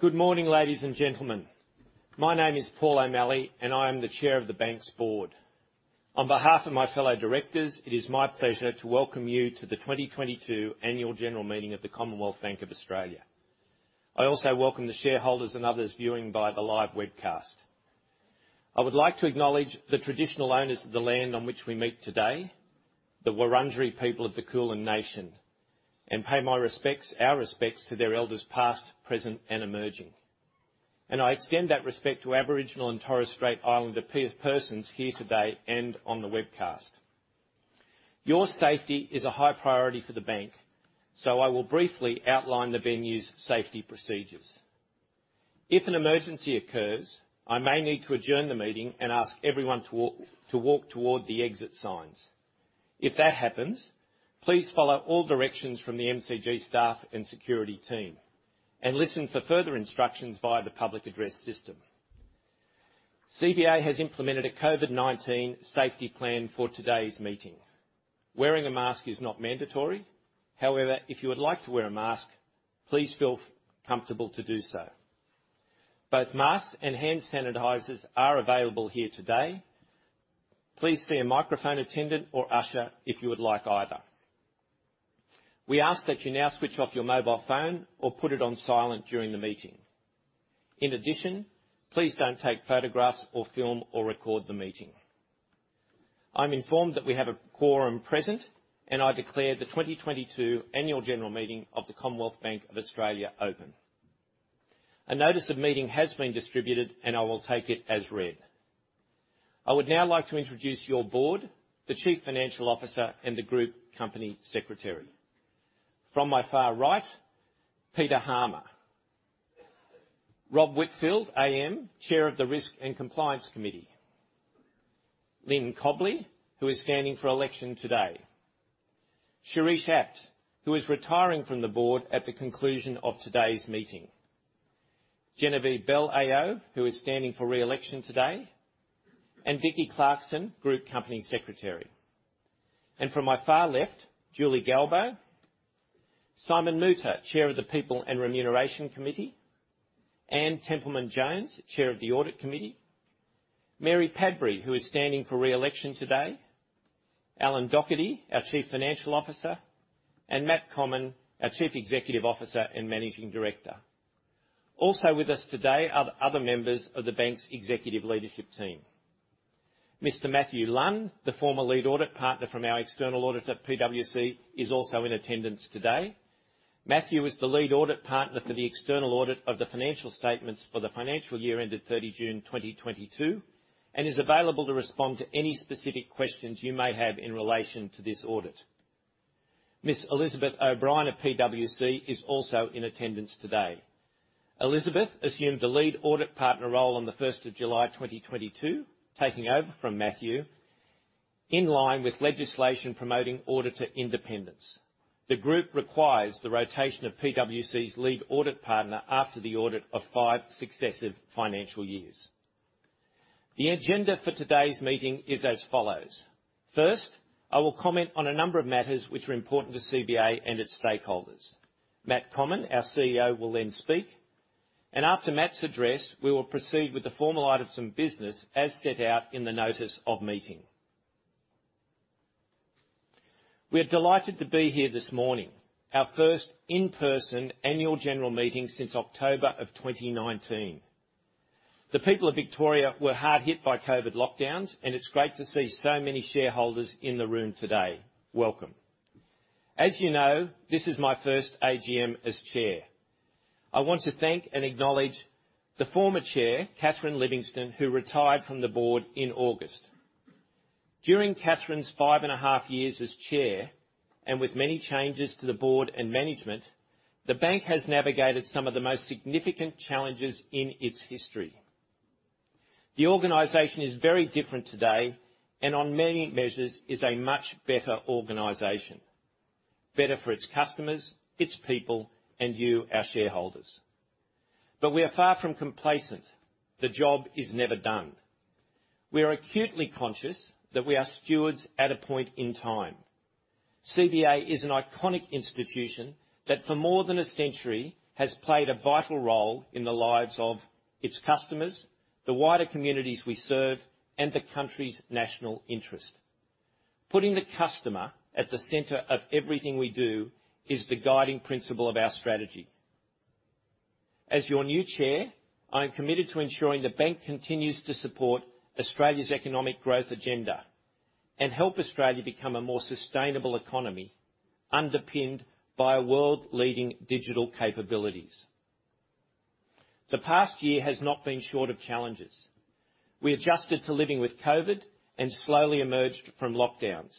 Good morning, ladies and gentlemen. My name is Paul O'Malley, and I am the Chair of the bank's board. On behalf of my fellow directors, it is my pleasure to welcome you to the 2022 annual general meeting of the Commonwealth Bank of Australia. I also welcome the shareholders and others viewing by the live webcast. I would like to acknowledge the traditional owners of the land on which we meet today, the Wurundjeri people of the Kulin Nation, and pay my respects, our respects to their elders past, present, and emerging. I extend that respect to Aboriginal and Torres Strait Islander persons here today and on the webcast. Your safety is a high priority for the bank, so I will briefly outline the venue's safety procedures. If an emergency occurs, I may need to adjourn the meeting and ask everyone to walk toward the exit signs. If that happens, please follow all directions from the MCG staff and security team and listen for further instructions via the public address system. CBA has implemented a COVID-19 safety plan for today's meeting. Wearing a mask is not mandatory. However, if you would like to wear a mask, please feel comfortable to do so. Both masks and hand sanitizers are available here today. Please see a microphone attendant or usher if you would like either. We ask that you now switch off your mobile phone or put it on silent during the meeting. In addition, please don't take photographs or film or record the meeting. I'm informed that we have a quorum present, and I declare the 2022 annual general meeting of the Commonwealth Bank of Australia open. A notice of meeting has been distributed and I will take it as read. I would now like to introduce your board, the chief financial officer, and the group company secretary. From my far right, Peter Harmer. Rob Whitfield AM, chair of the Risk and Compliance Committee. Lyn Cobley, who is standing for election today. Shirish Apte, who is retiring from the board at the conclusion of today's meeting. Genevieve Bell AO, who is standing for re-election today, and Vicki Clarkson, group company secretary. From my far left, Julie Galbo, Simon Moutter, Chair of the People and Remuneration Committee, Anne Templeman-Jones, Chair of the Audit Committee, Mary Padbury, who is standing for re-election today, Alan Docherty, our Chief Financial Officer, and Matt Comyn, our Chief Executive Officer and Managing Director. Also with us today are the other members of the bank's executive leadership team. Mr. Matthew Lunn, the former lead audit partner from our external audit at PwC, is also in attendance today. Matthew Lunn is the lead audit partner for the external audit of the financial statements for the financial year ended 30 June 2022, and is available to respond to any specific questions you may have in relation to this audit. Ms. Elizabeth O'Brien of PwC is also in attendance today. Elizabeth assumed the lead audit partner role on 1 July 2022, taking over from Matthew. In line with legislation promoting auditor independence, the group requires the rotation of PwC's lead audit partner after the audit of 5 successive financial years. The agenda for today's meeting is as follows. First, I will comment on a number of matters which are important to CBA and its stakeholders. Matt Comyn, our CEO, will then speak. After Matt's address, we will proceed with the formal items and business as set out in the notice of meeting. We are delighted to be here this morning, our first in-person annual general meeting since October of 2019. The people of Victoria were hard hit by COVID lockdowns, and it's great to see so many shareholders in the room today. Welcome. As you know, this is my first AGM as chair. I want to thank and acknowledge the former chair, Catherine Livingston, who retired from the board in August. During Catherine's five and a half years as Chair, and with many changes to the board and management, the bank has navigated some of the most significant challenges in its history. The organization is very different today, and on many measures, is a much better organization. Better for its customers, its people, and you, our shareholders. We are far from complacent. The job is never done. We are acutely conscious that we are stewards at a point in time. CBA is an iconic institution that, for more than a century, has played a vital role in the lives of its customers, the wider communities we serve, and the country's national interest. Putting the customer at the center of everything we do is the guiding principle of our strategy. As your new chair, I am committed to ensuring the bank continues to support Australia's economic growth agenda and help Australia become a more sustainable economy, underpinned by world-leading digital capabilities. The past year has not been short of challenges. We adjusted to living with COVID and slowly emerged from lockdowns,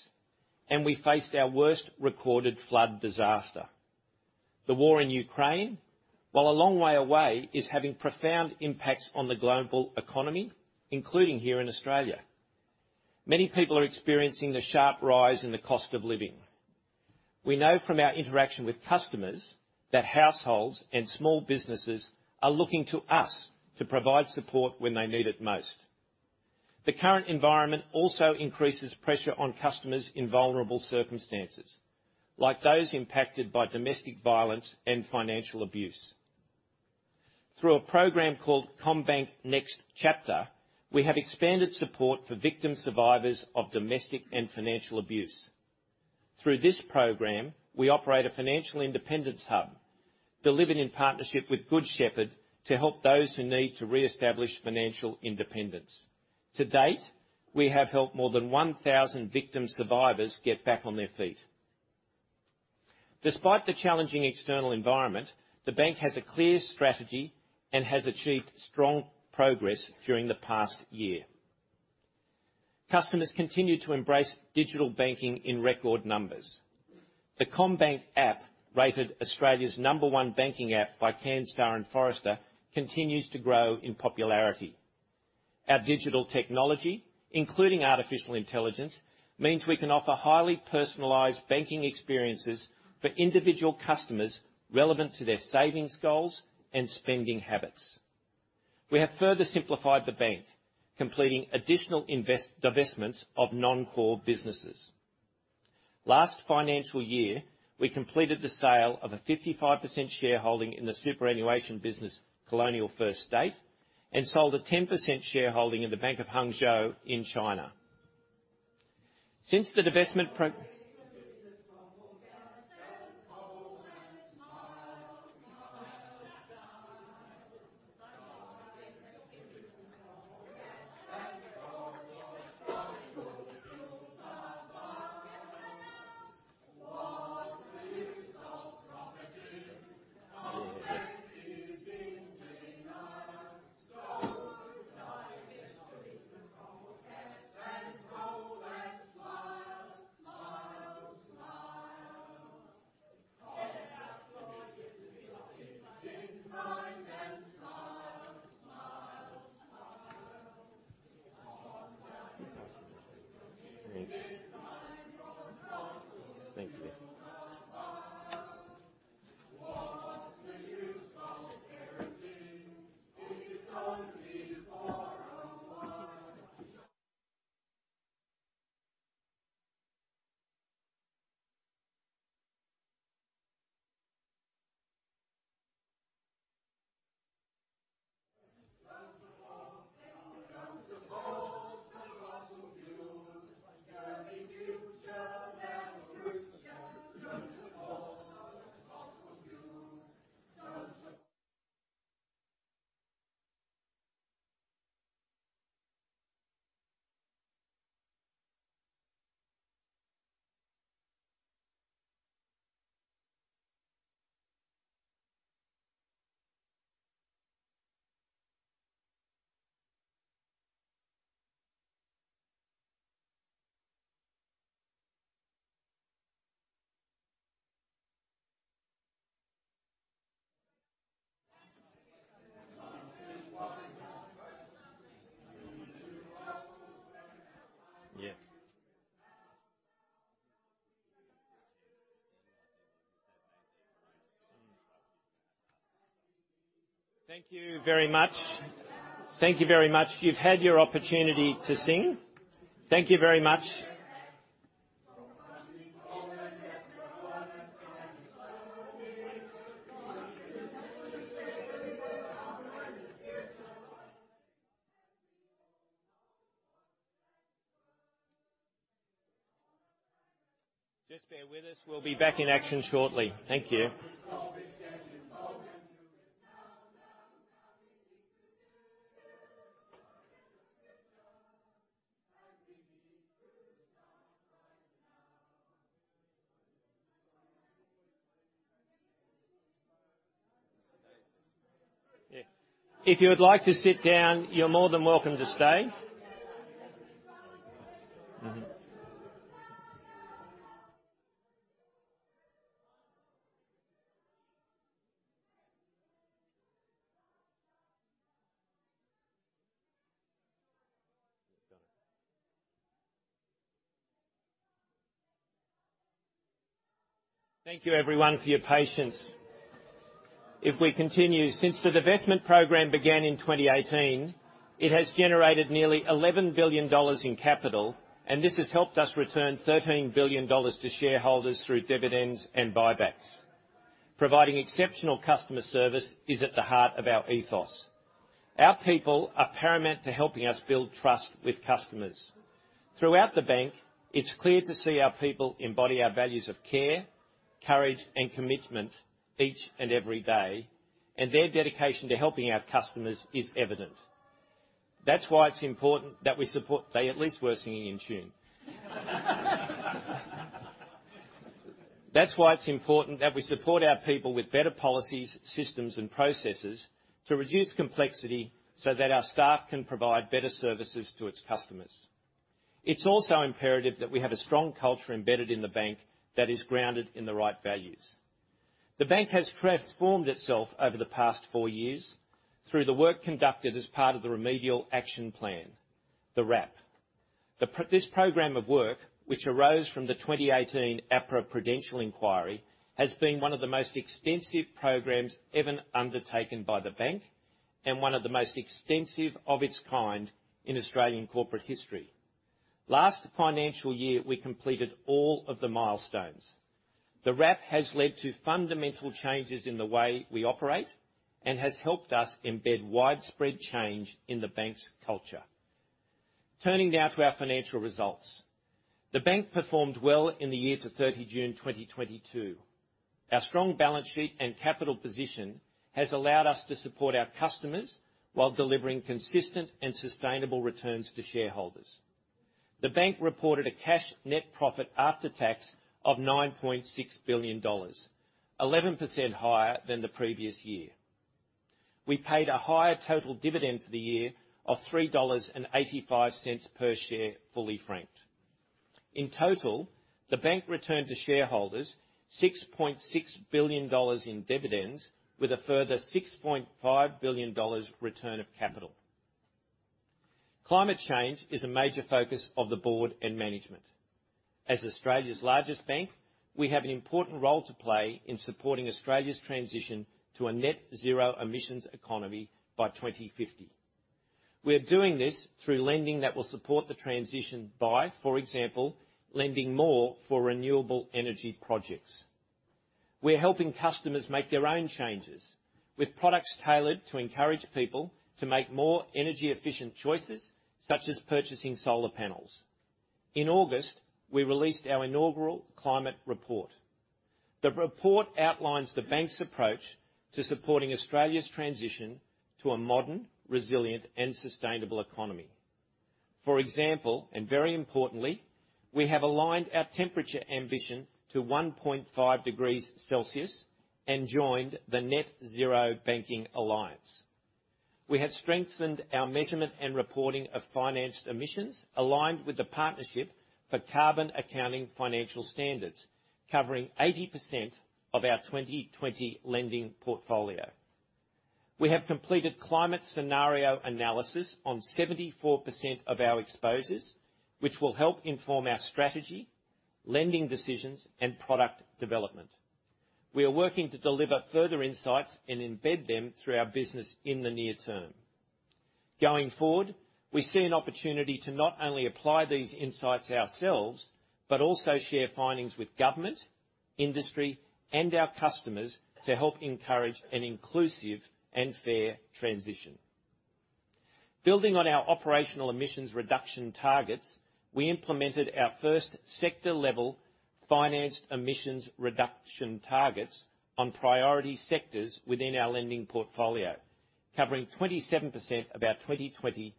and we faced our worst recorded flood disaster. The war in Ukraine, while a long way away, is having profound impacts on the global economy, including here in Australia. Many people are experiencing the sharp rise in the cost of living. We know from our interaction with customers that households and small businesses are looking to us to provide support when they need it most. The current environment also increases pressure on customers in vulnerable circumstances, like those impacted by domestic violence and financial abuse. Through a program called CommBank Next Chapter, we have expanded support for victim survivors of domestic and financial abuse. Through this program, we operate a financial independence hub, delivered in partnership with Good Shepherd, to help those who need to reestablish financial independence. To date, we have helped more than 1,000 victim survivors get back on their feet. Despite the challenging external environment, the bank has a clear strategy and has achieved strong progress during the past year. Customers continue to embrace digital banking in record numbers. The CommBank app, rated Australia's number one banking app by Canstar & Forrester, continues to grow in popularity. Our digital technology, including artificial intelligence, means we can offer highly personalized banking experiences for individual customers relevant to their savings goals and spending habits. We have further simplified the bank, completing additional divestments of non-core businesses. Last financial year, we completed the sale of a 55% shareholding in the superannuation business, Colonial First State, and sold a 10% shareholding in the Bank of Hangzhou in China. Thank you very much. You've had your opportunity to sing. Thank you very much. Just bear with us. We'll be back in action shortly. Thank you. If you would like to sit down, you're more than welcome to stay. Thank you, everyone, for your patience. If we continue, since the divestment program began in 2018, it has generated nearly AUD 11 billion in capital, and this has helped us return AUD 13 billion to shareholders through dividends and buybacks. Providing exceptional customer service is at the heart of our ethos. Our people are paramount to helping us build trust with customers. Throughout the bank, it's clear to see our people embody our values of care, courage, and commitment each and every day, and their dedication to helping our customers is evident. They at least were singing in tune. That's why it's important that we support our people with better policies, systems, and processes to reduce complexity so that our staff can provide better services to its customers. It's also imperative that we have a strong culture embedded in the bank that is grounded in the right values. The bank has transformed itself over the past four years through the work conducted as part of the Remedial Action Plan, the RAP. This program of work, which arose from the 2018 APRA Prudential Inquiry, has been one of the most extensive programs ever undertaken by the bank and one of the most extensive of its kind in Australian corporate history. Last financial year, we completed all of the milestones. The RAP has led to fundamental changes in the way we operate and has helped us embed widespread change in the bank's culture. Turning now to our financial results. The bank performed well in the year to 30 June 2022. Our strong balance sheet and capital position has allowed us to support our customers while delivering consistent and sustainable returns to shareholders. The bank reported a cash net profit after tax of 9.6 billion dollars, 11% higher than the previous year. We paid a higher total dividend for the year of 3.85 dollars per share, fully franked. In total, the bank returned to shareholders 6.6 billion dollars in dividends with a further 6.5 billion dollars return of capital. Climate change is a major focus of the board and management. As Australia's largest bank, we have an important role to play in supporting Australia's transition to a net-zero emissions economy by 2050. We are doing this through lending that will support the transition by, for example, lending more for renewable energy projects. We're helping customers make their own changes with products tailored to encourage people to make more energy-efficient choices, such as purchasing solar panels. In August, we released our inaugural climate report. The report outlines the bank's approach to supporting Australia's transition to a modern, resilient and sustainable economy. For example, and very importantly, we have aligned our temperature ambition to 1.5 degrees Celsius and joined the Net-Zero Banking Alliance. We have strengthened our measurement and reporting of financed emissions aligned with the Partnership for Carbon Accounting Financials, covering 80% of our 2020 lending portfolio. We have completed climate scenario analysis on 74% of our exposures, which will help inform our strategy, lending decisions, and product development. We are working to deliver further insights and embed them through our business in the near term. Going forward, we see an opportunity to not only apply these insights ourselves, but also share findings with government, industry, and our customers to help encourage an inclusive and fair transition. Building on our operational emissions reduction targets, we implemented our first sector-level financed emissions reduction targets on priority sectors within our lending portfolio, covering 27% of our 2020 financed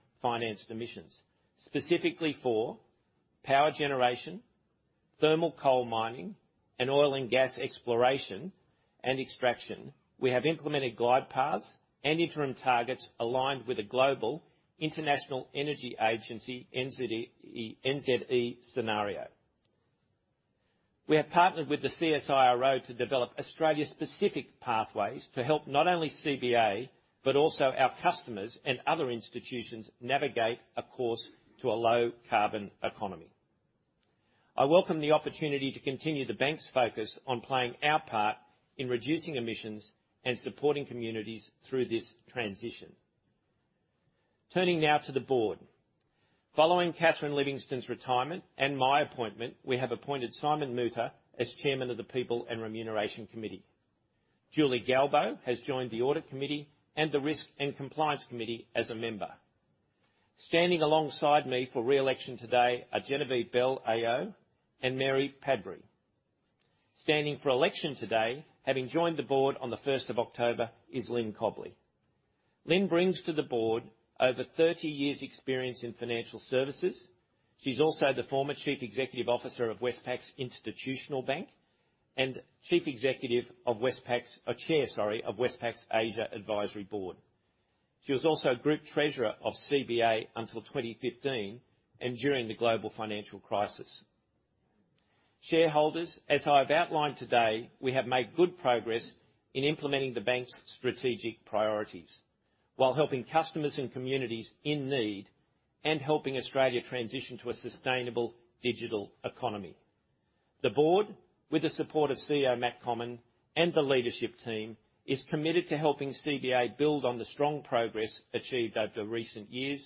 emissions. Specifically for power generation, thermal coal mining, and oil and gas exploration and extraction, we have implemented guide paths and interim targets aligned with the global International Energy Agency NZE scenario. We have partnered with the CSIRO to develop Australia-specific pathways to help not only CBA but also our customers and other institutions navigate a course to a low-carbon economy. I welcome the opportunity to continue the bank's focus on playing our part in reducing emissions and supporting communities through this transition. Turning now to the board. Following Catherine Livingstone's retirement and my appointment, we have appointed Simon Moutter as Chairman of the People and Remuneration Committee. Julie Galbo has joined the Audit Committee and the Risk and Compliance Committee as a member. Standing alongside me for re-election today are Genevieve Bell AO and Mary Padbury. Standing for election today, having joined the board on the first of October, is Lyn Cobley. Lyn brings to the board over 30 years' experience in financial services. She's also the former chief executive officer of Westpac's Institutional Bank and chief executive of Westpac's Asia Advisory Board. She was also group treasurer of CBA until 2015 and during the global financial crisis. Shareholders, as I have outlined today, we have made good progress in implementing the bank's strategic priorities while helping customers and communities in need and helping Australia transition to a sustainable digital economy. The board, with the support of CEO Matt Comyn and the leadership team, is committed to helping CBA build on the strong progress achieved over recent years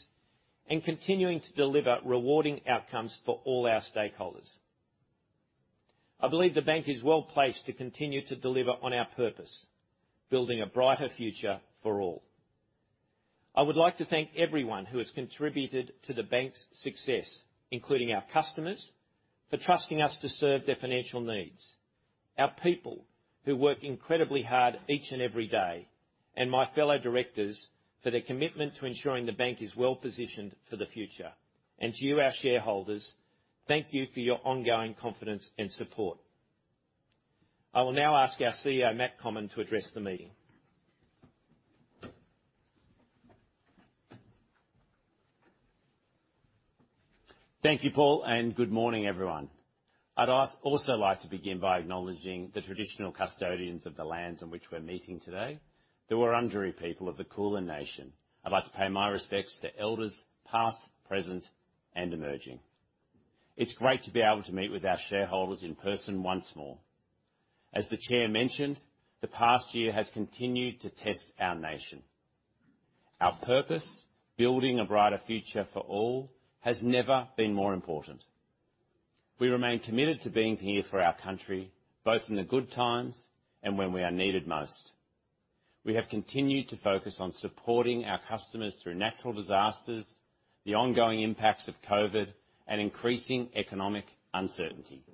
and continuing to deliver rewarding outcomes for all our stakeholders. I believe the bank is well-placed to continue to deliver on our purpose, building a brighter future for all. I would like to thank everyone who has contributed to the bank's success, including our customers, for trusting us to serve their financial needs, our people, who work incredibly hard each and every day, and my fellow directors, for their commitment to ensuring the bank is well-positioned for the future. To you, our shareholders, thank you for your ongoing confidence and support. I will now ask our CEO, Matt Comyn, to address the meeting. Thank you, Paul, and good morning, everyone. I'd also like to begin by acknowledging the traditional custodians of the lands on which we're meeting today. The Wurundjeri people of the Kulin Nation. I'd like to pay my respects to elders past, present, and emerging. It's great to be able to meet with our shareholders in person once more. As the chair mentioned, the past year has continued to test our nation. Our purpose, building a brighter future for all, has never been more important. We remain committed to being here for our country, both in the good times and when we are needed most. We have continued to focus on supporting our customers through natural disasters, the ongoing impacts of COVID, and increasing economic uncertainty.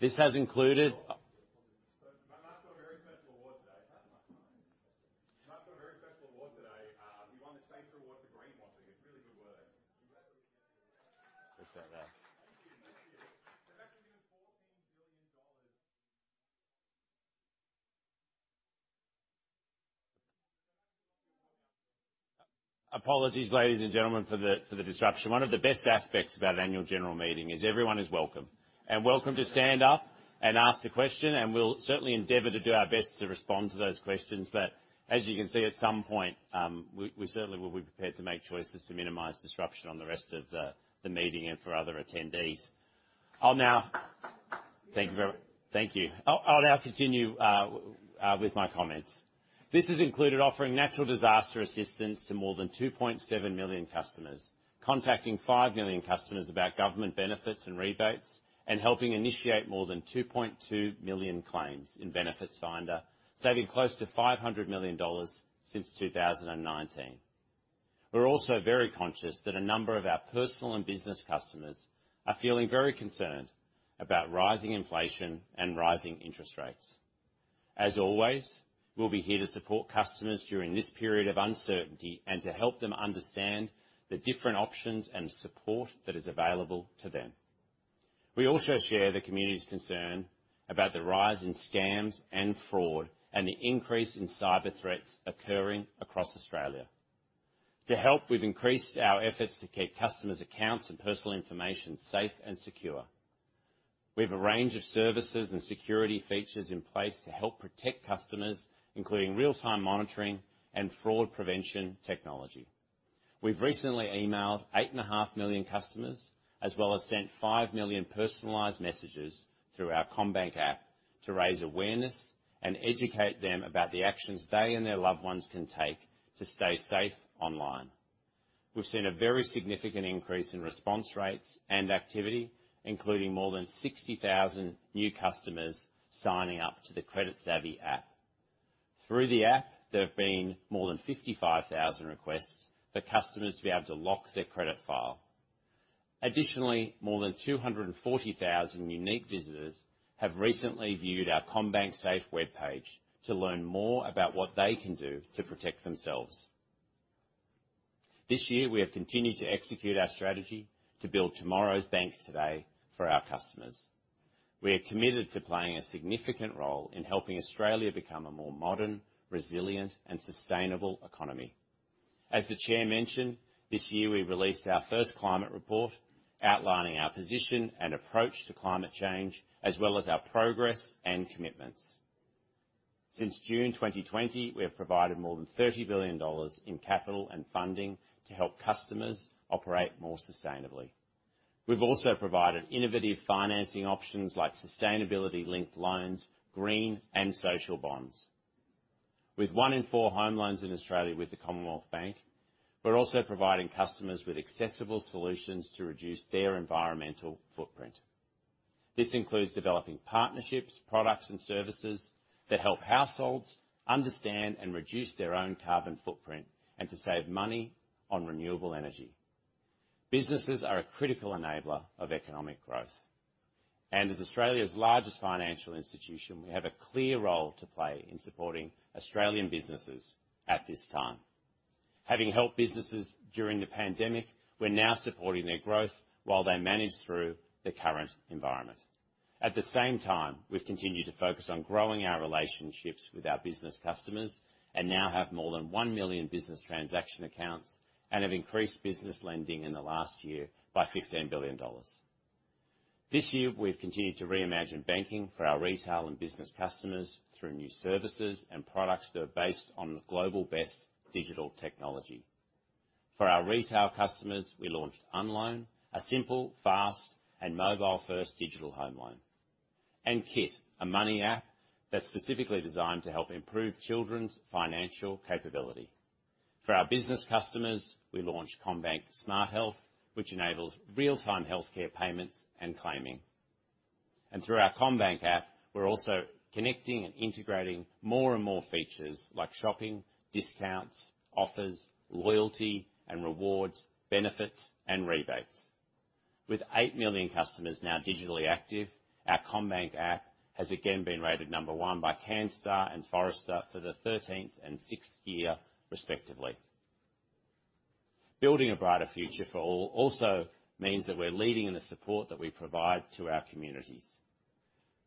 This has included. Matt got a very special award today. You won the safety award for greenwashing. It's really good work. Appreciate that. Thank you. Thank you. They've actually given AUD 14 billion. Apologies, ladies and gentlemen, for the disruption. One of the best aspects about annual general meeting is everyone is welcome. Welcome to stand up and ask the question, and we'll certainly endeavor to do our best to respond to those questions. As you can see, at some point, we certainly will be prepared to make choices to minimize disruption on the rest of the meeting and for other attendees. Thank you. I'll now continue with my comments. This has included offering natural disaster assistance to more than 2.7 million customers, contacting 5 million customers about government benefits and rebates, and helping initiate more than 2.2 million claims in Benefits Finder, saving close to 500 million dollars since 2019. We're also very conscious that a number of our personal and business customers are feeling very concerned about rising inflation and rising interest rates. As always, we'll be here to support customers during this period of uncertainty and to help them understand the different options and support that is available to them. We also share the community's concern about the rise in scams and fraud and the increase in cyber threats occurring across Australia. To help, we've increased our efforts to keep customers' accounts and personal information safe and secure. We have a range of services and security features in place to help protect customers, including real-time monitoring and fraud prevention technology. We've recently emailed 8.5 million customers, as well as sent 5 million personalized messages through our CommBank app to raise awareness and educate them about the actions they and their loved ones can take to stay safe online. We've seen a very significant increase in response rates and activity, including more than 60,000 new customers signing up to the Credit Savvy app. Through the app, there have been more than 55,000 requests for customers to be able to lock their credit file. Additionally, more than 240,000 unique visitors have recently viewed our CommBank Safe webpage to learn more about what they can do to protect themselves. This year, we have continued to execute our strategy to build tomorrow's bank today for our customers. We are committed to playing a significant role in helping Australia become a more modern, resilient, and sustainable economy. As the chair mentioned, this year we released our first climate report outlining our position and approach to climate change, as well as our progress and commitments. Since June 2020, we have provided more than AUD 30 billion in capital and funding to help customers operate more sustainably. We've also provided innovative financing options like sustainability-linked loans, green and social bonds. With one in four home loans in Australia with the Commonwealth Bank, we're also providing customers with accessible solutions to reduce their environmental footprint. This includes developing partnerships, products, and services that help households understand and reduce their own carbon footprint and to save money on renewable energy. Businesses are a critical enabler of economic growth. As Australia's largest financial institution, we have a clear role to play in supporting Australian businesses at this time. Having helped businesses during the pandemic, we're now supporting their growth while they manage through the current environment. At the same time, we've continued to focus on growing our relationships with our business customers and now have more than 1 million business transaction accounts and have increased business lending in the last year by 15 billion dollars. This year, we've continued to reimagine banking for our retail and business customers through new services and products that are based on the global best digital technology. For our retail customers, we launched Unloan, a simple, fast, and mobile-first digital home loan. Kit, a money app that's specifically designed to help improve children's financial capability. For our business customers, we launched CommBank Smart Health, which enables real-time healthcare payments and claiming. Through our CommBank app, we're also connecting and integrating more and more features like shopping, discounts, offers, loyalty and rewards, benefits, and rebates. With 8 million customers now digitally active, our CommBank app has again been rated number one by Canstar and Forrester for the 13th and 6th year, respectively. Building a brighter future for all also means that we're leading in the support that we provide to our communities.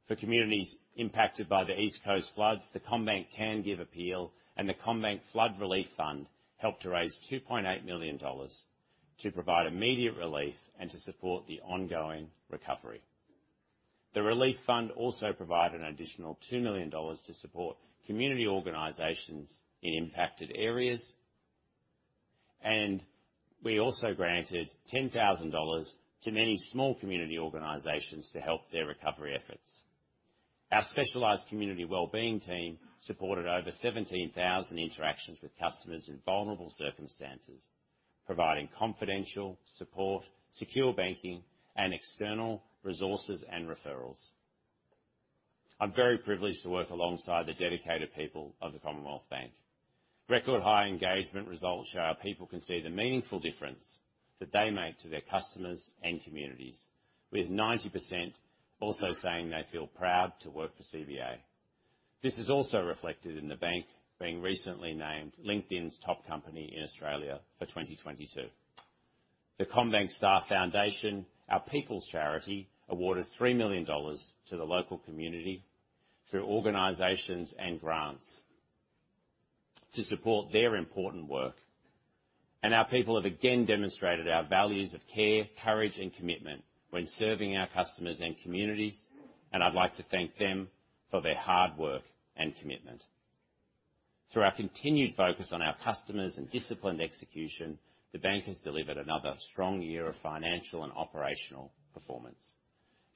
For communities impacted by the East Coast floods, the CommBank CanGive appeal and the CommBank Flood Relief Fund helped to raise 2.8 million dollars to provide immediate relief and to support the ongoing recovery. The relief fund also provided an additional 2 million dollars to support community organizations in impacted areas. We also granted 10,000 dollars to many small community organizations to help their recovery efforts. Our specialized community wellbeing team supported over 17,000 interactions with customers in vulnerable circumstances, providing confidential support, secure banking, and external resources and referrals. I'm very privileged to work alongside the dedicated people of the Commonwealth Bank. Record high engagement results show our people can see the meaningful difference that they make to their customers and communities, with 90% also saying they feel proud to work for CBA. This is also reflected in the bank being recently named LinkedIn's top company in Australia for 2022. The CommBank Staff Foundation, our people's charity, awarded 3 million dollars to the local community through organizations and grants to support their important work. Our people have again demonstrated our values of care, courage, and commitment when serving our customers and communities, and I'd like to thank them for their hard work and commitment. Through our continued focus on our customers and disciplined execution, the bank has delivered another strong year of financial and operational performance.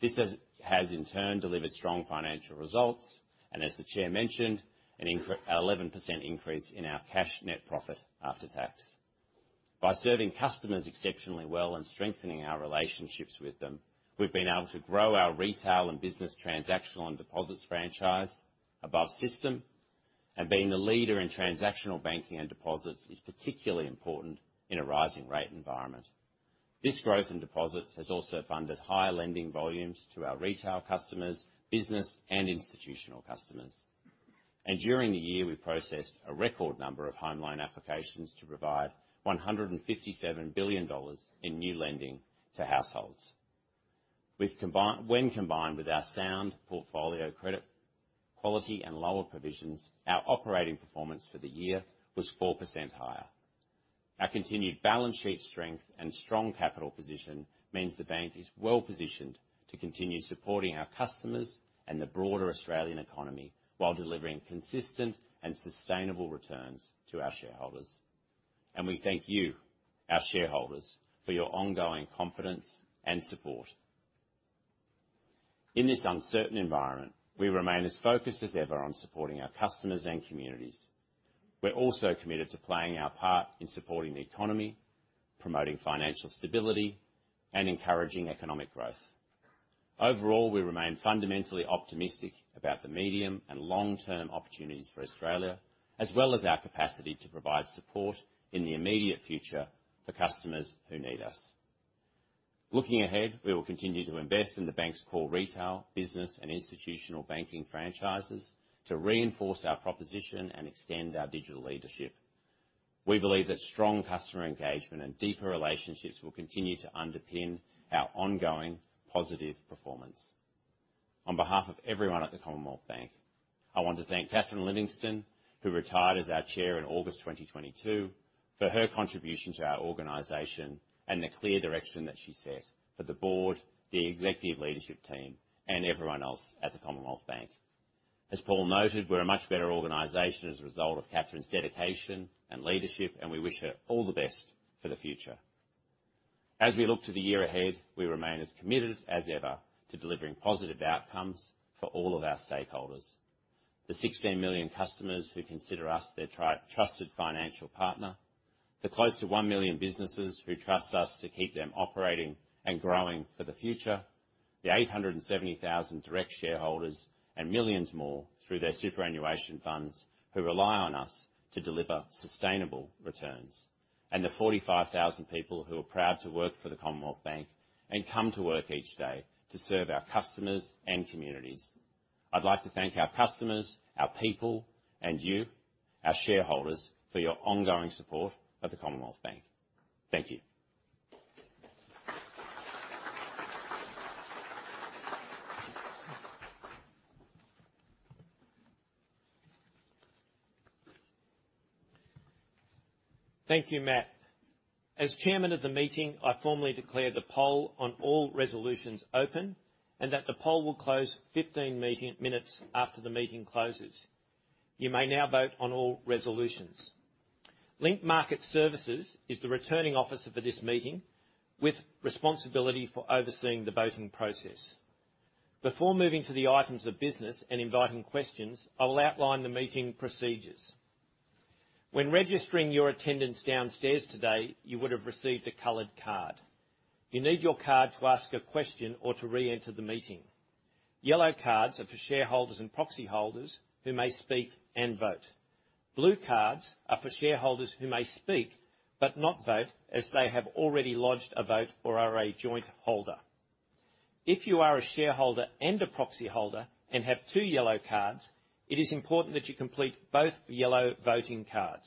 This has in turn delivered strong financial results, and as the Chair mentioned, an 11% increase in our cash net profit after tax. By serving customers exceptionally well and strengthening our relationships with them, we've been able to grow our retail and business transactional and deposits franchise above system. Being the leader in transactional banking and deposits is particularly important in a rising rate environment. This growth in deposits has also funded higher lending volumes to our retail customers, business, and institutional customers. During the year, we processed a record number of home loan applications to provide 157 billion dollars in new lending to households. When combined with our sound portfolio credit quality and lower provisions, our operating performance for the year was 4% higher. Our continued balance sheet strength and strong capital position means the bank is well-positioned to continue supporting our customers and the broader Australian economy while delivering consistent and sustainable returns to our shareholders. We thank you, our shareholders, for your ongoing confidence and support. In this uncertain environment, we remain as focused as ever on supporting our customers and communities. We're also committed to playing our part in supporting the economy, promoting financial stability, and encouraging economic growth. Overall, we remain fundamentally optimistic about the medium and long-term opportunities for Australia, as well as our capacity to provide support in the immediate future for customers who need us. Looking ahead, we will continue to invest in the bank's core retail, business, and institutional banking franchises to reinforce our proposition and extend our digital leadership. We believe that strong customer engagement and deeper relationships will continue to underpin our ongoing positive performance. On behalf of everyone at the Commonwealth Bank, I want to thank Catherine Livingstone, who retired as our chair in August 2022, for her contribution to our organization and the clear direction that she set for the board, the executive leadership team, and everyone else at the Commonwealth Bank. As Paul noted, we're a much better organization as a result of Catherine's dedication and leadership, and we wish her all the best for the future. As we look to the year ahead, we remain as committed as ever to delivering positive outcomes for all of our stakeholders. The 16 million customers who consider us their trusted financial partner, the close to 1 million businesses who trust us to keep them operating and growing for the future, the 870,000 direct shareholders, and millions more through their superannuation funds who rely on us to deliver sustainable returns, and the 45,000 people who are proud to work for the Commonwealth Bank and come to work each day to serve our customers and communities. I'd like to thank our customers, our people, and you, our shareholders, for your ongoing support of the Commonwealth Bank. Thank you. Thank you, Matt. As chairman of the meeting, I formally declare the poll on all resolutions open and that the poll will close 15 minutes after the meeting closes. You may now vote on all resolutions. Link Market Services is the returning officer for this meeting, with responsibility for overseeing the voting process. Before moving to the items of business and inviting questions, I will outline the meeting procedures. When registering your attendance downstairs today, you would have received a colored card. You need your card to ask a question or to reenter the meeting. Yellow cards are for shareholders and proxy holders who may speak and vote. Blue cards are for shareholders who may speak but not vote as they have already lodged a vote or are a joint holder. If you are a shareholder and a proxy holder and have two yellow cards, it is important that you complete both yellow voting cards,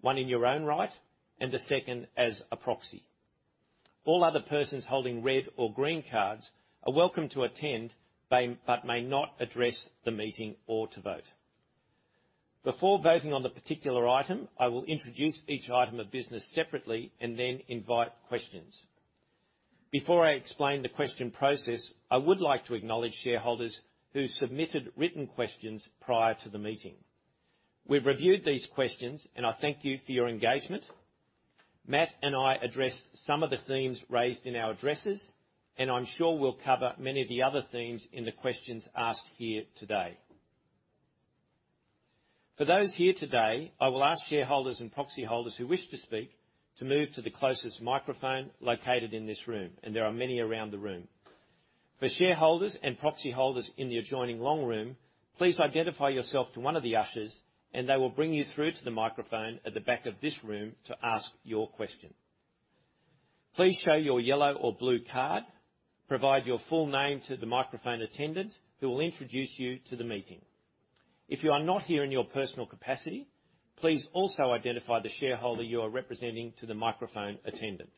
one in your own right and the second as a proxy. All other persons holding red or green cards are welcome to attend, but may not address the meeting or to vote. Before voting on the particular item, I will introduce each item of business separately and then invite questions. Before I explain the question process, I would like to acknowledge shareholders who submitted written questions prior to the meeting. We've reviewed these questions, and I thank you for your engagement. Matt Comyn and I addressed some of the themes raised in our addresses, and I'm sure we'll cover many of the other themes in the questions asked here today. For those here today, I will ask shareholders and proxy holders who wish to speak to move to the closest microphone located in this room, and there are many around the room. For shareholders and proxy holders in the adjoining long room, please identify yourself to one of the ushers, and they will bring you through to the microphone at the back of this room to ask your question. Please show your yellow or blue card, provide your full name to the microphone attendant, who will introduce you to the meeting. If you are not here in your personal capacity, please also identify the shareholder you are representing to the microphone attendant.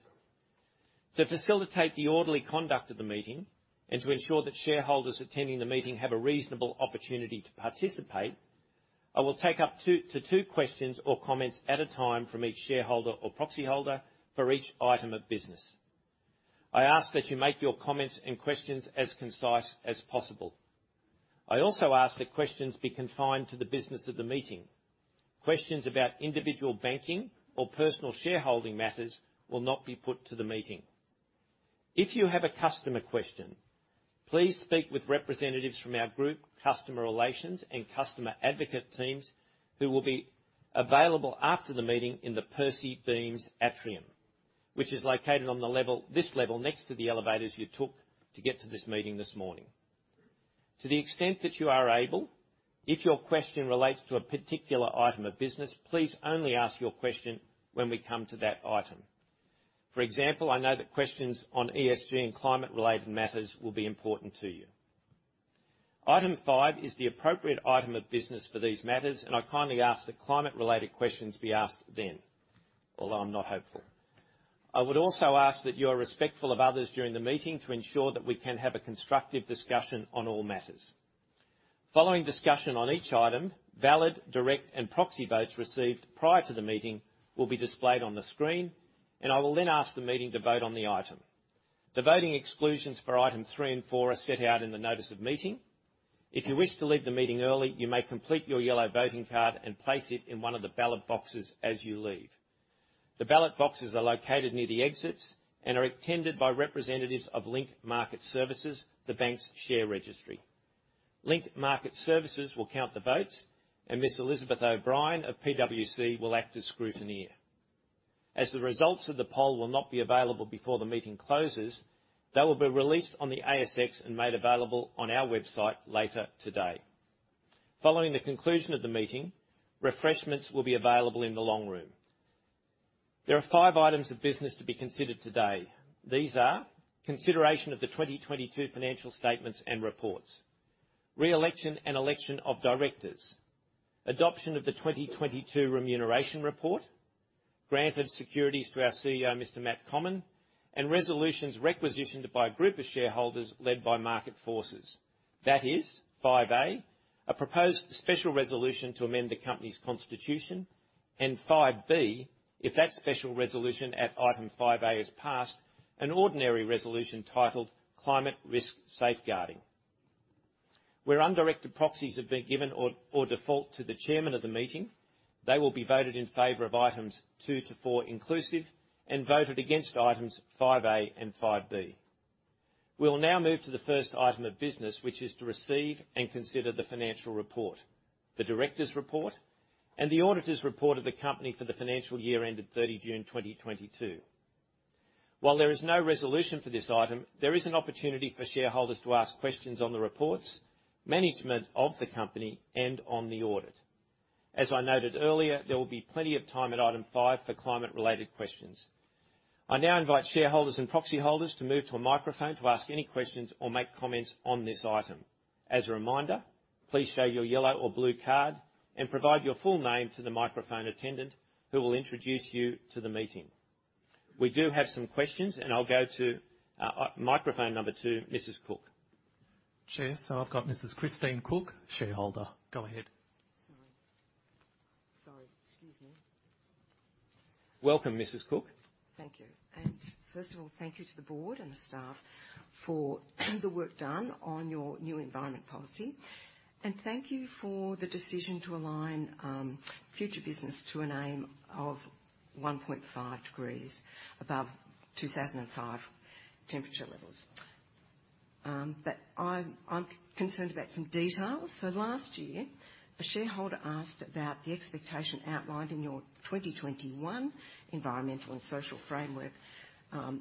To facilitate the orderly conduct of the meeting and to ensure that shareholders attending the meeting have a reasonable opportunity to participate, I will take up two questions or comments at a time from each shareholder or proxy holder for each item of business. I ask that you make your comments and questions as concise as possible. I also ask that questions be confined to the business of the meeting. Questions about individual banking or personal shareholding matters will not be put to the meeting. If you have a customer question, please speak with representatives from our group customer relations and customer advocate teams, who will be available after the meeting in the Percy Beames Bar, which is located on the level, this level next to the elevators you took to get to this meeting this morning. To the extent that you are able, if your question relates to a particular item of business, please only ask your question when we come to that item. For example, I know that questions on ESG and climate-related matters will be important to you. Item five is the appropriate item of business for these matters, and I kindly ask that climate-related questions be asked then. Although I'm not hopeful. I would also ask that you are respectful of others during the meeting to ensure that we can have a constructive discussion on all matters. Following discussion on each item, valid direct and proxy votes received prior to the meeting will be displayed on the screen, and I will then ask the meeting to vote on the item. The voting exclusions for items three and four are set out in the notice of meeting. If you wish to leave the meeting early, you may complete your yellow voting card and place it in one of the ballot boxes as you leave. The ballot boxes are located near the exits and are attended by representatives of Link Market Services, the bank's share registry. Link Market Services will count the votes, and Ms. Elizabeth O'Brien of PwC will act as scrutineer. As the results of the poll will not be available before the meeting closes, they will be released on the ASX and made available on our website later today. Following the conclusion of the meeting, refreshments will be available in the long room. There are five items of business to be considered today. These are consideration of the 2022 financial statements and reports, re-election and election of directors, adoption of the 2022 remuneration report, granted securities to our CEO, Mr. Matt Comyn, and resolutions requisitioned by a group of shareholders led by Market Forces. That is 5A, a proposed special resolution to amend the company's constitution. 5B, if that special resolution at item 5A is passed, an ordinary resolution titled Climate Risk Safeguarding. Where undirected proxies have been given or default to the chairman of the meeting, they will be voted in favor of items two to four inclusive and voted against items 5A and 5B. We'll now move to the first item of business, which is to receive and consider the financial report, the director's report, and the auditor's report of the company for the financial year ended 30 June 2022. While there is no resolution for this item, there is an opportunity for shareholders to ask questions on the reports, management of the company, and on the audit. As I noted earlier, there will be plenty of time at item five for climate-related questions. I now invite shareholders and proxy holders to move to a microphone to ask any questions or make comments on this item. As a reminder, please show your yellow or blue card and provide your full name to the microphone attendant, who will introduce you to the meeting. We do have some questions, and I'll go to microphone number two, Mrs. Cook. Chair, I've got Mrs. Christine Cook, shareholder. Go ahead. Sorry. Excuse me. Welcome, Mrs. Cook. Thank you. First of all, thank you to the board and the staff for the work done on your new environmental policy. Thank you for the decision to align future business to an aim of 1.5 degrees above 2005 temperature levels. I'm concerned about some details. Last year, a shareholder asked about the expectation outlined in your 2021 environmental and social framework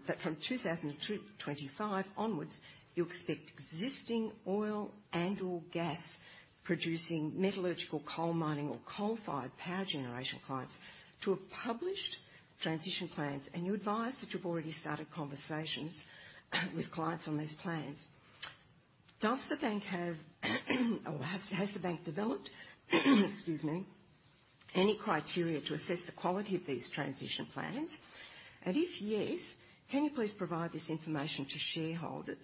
that from 2025 onwards, you expect existing oil and/or gas producing metallurgical coal mining or coal-fired power generation clients to have published transition plans. You advised that you've already started conversations with clients on these plans. Does the bank have or has the bank developed excuse me, any criteria to assess the quality of these transition plans? And if yes, can you please provide this information to shareholders?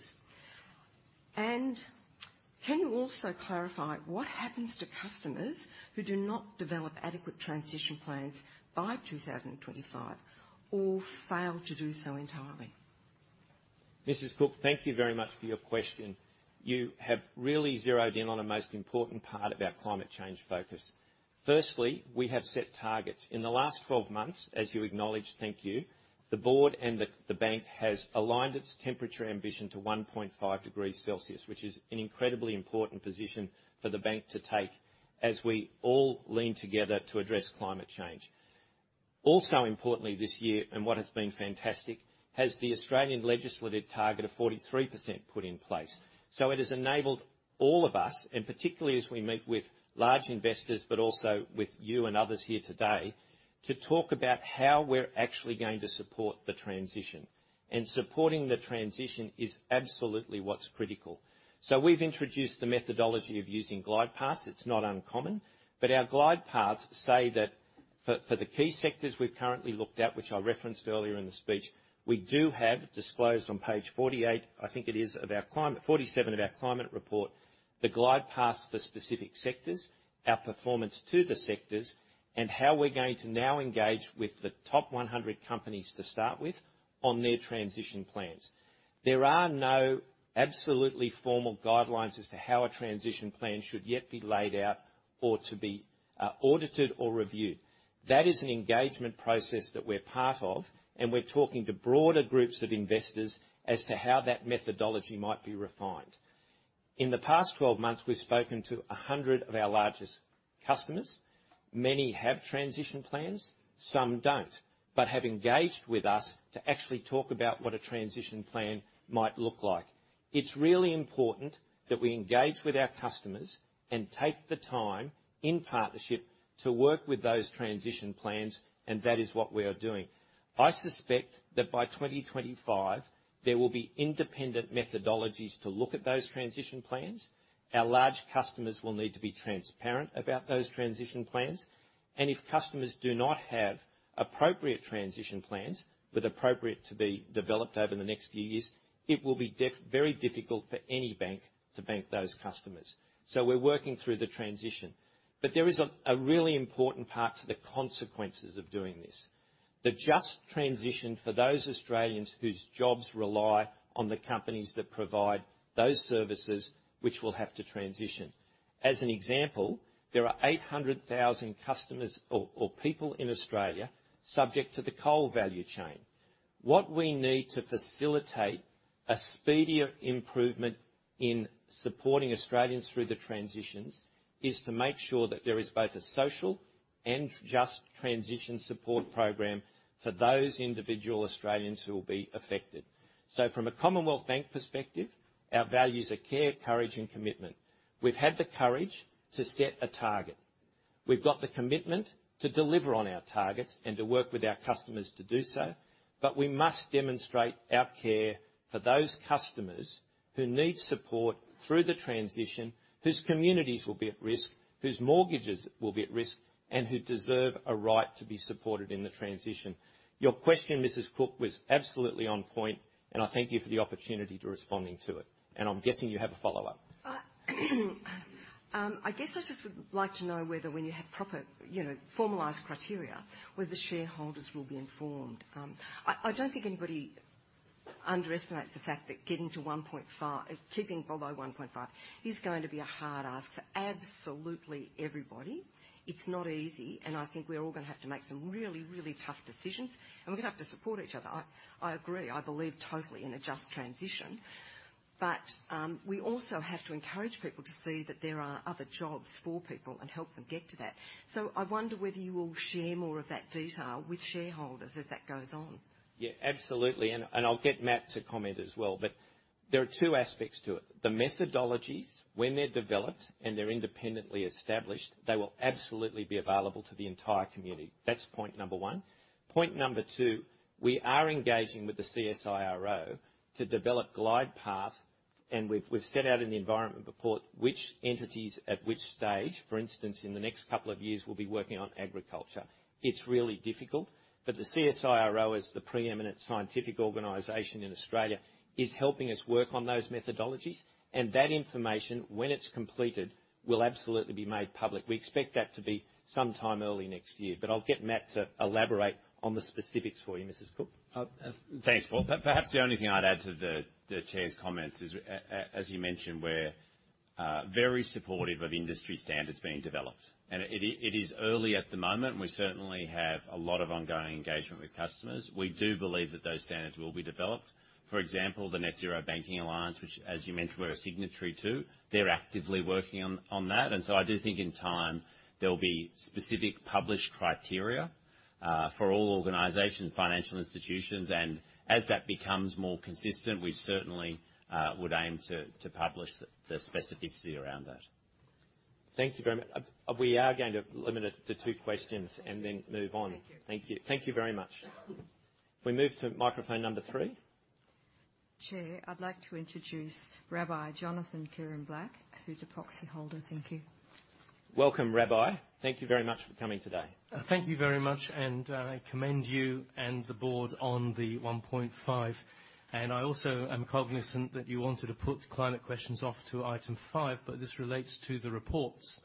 Can you also clarify what happens to customers who do not develop adequate transition plans by 2025 or fail to do so entirely? Mrs. Cook, thank you very much for your question. You have really zeroed in on a most important part of our climate change focus. Firstly, we have set targets. In the last 12 months, as you acknowledged, thank you, the board and the bank has aligned its temperature ambition to 1.5 degrees Celsius, which is an incredibly important position for the bank to take as we all lean together to address climate change. Also importantly, this year, and what has been fantastic, has the Australian legislative target of 43% put in place. It has enabled all of us, and particularly as we meet with large investors, but also with you and others here today, to talk about how we're actually going to support the transition. Supporting the transition is absolutely what's critical. We've introduced the methodology of using glide paths. It's not uncommon. Our glide paths say that for the key sectors we've currently looked at, which I referenced earlier in the speech, we do have disclosed on page 47, I think it is, of our climate report, the glide paths for specific sectors, our performance to the sectors, and how we're going to now engage with the top 100 companies to start with on their transition plans. There are no absolutely formal guidelines as to how a transition plan should yet be laid out or audited or reviewed. That is an engagement process that we're part of, and we're talking to broader groups of investors as to how that methodology might be refined. In the past 12 months, we've spoken to 100 of our largest customers. Many have transition plans, some don't, but have engaged with us to actually talk about what a transition plan might look like. It's really important that we engage with our customers and take the time in partnership to work with those transition plans, and that is what we are doing. I suspect that by 2025, there will be independent methodologies to look at those transition plans. Our large customers will need to be transparent about those transition plans. If customers do not have appropriate transition plans, with appropriate to be developed over the next few years, it will be very difficult for any bank to bank those customers. We're working through the transition. There is a really important part to the consequences of doing this. The just transition for those Australians whose jobs rely on the companies that provide those services which will have to transition. As an example, there are 800,000 customers or people in Australia subject to the coal value chain. What we need to facilitate a speedier improvement in supporting Australians through the transitions is to make sure that there is both a social and just transition support program for those individual Australians who will be affected. From a Commonwealth Bank perspective, our values are care, courage, and commitment. We've had the courage to set a target. We've got the commitment to deliver on our targets and to work with our customers to do so, but we must demonstrate our care for those customers who need support through the transition, whose communities will be at risk, whose mortgages will be at risk, and who deserve a right to be supported in the transition. Your question, Mrs. Cook, was absolutely on point, and I thank you for the opportunity to respond to it. I'm guessing you have a follow-up. I guess I just would like to know whether when you have proper, you know, formalized criteria, whether shareholders will be informed. I don't think anybody underestimates the fact that getting to 1.5, keeping below 1.5 is going to be a hard ask for absolutely everybody. It's not easy, and I think we're all gonna have to make some really tough decisions, and we're gonna have to support each other. I agree, I believe totally in a just transition. We also have to encourage people to see that there are other jobs for people and help them get to that. I wonder whether you will share more of that detail with shareholders as that goes on. Yeah, absolutely. I'll get Matt to comment as well. There are two aspects to it. The methodologies, when they're developed and they're independently established, they will absolutely be available to the entire community. That's point number one. Point number two, we are engaging with the CSIRO to develop glide path, and we've set out in the environment report which entities at which stage. For instance, in the next couple of years, we'll be working on agriculture. It's really difficult, but the CSIRO, as the preeminent scientific organization in Australia, is helping us work on those methodologies. That information, when it's completed, will absolutely be made public. We expect that to be sometime early next year. I'll get Matt to elaborate on the specifics for you, Mrs. Cook. Thanks, Paul. Perhaps the only thing I'd add to the chair's comments is, as you mentioned, we're very supportive of industry standards being developed. It is early at the moment, and we certainly have a lot of ongoing engagement with customers. We do believe that those standards will be developed. For example, the Net-Zero Banking Alliance, which as you mentioned, we're a signatory to, they're actively working on that. I do think in time there'll be specific published criteria for all organizations, financial institutions. As that becomes more consistent, we certainly would aim to publish the specificity around that. Thank you very much. We are going to limit it to two questions and then move on. Thank you. Thank you. Thank you very much. We move to microphone number three. Chair, I'd like to introduce Rabbi Jonathan Keren-Black, who's a proxy holder. Thank you. Welcome, Rabbi. Thank you very much for coming today. Thank you very much. I commend you and the board on the 1.5. I also am cognizant that you wanted to put climate questions off to item five, but this relates to the reports.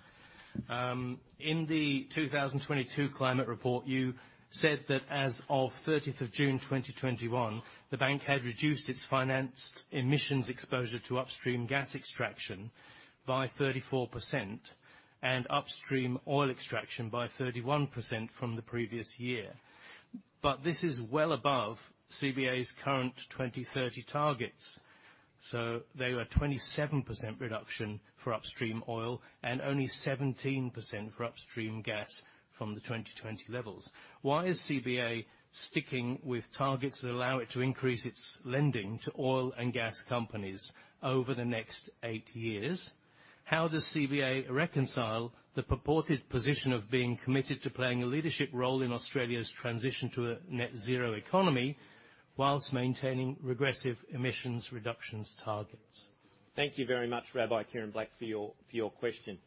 In the 2022 climate report, you said that as of 30th of June 2021, the bank had reduced its financed emissions exposure to upstream gas extraction by 34% and upstream oil extraction by 31% from the previous year. This is well above CBA's current 2030 targets. They were at 27% reduction for upstream oil and only 17% for upstream gas from the 2020 levels. Why is CBA sticking with targets that allow it to increase its lending to oil and gas companies over the next 8 years? How does CBA reconcile the purported position of being committed to playing a leadership role in Australia's transition to a net zero economy while maintaining regressive emissions reductions targets? Thank you very much, Rabbi Keren-Black, for your question.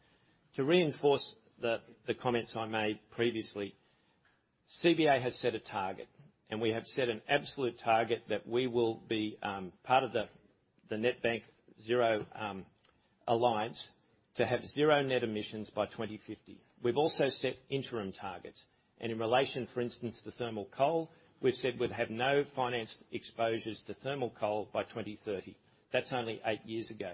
To reinforce the comments I made previously, CBA has set a target, and we have set an absolute target that we will be part of the Net-Zero Banking Alliance to have zero net emissions by 2050. We've also set interim targets. In relation, for instance, to thermal coal, we've said we'd have no financed exposures to thermal coal by 2030. That's only eight years ago.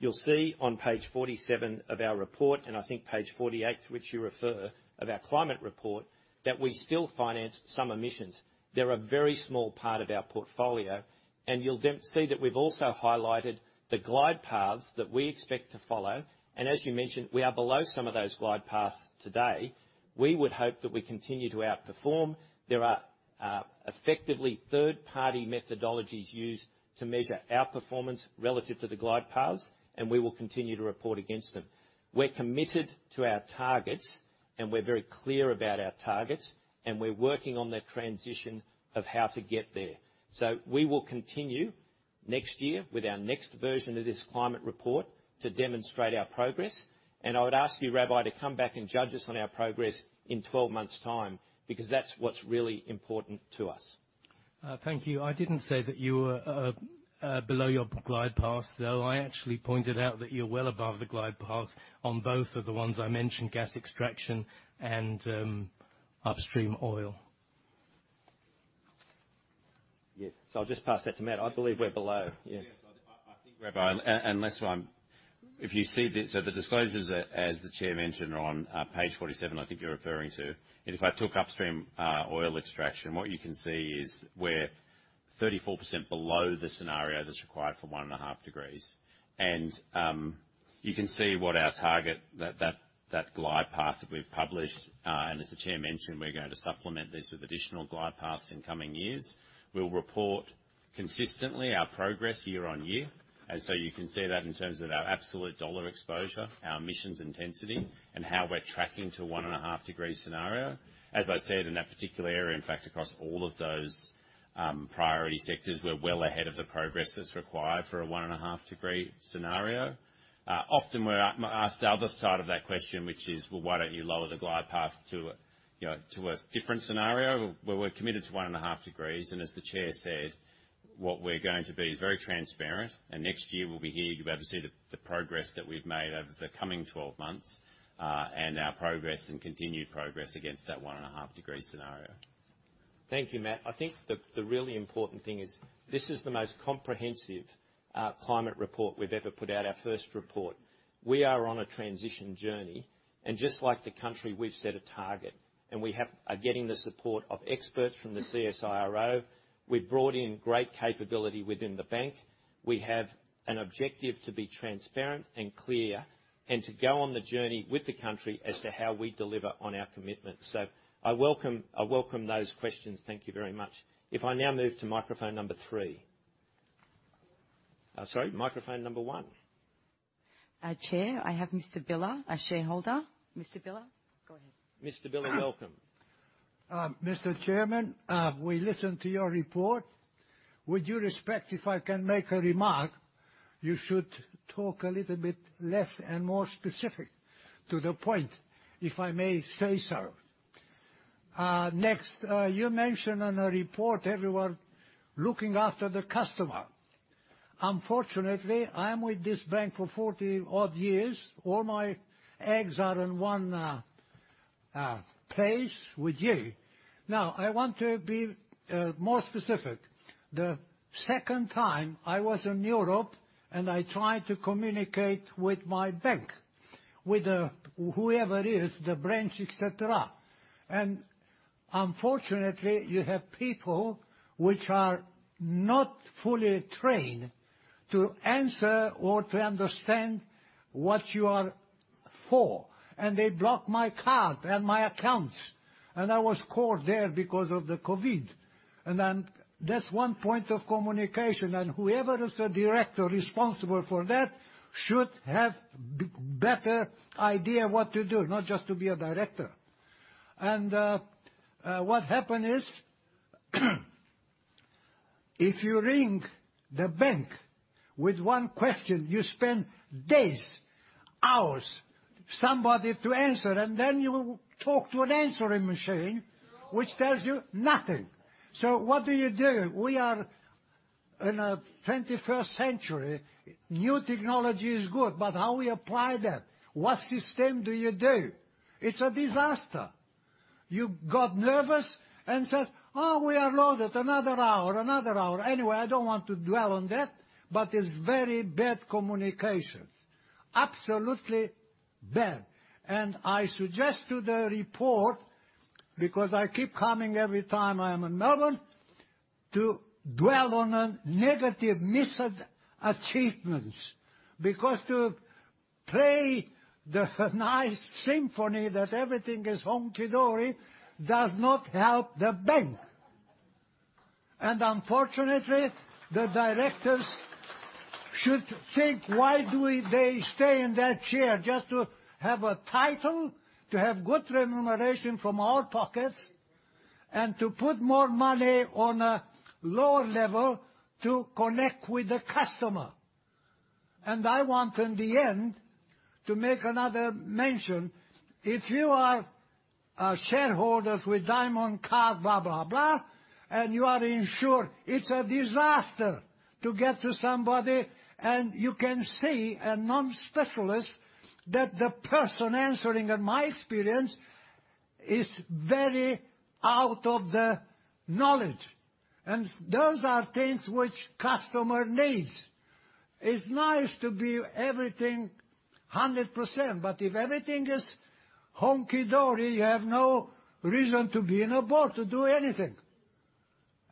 You'll see on page 47 of our report, and I think page 48 to which you refer of our climate report, that we still finance some emissions. They're a very small part of our portfolio, and you'll then see that we've also highlighted the glide paths that we expect to follow. As you mentioned, we are below some of those glide paths today. We would hope that we continue to outperform. There are effectively third-party methodologies used to measure our performance relative to the glide paths, and we will continue to report against them. We're committed to our targets, and we're very clear about our targets, and we're working on the transition of how to get there. We will continue next year with our next version of this climate report to demonstrate our progress. I would ask you, Rabbi, to come back and judge us on our progress in twelve months' time, because that's what's really important to us. Thank you. I didn't say that you were below your glide path, though. I actually pointed out that you're well above the glide path on both of the ones I mentioned, gas extraction and upstream oil. Yeah. I'll just pass that to Matt. I believe we're below. Yeah. Yes. I think, Rabbi. The disclosures, as the chair mentioned, are on page 47, I think you're referring to. If I took upstream oil extraction, what you can see is we're 34% below the scenario that's required for 1.5 degrees. You can see what our target, that glide path that we've published, and as the chair mentioned, we're going to supplement this with additional glide paths in coming years. We'll report consistently our progress year-on-year. You can see that in terms of our absolute dollar exposure, our emissions intensity, and how we're tracking to the 1.5-degree scenario. As I said, in that particular area, in fact, across all of those priority sectors, we're well ahead of the progress that's required for a 1.5 degree scenario. Often we're asked the other side of that question, which is, "Well, why don't you lower the glide path to a, you know, to a different scenario?" Well, we're committed to 1.5 degrees, and as the chair said, what we're going to be is very transparent. Next year, we'll be here. You'll be able to see the progress that we've made over the coming 12 months, and our progress and continued progress against that 1.5 degree scenario. Thank you, Matt. I think the really important thing is this is the most comprehensive climate report we've ever put out, our first report. We are on a transition journey, and just like the country, we've set a target, and we are getting the support of experts from the CSIRO. We've brought in great capability within the bank. We have an objective to be transparent and clear and to go on the journey with the country as to how we deliver on our commitments. I welcome those questions. Thank you very much. If I now move to microphone number three. Sorry, microphone number one. Chair, I have Mr. Billa, a shareholder. Mr. Billa, go ahead. Mr. Billa, welcome. Mr. Chairman, we listen to your report. With due respect, if I can make a remark, you should talk a little bit less and more specific to the point, if I may say so. Next, you mention in the report everyone looking after the customer. Unfortunately, I am with this bank for 40-odd years. All my eggs are in one place with you. Now, I want to be more specific. The second time I was in Europe and I tried to communicate with my bank, with the, whoever it is, the branch, et cetera. Unfortunately, you have people which are not fully trained to answer or to understand what you are for. They block my card and my accounts. I was caught there because of the COVID. Then that's one point of communication. Whoever is the director responsible for that should have better idea what to do, not just to be a director. What happened is, if you ring the bank with one question, you spend days, hours, somebody to answer, and then you talk to an answering machine which tells you nothing. What do you do? We are in the 21st century. New technology is good, but how we apply that, what system do you do? It's a disaster. You got nervous and said, "Oh, we are loaded. Another hour, another hour." Anyway, I don't want to dwell on that, but it's very bad communications. Absolutely bad. I suggest to the board, because I keep coming every time I am in Melbourne, to dwell on the negative misachievements, because to play the nice symphony that everything is hunky-dory does not help the bank. Unfortunately, the directors should think they stay in that chair just to have a title, to have good remuneration from our pockets, and to put more money on a lower level to connect with the customer. I want, in the end, to make another mention. If you are shareholders with diamond card, blah, blah, and you are insured, it's a disaster to get to somebody. You can see, a nonspecialist, that the person answering, in my experience, is very out of the knowledge. Those are things which customer needs. It's nice to be everything 100%, but if everything is hunky-dory, you have no reason to be in a board to do anything.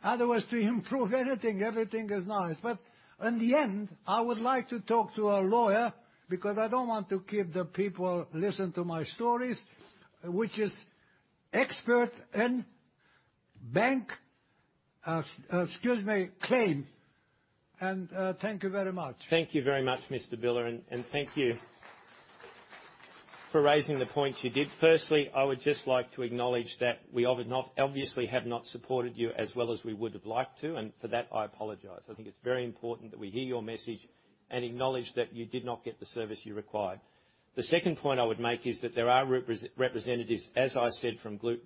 Other words, to improve anything. Everything is nice. In the end, I would like to talk to a lawyer because I don't want to keep the people listen to my stories, which is expert in bank, excuse me, claim. Thank you very much. Thank you very much, Mr. Billa, and thank you for raising the points you did. Firstly, I would just like to acknowledge that we obviously have not supported you as well as we would have liked to, and for that, I apologize. I think it's very important that we hear your message and acknowledge that you did not get the service you required. The second point I would make is that there are representatives, as I said, from group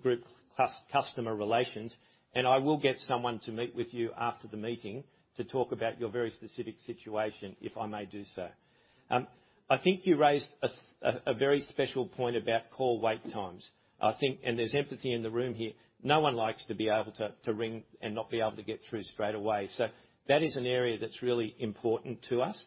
customer relations, and I will get someone to meet with you after the meeting to talk about your very specific situation, if I may do so. I think you raised a very special point about call wait times. I think there's empathy in the room here. No one likes to be able to ring and not be able to get through straight away. That is an area that's really important to us.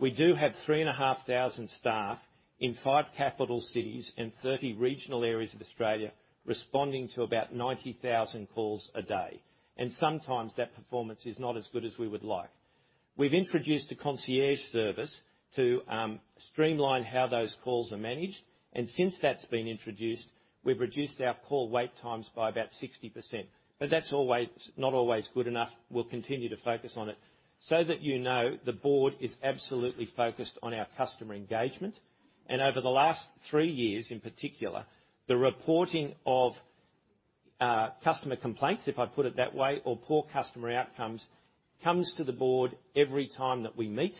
We do have 3,500 staff in five capital cities and 30 regional areas of Australia responding to about 90,000 calls a day, and sometimes that performance is not as good as we would like. We've introduced a concierge service to streamline how those calls are managed, and since that's been introduced, we've reduced our call wait times by about 60%. That's not always good enough. We'll continue to focus on it. That you know, the board is absolutely focused on our customer engagement. Over the last 3 years, in particular, the reporting of customer complaints, if I put it that way, or poor customer outcomes, comes to the board every time that we meet,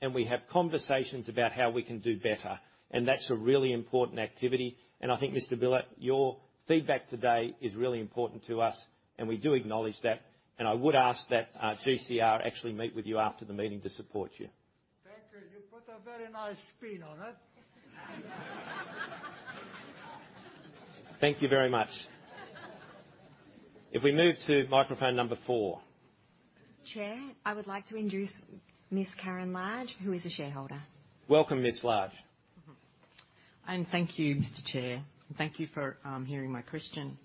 and we have conversations about how we can do better. That's a really important activity. I think, Mr. Billa, your feedback today is really important to us, and we do acknowledge that. I would ask that GCR actually meet with you after the meeting to support you. Thank you. You put a very nice spin on it. Thank you very much. If we move to microphone number four. Chair, I would like to introduce Ms. Karen Large, who is a shareholder. Welcome, Ms. Karen Large. Thank you, Mr. Chair, and thank you for hearing my question.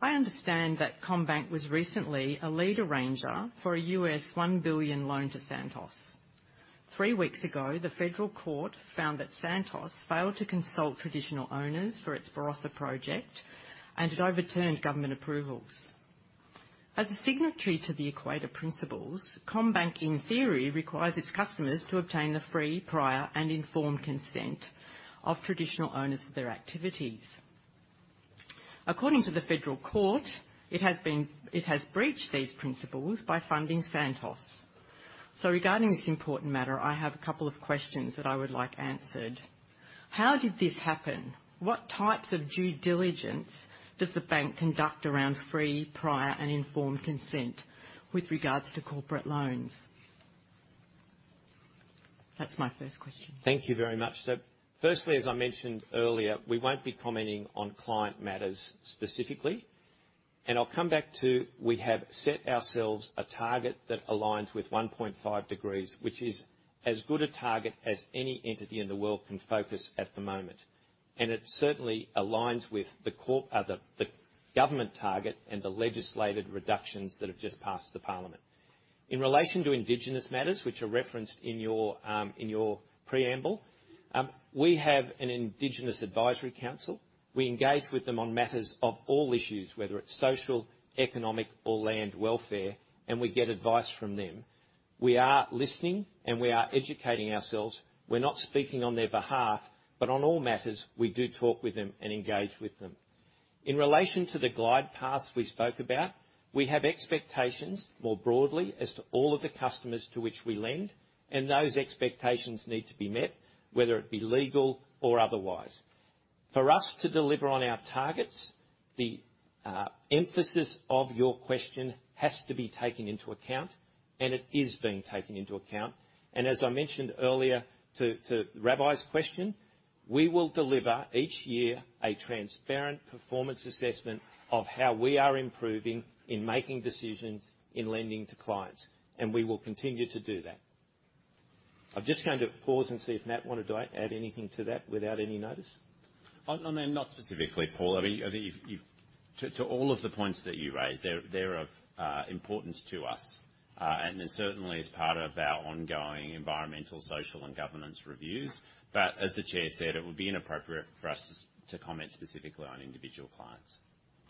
I understand that CommBank was recently a lead arranger for a $1 billion loan to Santos. Three weeks ago, the federal court found that Santos failed to consult traditional owners for its Barossa project, and it overturned government approvals. As a signatory to the Equator Principles, CommBank, in theory, requires its customers to obtain the free, prior, and informed consent of traditional owners of their activities. According to the federal court, it has breached these principles by funding Santos. Regarding this important matter, I have a couple of questions that I would like answered. How did this happen? What types of due diligence does the bank conduct around free, prior, and informed consent with regards to corporate loans? That's my first question. Thank you very much. Firstly, as I mentioned earlier, we won't be commenting on client matters specifically. I'll come back to, we have set ourselves a target that aligns with 1.5 degrees, which is as good a target as any entity in the world can focus at the moment. It certainly aligns with the government target and the legislated reductions that have just passed the Parliament. In relation to indigenous matters, which are referenced in your preamble, we have an indigenous advisory council. We engage with them on matters of all issues, whether it's social, economic or land welfare, and we get advice from them. We are listening, and we are educating ourselves. We're not speaking on their behalf, but on all matters, we do talk with them and engage with them. In relation to the glide path we spoke about, we have expectations more broadly as to all of the customers to which we lend, and those expectations need to be met, whether it be legal or otherwise. For us to deliver on our targets, the emphasis of your question has to be taken into account, and it is being taken into account. As I mentioned earlier to Ravi's question, we will deliver each year a transparent performance assessment of how we are improving in making decisions in lending to clients, and we will continue to do that. I'm just going to pause and see if Matt wanted to add anything to that without any notice. Oh, no, not specifically, Paul O'Malley. I mean, to all of the points that you raised, they're of importance to us. They're certainly as part of our ongoing environmental, social and governance reviews. As the chair said, it would be inappropriate for us to comment specifically on individual clients.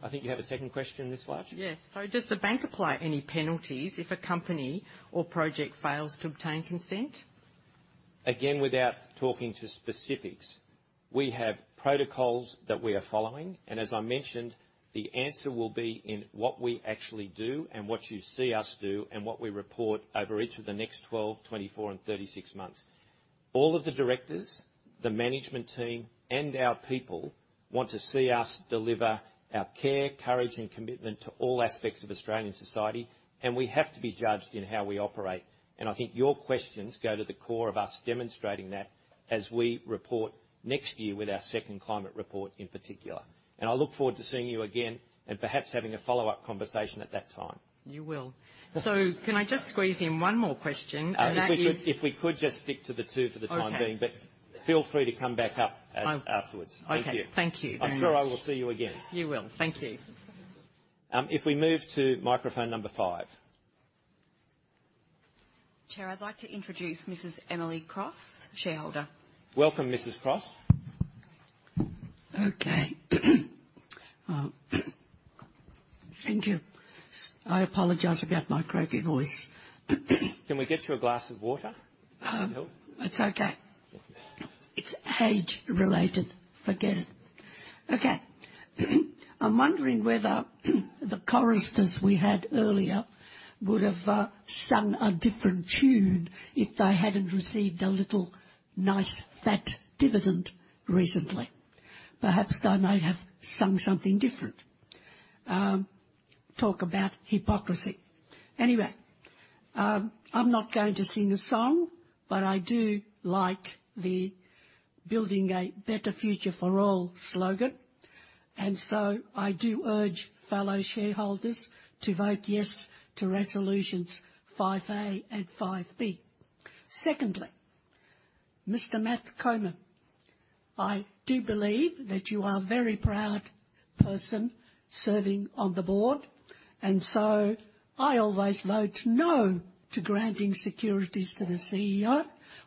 I think you have a second question, Ms. Large. Yes. Does the bank apply any penalties if a company or project fails to obtain consent? Again, without talking to specifics, we have protocols that we are following, and as I mentioned, the answer will be in what we actually do and what you see us do and what we report over each of the next 12, 24 and 36 months. All of the directors, the management team and our people want to see us deliver our care, courage and commitment to all aspects of Australian society, and we have to be judged in how we operate. I think your questions go to the core of us demonstrating that as we report next year with our second climate report, in particular. I look forward to seeing you again and perhaps having a follow-up conversation at that time. You will. Can I just squeeze in one more question, and that is- If we could just stick to the two for the time being. Okay. Feel free to come back up afterwards. Okay. Thank you. Thank you very much. I'm sure I will see you again. You will. Thank you. If we move to microphone number five. Chair, I'd like to introduce Mrs. Emily Cross, shareholder. Welcome, Mrs. Cross. Okay. Thank you. I apologize about my croaky voice. Can we get you a glass of water? Any help? It's okay. Okay. It's age-related. Forget it. Okay. I'm wondering whether the choristers we had earlier would have sung a different tune if they hadn't received a little nice fat dividend recently. Perhaps they may have sung something different. Talk about hypocrisy. Anyway, I'm not going to sing a song, but I do like the Building a Better Future for All slogan, and so I do urge fellow shareholders to vote yes to Resolutions Five A and Five B. Secondly, Mr. Matt Comyn, I do believe that you are a very proud person serving on the board, and so I always vote no to granting securities to the CEO.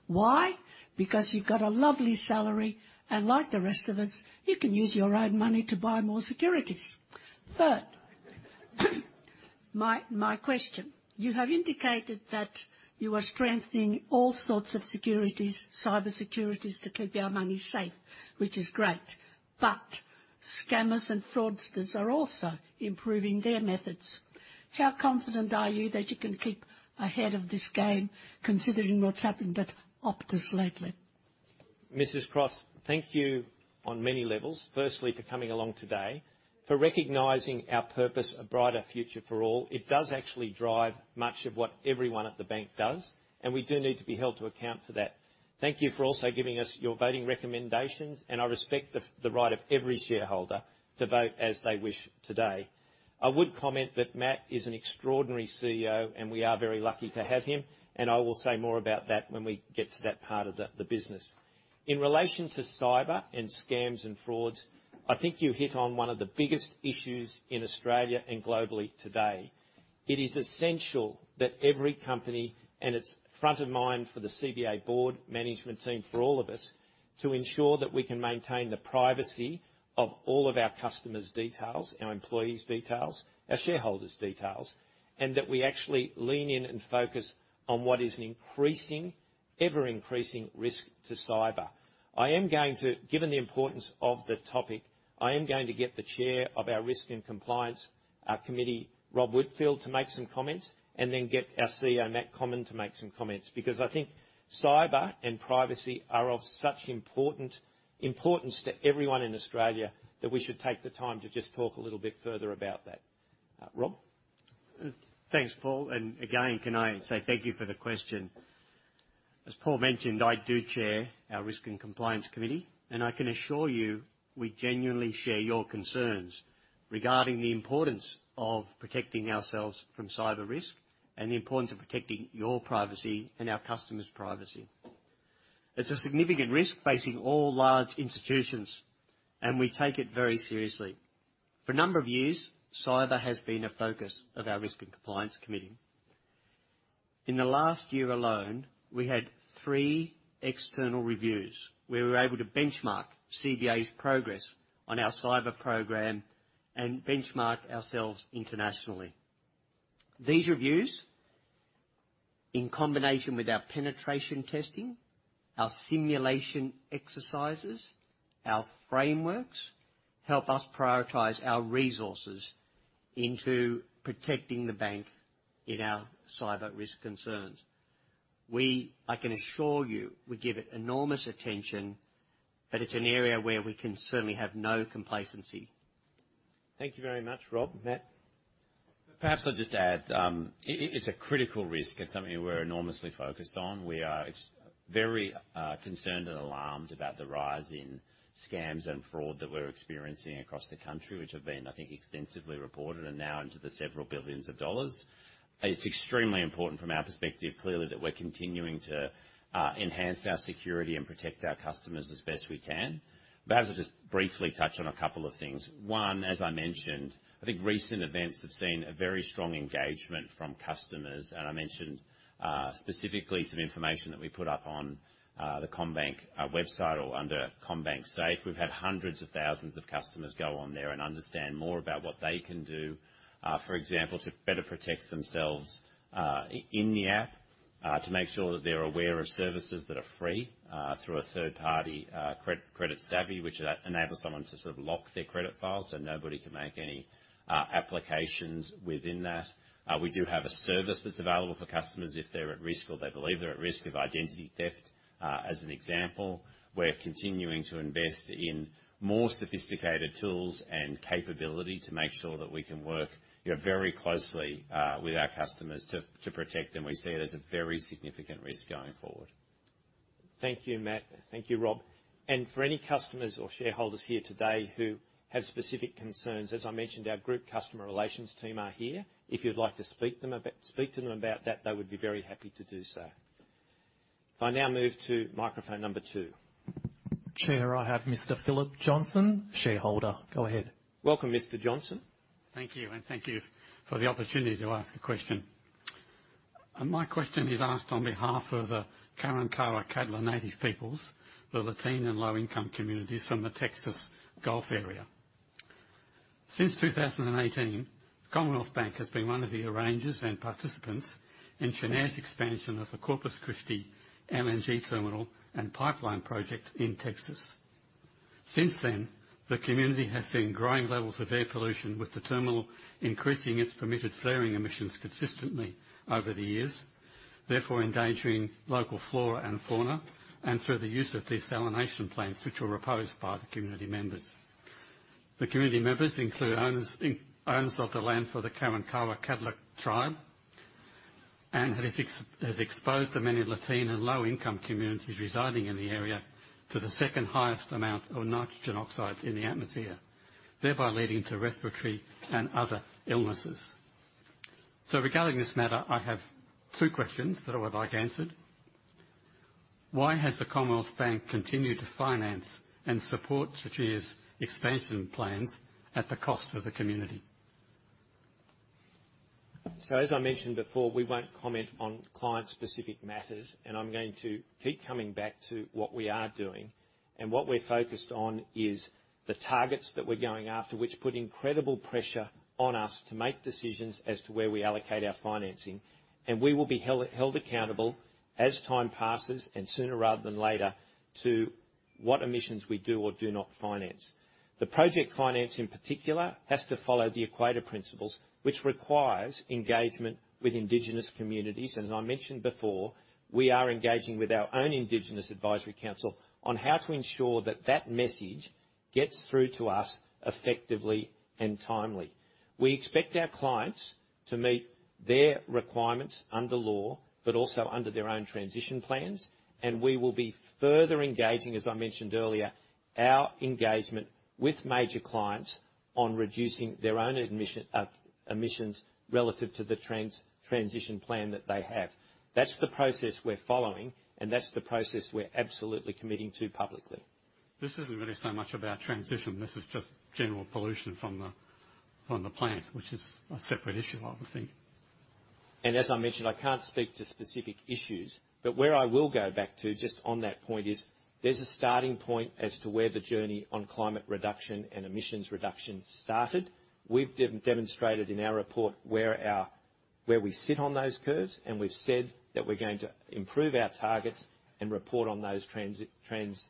Why? Because you've got a lovely salary, and like the rest of us, you can use your own money to buy more securities. Third, my question. You have indicated that you are strengthening all sorts of security, cybersecurity, to keep our money safe, which is great, but scammers and fraudsters are also improving their methods. How confident are you that you can keep ahead of this game, considering what's happened at Optus lately? Mrs. Cross, thank you on many levels. Firstly, for coming along today, for recognizing our purpose, A Brighter Future for All. It does actually drive much of what everyone at the bank does, and we do need to be held to account for that. Thank you for also giving us your voting recommendations, and I respect the right of every shareholder to vote as they wish today. I would comment that Matt is an extraordinary CEO, and we are very lucky to have him, and I will say more about that when we get to that part of the business. In relation to cyber and scams and frauds, I think you hit on one of the biggest issues in Australia and globally today. It is essential that every company, and it's front of mind for the CBA board, management team, for all of us, to ensure that we can maintain the privacy of all of our customers' details, our employees' details, our shareholders' details, and that we actually lean in and focus on what is an increasing, ever-increasing risk to cyber. I am going to, given the importance of the topic, get the Chair of our Risk and Compliance Committee, Rob Whitfield, to make some comments and then get our CEO, Matt Comyn, to make some comments, because I think cyber and privacy are of such importance to everyone in Australia that we should take the time to just talk a little bit further about that. Rob. Thanks, Paul, and again, can I say thank you for the question. As Paul mentioned, I do chair our Risk & Compliance Committee, and I can assure you we genuinely share your concerns regarding the importance of protecting ourselves from cyber risk and the importance of protecting your privacy and our customers' privacy. It's a significant risk facing all large institutions, and we take it very seriously. For a number of years, cyber has been a focus of our risk and compliance committee. In the last year alone, we had three external reviews. We were able to benchmark CBA's progress on our cyber program and benchmark ourselves internationally. These reviews, in combination with our penetration testing, our simulation exercises, our frameworks, help us prioritize our resources into protecting the bank in our cyber risk concerns. We, I can assure you, we give it enormous attention, but it's an area where we can certainly have no complacency. Thank you very much, Rob. Matt? Perhaps I'll just add, it's a critical risk. It's something we're enormously focused on. We are very concerned and alarmed about the rise in scams and fraud that we're experiencing across the country, which have been, I think, extensively reported and now into the several billion AUD. It's extremely important from our perspective, clearly, that we're continuing to enhance our security and protect our customers as best we can. I would just briefly touch on a couple of things. One, as I mentioned, I think recent events have seen a very strong engagement from customers, and I mentioned specifically some information that we put up on the CommBank website or under CommBank Safe. We've had hundreds of thousands of customers go on there and understand more about what they can do, for example, to better protect themselves, in the app, to make sure that they're aware of services that are free, through a third-party, credit, Credit Savvy, which enables someone to sort of lock their credit files, so nobody can make any applications within that. We do have a service that's available for customers if they're at risk or they believe they're at risk of identity theft. As an example, we're continuing to invest in more sophisticated tools and capability to make sure that we can work, you know, very closely, with our customers to protect them. We see it as a very significant risk going forward. Thank you, Matt. Thank you, Rob. For any customers or shareholders here today who have specific concerns, as I mentioned, our group customer relations team are here. If you'd like to speak to them about that, they would be very happy to do so. I now move to microphone number two. Chair, I have Mr. Philip Johnson, shareholder. Go ahead. Welcome, Mr. Johnson. Thank you, and thank you for the opportunity to ask a question. My question is asked on behalf of the Karankawa Caddo Native Peoples, the Latin and low-income communities from the Texas Gulf area. Since 2018, Commonwealth Bank has been one of the arrangers and participants in Cheniere's expansion of the Corpus Christi LNG terminal and pipeline project in Texas. Since then, the community has seen growing levels of air pollution, with the terminal increasing its permitted flaring emissions consistently over the years, therefore endangering local flora and fauna, and through the use of desalination plants, which were proposed by the community members. The community members include owners of the land for the Karankawa-Caddler tribe, and has exposed the many Latin and low-income communities residing in the area to the second-highest amount of nitrogen oxides in the atmosphere, thereby leading to respiratory and other illnesses. Regarding this matter, I have two questions that I would like answered. Why has the Commonwealth Bank continued to finance and support Cheniere's expansion plans at the cost of the community? As I mentioned before, we won't comment on client-specific matters, and I'm going to keep coming back to what we are doing, and what we're focused on is the targets that we're going after, which put incredible pressure on us to make decisions as to where we allocate our financing. We will be held accountable as time passes, and sooner rather than later, to what emissions we do or do not finance. The project finance, in particular, has to follow the Equator Principles, which requires engagement with indigenous communities. As I mentioned before, we are engaging with our own indigenous advisory council on how to ensure that that message gets through to us effectively and timely. We expect our clients to meet their requirements under law but also under their own transition plans, and we will be further engaging, as I mentioned earlier, our engagement with major clients on reducing their own emissions relative to the transition plan that they have. That's the process we're following, and that's the process we're absolutely committing to publicly. This isn't really so much about transition. This is just general pollution from the plant, which is a separate issue, I would think. As I mentioned, I can't speak to specific issues, but where I will go back to, just on that point, is there's a starting point as to where the journey on climate reduction and emissions reduction started. We've demonstrated in our report where we sit on those curves, and we've said that we're going to improve our targets and report on those transitions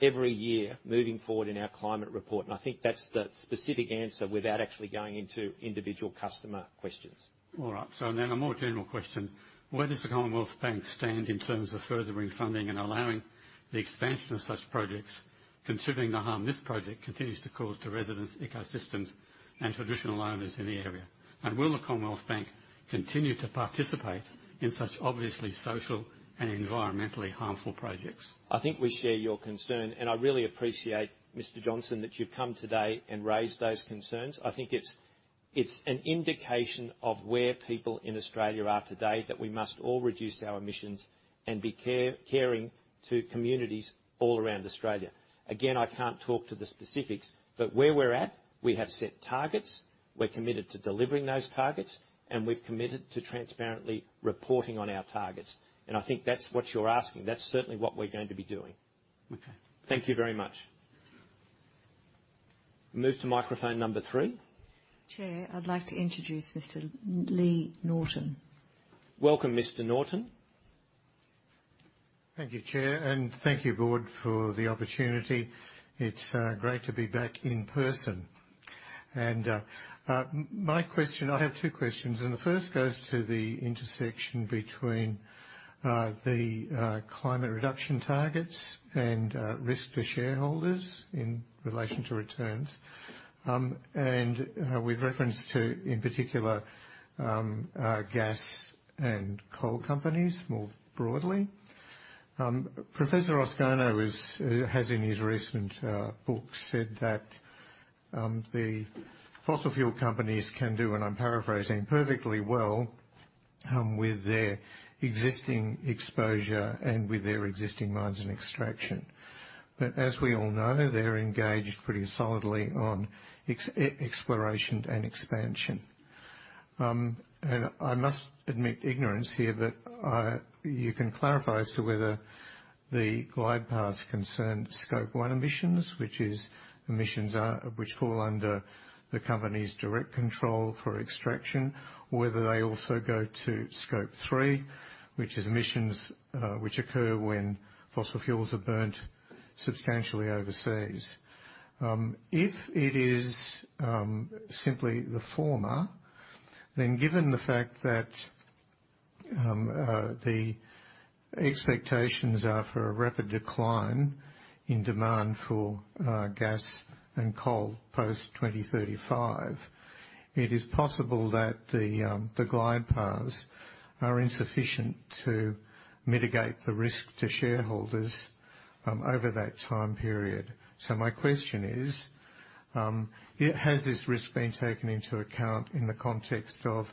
every year moving forward in our climate report, and I think that's the specific answer without actually going into individual customer questions. All right, a more general question. Where does the Commonwealth Bank stand in terms of furthering funding and allowing the expansion of such projects, considering the harm this project continues to cause to residents, ecosystems, and traditional owners in the area? And will the Commonwealth Bank continue to participate in such obviously social and environmentally harmful projects? I think we share your concern, and I really appreciate, Mr. Johnson, that you've come today and raised those concerns. I think it's an indication of where people in Australia are today, that we must all reduce our emissions and be caring to communities all around Australia. Again, I can't talk to the specifics, but where we're at, we have set targets. We're committed to delivering those targets, and we've committed to transparently reporting on our targets. I think that's what you're asking. That's certainly what we're going to be doing. Okay. Thank you very much. Move to microphone number three. Chair, I'd like to introduce Mr. Lee Norton. Welcome, Mr. Norton. Thank you, Chair, and thank you, Board, for the opportunity. It's great to be back in person. My question. I have two questions, and the first goes to the intersection between the climate reduction targets and risk to shareholders in relation to returns. With reference to, in particular, gas and coal companies more broadly. Professor Osgoode has, in his recent book, said that the fossil fuel companies can do, and I'm paraphrasing, perfectly well with their existing exposure and with their existing mines and extraction. But as we all know, they're engaged pretty solidly on exploration and expansion. I must admit ignorance here, but you can clarify as to whether the glide path concerns Scope 1 emissions, which is emissions, which fall under the company's direct control for extraction, or whether they also go to Scope 3, which is emissions, which occur when fossil fuels are burned substantially overseas. If it is simply the former, then given the fact that the expectations are for a rapid decline in demand for gas and coal post-2035, it is possible that the glide paths are insufficient to mitigate the risk to shareholders over that time period. My question is, has this risk been taken into account in the context of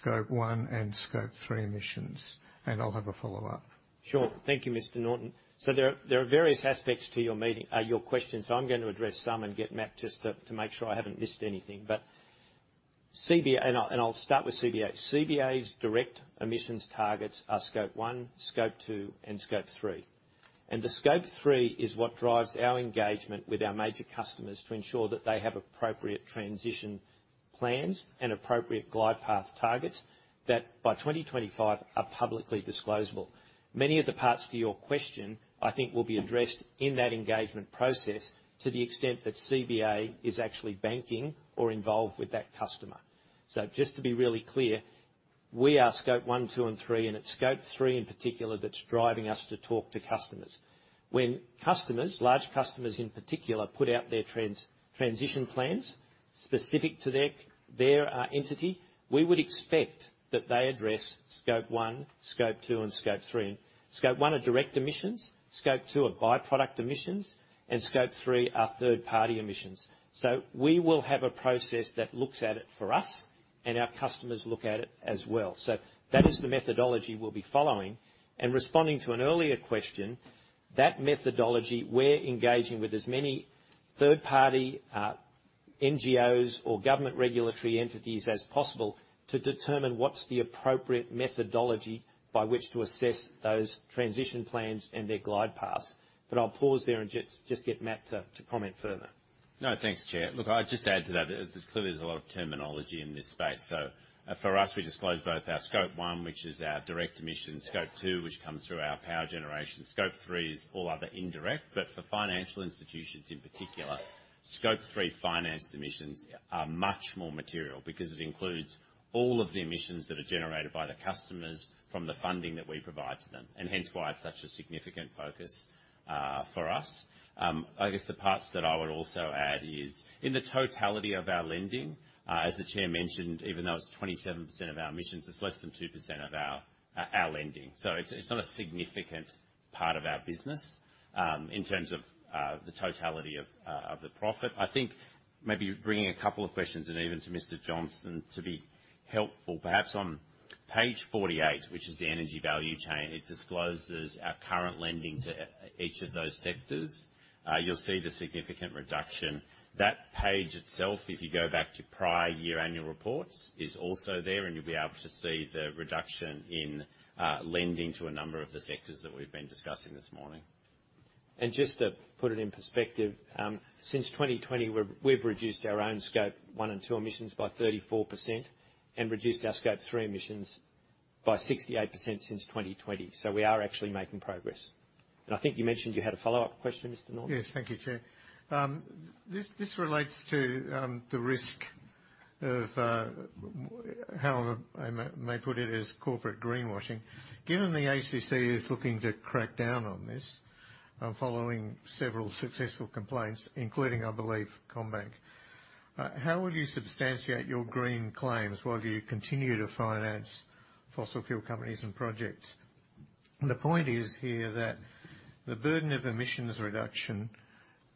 Scope 1 and Scope 3 emissions? I'll have a follow-up. Sure. Thank you, Mr. Norton. There are various aspects to your question, so I'm gonna address some and get Matt just to make sure I haven't missed anything. CBA. I'll start with CBA. CBA's direct emissions targets are Scope 1, Scope 2, and Scope 3. The Scope 3 is what drives our engagement with our major customers to ensure that they have appropriate transition plans and appropriate glide path targets that by 2025 are publicly disclosable. Many of the parts to your question, I think, will be addressed in that engagement process to the extent that CBA is actually banking or involved with that customer. Just to be really clear, we are Scope 1, 2, and 3, and it's Scope 3 in particular that's driving us to talk to customers. When customers, large customers in particular, put out their transition plans specific to their entity, we would expect that they address Scope 1, Scope 2, and Scope 3. Scope 1 are direct emissions, Scope 2 are byproduct emissions, and Scope 3 are third-party emissions. We will have a process that looks at it for us, and our customers look at it as well. That is the methodology we'll be following. Responding to an earlier question, that methodology, we're engaging with as many third party NGOs or government regulatory entities as possible to determine what's the appropriate methodology by which to assess those transition plans and their glide paths. I'll pause there and just get Matt to comment further. No, thanks, Chair. Look, I'd just add to that, as there's clearly a lot of terminology in this space. For us, we disclose both our Scope 1, which is our direct emissions, Scope 2, which comes through our power generation. Scope 3 is all other indirect, but for financial institutions in particular, Scope 3 financed emissions are much more material because it includes all of the emissions that are generated by the customers from the funding that we provide to them, and hence why it's such a significant focus for us. I guess the parts that I would also add is, in the totality of our lending, as the Chair mentioned, even though it's 27% of our emissions, it's less than 2% of our lending. It's not a significant part of our business, in terms of the totality of the profit. I think maybe bringing a couple of questions and even to Mr. Johnson to be helpful, perhaps on page 48, which is the energy value chain, it discloses our current lending to each of those sectors. You'll see the significant reduction. That page itself, if you go back to prior year annual reports, is also there, and you'll be able to see the reduction in lending to a number of the sectors that we've been discussing this morning. Just to put it in perspective, since 2020, we've reduced our own Scope 1 and Scope 2 emissions by 34% and reduced our Scope 3 emissions by 68% since 2020. We are actually making progress. I think you mentioned you had a follow-up question, Mr. Norton? Yes. Thank you, Chair. This relates to the risk of however I may put it, as corporate greenwashing. Given the ACCC is looking to crack down on this, following several successful complaints, including, I believe, CommBank, how will you substantiate your green claims while you continue to finance fossil fuel companies and projects? The point is here that the burden of emissions reduction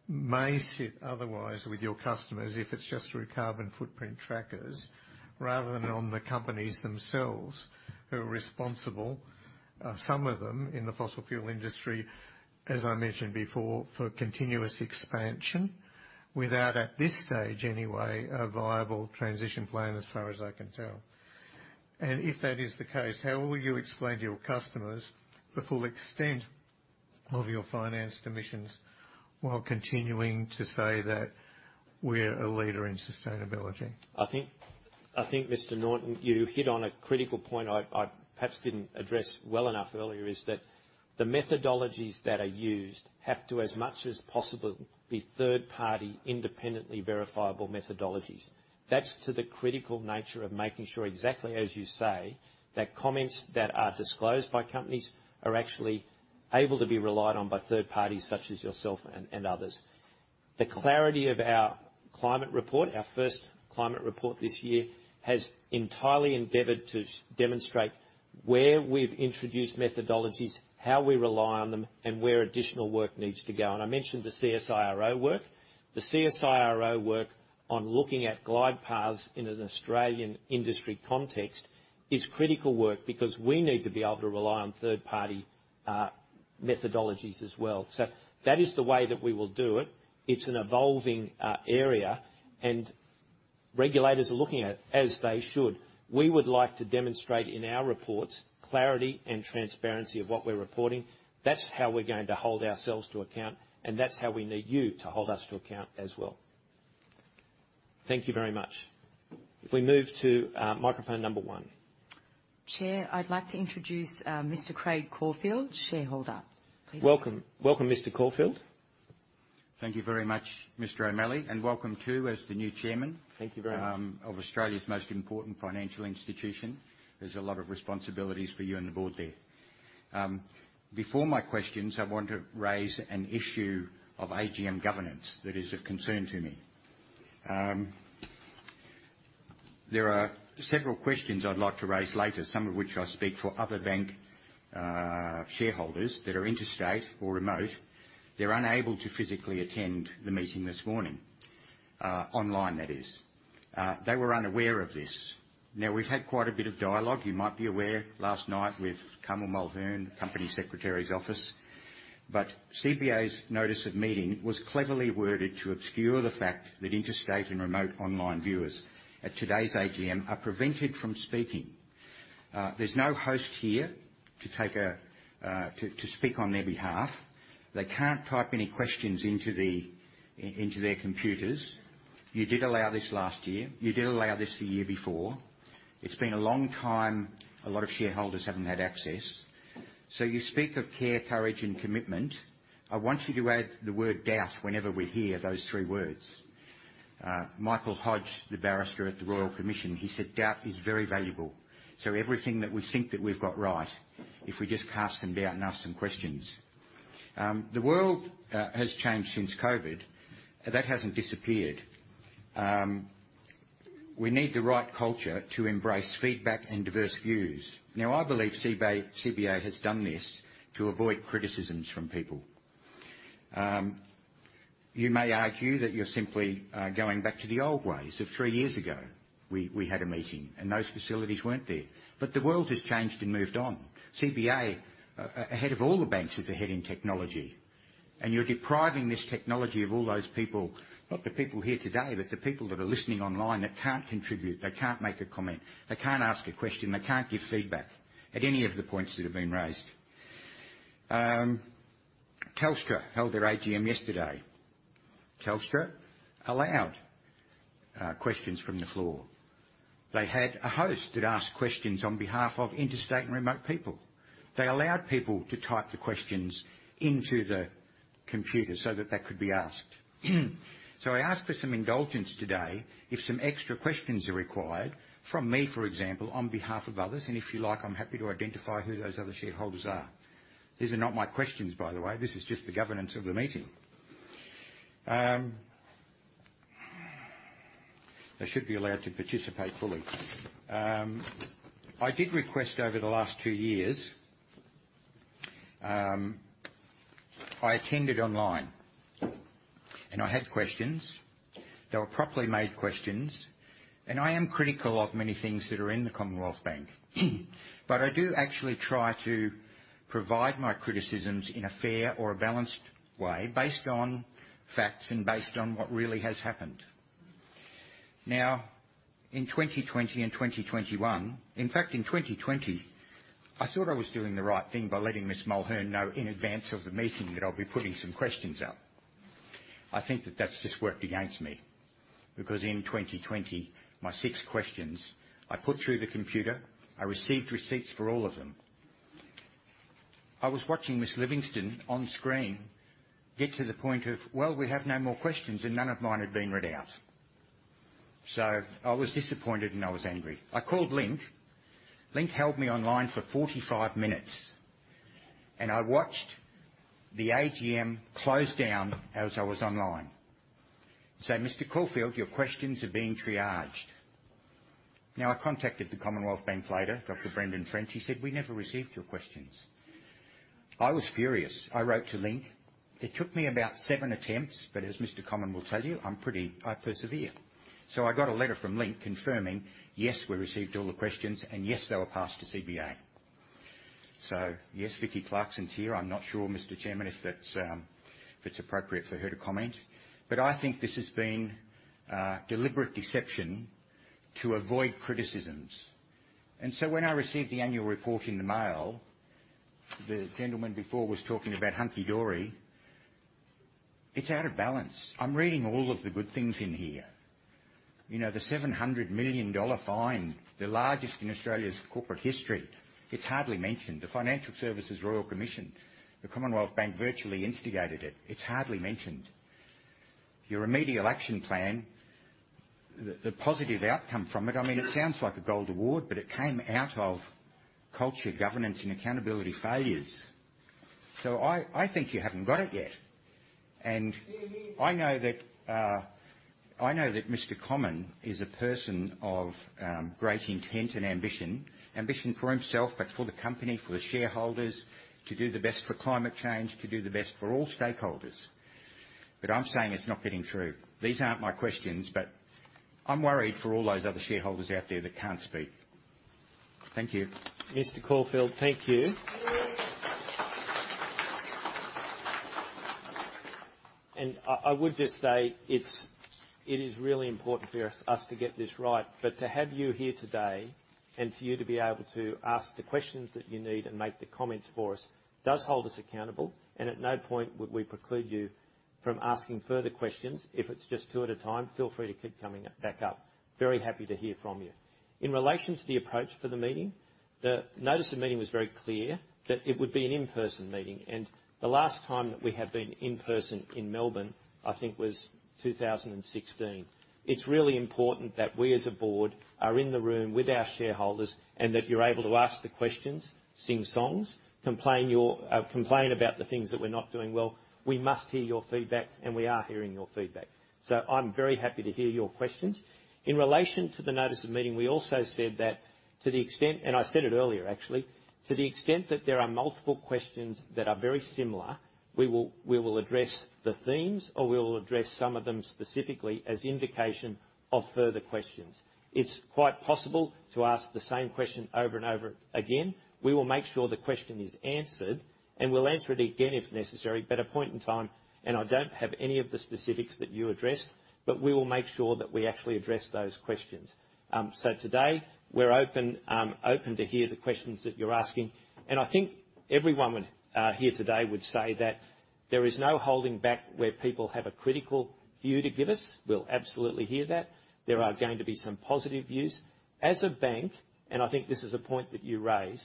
may sit otherwise with your customers if it's just through carbon footprint trackers rather than on the companies themselves who are responsible, some of them in the fossil fuel industry, as I mentioned before, for continuous expansion without, at this stage anyway, a viable transition plan as far as I can tell. If that is the case, how will you explain to your customers the full extent of your financed emissions while continuing to say that we're a leader in sustainability? I think, Mr. Lee Norton, you hit on a critical point I perhaps didn't address well enough earlier, is that the methodologies that are used have to, as much as possible, be third-party independently verifiable methodologies. That's to the critical nature of making sure, exactly as you say, that commitments that are disclosed by companies are actually able to be relied on by third parties such as yourself and others. The clarity of our climate report, our first climate report this year, has entirely endeavored to demonstrate where we've introduced methodologies, how we rely on them, and where additional work needs to go. I mentioned the CSIRO work. The CSIRO work on looking at glide paths in an Australian industry context is critical work because we need to be able to rely on third-party methodologies as well. That is the way that we will do it. It's an evolving area, and regulators are looking at, as they should. We would like to demonstrate in our reports clarity and transparency of what we're reporting. That's how we're going to hold ourselves to account, and that's how we need you to hold us to account as well. Thank you very much. If we move to microphone number one. Chair, I'd like to introduce Mr. Craig Caulfield, shareholder. Welcome. Welcome, Mr. Caulfield. Thank you very much, Mr. O'Malley, and welcome too, as the new chairman. Thank you very much.... of Australia's most important financial institution. There's a lot of responsibilities for you and the board there. Before my questions, I want to raise an issue of AGM governance that is of concern to me. There are several questions I'd like to raise later, some of which I speak for other bank shareholders that are interstate or remote. They're unable to physically attend the meeting this morning, online that is. They were unaware of this. Now, we've had quite a bit of dialogue, you might be aware, last night with Carmel Mulhern, company secretary's office. But CBA's notice of meeting was cleverly worded to obscure the fact that interstate and remote online viewers at today's AGM are prevented from speaking. There's no host here to speak on their behalf. They can't type any questions into their computers. You did allow this last year. You did allow this the year before. It's been a long time, a lot of shareholders haven't had access. You speak of care, courage and commitment. I want you to add the word doubt whenever we hear those three words. Michael Hodge, the barrister at the Royal Commission, he said doubt is very valuable. Everything that we think that we've got right, if we just cast some doubt and ask some questions. The world has changed since COVID. That hasn't disappeared. We need the right culture to embrace feedback and diverse views. Now, I believe CBA has done this to avoid criticisms from people. You may argue that you're simply going back to the old ways of three years ago. We had a meeting and those facilities weren't there. The world has changed and moved on. CBA, ahead of all the banks, is ahead in technology, and you're depriving this technology of all those people. Not the people here today, but the people that are listening online that can't contribute. They can't make a comment. They can't ask a question. They can't give feedback at any of the points that have been raised. Telstra held their AGM yesterday. Telstra allowed questions from the floor. They had a host that asked questions on behalf of interstate and remote people. They allowed people to type the questions into the computer so that they could be asked. I ask for some indulgence today if some extra questions are required from me, for example, on behalf of others. If you like, I'm happy to identify who those other shareholders are. These are not my questions, by the way. This is just the governance of the meeting. They should be allowed to participate fully. I did request over the last two years. I attended online, and I had questions. They were properly made questions, and I am critical of many things that are in the Commonwealth Bank. I do actually try to provide my criticisms in a fair or a balanced way based on facts and based on what really has happened. Now, in 2020 and 2021. In fact, in 2020, I thought I was doing the right thing by letting Ms. Mulhern know in advance of the meeting that I'll be putting some questions up. I think that that's just worked against me, because in 2020, my 6 questions I put through the computer, I received receipts for all of them. I was watching Ms. Catherine Livingstone on screen get to the point of, "Well, we have no more questions," and none of mine had been read out. I was disappointed and I was angry. I called Link. Link held me online for 45 minutes, and I watched the AGM close down as I was online. They said, "Mr. Craig Caulfield, your questions are being triaged." Now, I contacted the Commonwealth Bank later, Dr. Brendan French. He said, "We never received your questions." I was furious. I wrote to Link. It took me about 7 attempts, but as Mr. Matt Comyn will tell you, I'm pretty. I persevere. I got a letter from Link confirming, yes, we received all the questions, and yes, they were passed to CBA. Vicki Clarkson's here. I'm not sure, Mr. Chairman, if that's, if it's appropriate for her to comment. I think this has been deliberate deception to avoid criticisms. When I received the annual report in the mail, the gentleman before was talking about hunky dory. It's out of balance. I'm reading all of the good things in here. You know, the 700 million dollar fine, the largest in Australia's corporate history, it's hardly mentioned. The Financial Services Royal Commission, the Commonwealth Bank virtually instigated it. It's hardly mentioned. Your Remedial Action Plan, the positive outcome from it, I mean, it sounds like a gold award, but it came out of culture, governance and accountability failures. I think you haven't got it yet. I know that Mr. Comyn is a person of great intent and ambition. Ambition for himself, but for the company, for the shareholders, to do the best for climate change, to do the best for all stakeholders. I'm saying it's not getting through. These aren't my questions, but I'm worried for all those other shareholders out there that can't speak. Thank you. Mr. Caulfield, thank you. I would just say it is really important for us to get this right. To have you here today and for you to be able to ask the questions that you need and make the comments for us does hold us accountable. At no point would we preclude you from asking further questions. If it's just two at a time, feel free to keep coming up, back up. Very happy to hear from you. In relation to the approach for the meeting, the notice of meeting was very clear that it would be an in-person meeting. The last time that we have been in person in Melbourne, I think, was 2016. It's really important that we as a board are in the room with our shareholders and that you're able to ask the questions, sing songs, complain about the things that we're not doing well. We must hear your feedback, and we are hearing your feedback. I'm very happy to hear your questions. In relation to the notice of meeting, we also said that to the extent, and I said it earlier actually, to the extent that there are multiple questions that are very similar, we will address the themes, or we will address some of them specifically as indication of further questions. It's quite possible to ask the same question over and over again. We will make sure the question is answered, and we'll answer it again if necessary, but at a point in time, and I don't have any of the specifics that you addressed, but we will make sure that we actually address those questions. Today we're open to hear the questions that you're asking, and I think everyone would here today would say that there is no holding back where people have a critical view to give us. We'll absolutely hear that. There are going to be some positive views. As a bank, and I think this is a point that you raised,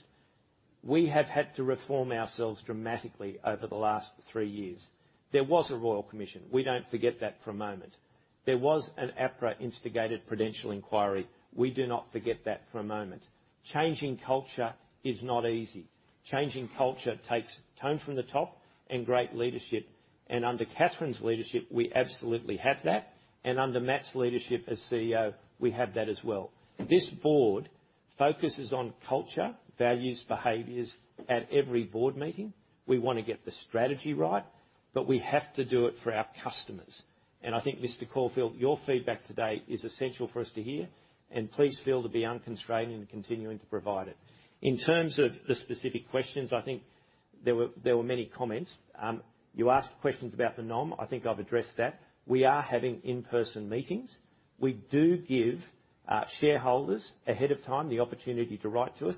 we have had to reform ourselves dramatically over the last three years. There was a Royal Commission. We don't forget that for a moment. There was an APRA-instigated Prudential Inquiry. We do not forget that for a moment. Changing culture is not easy. Changing culture takes tone from the top and great leadership. Under Catherine's leadership, we absolutely have that. Under Matt's leadership as CEO, we have that as well. This board focuses on culture, values, behaviors at every board meeting. We wanna get the strategy right, but we have to do it for our customers. I think, Mr. Caulfield, your feedback today is essential for us to hear, and please feel to be unconstrained in continuing to provide it. In terms of the specific questions, I think there were many comments. You asked questions about the NOM. I think I've addressed that. We are having in-person meetings. We do give shareholders ahead of time the opportunity to write to us.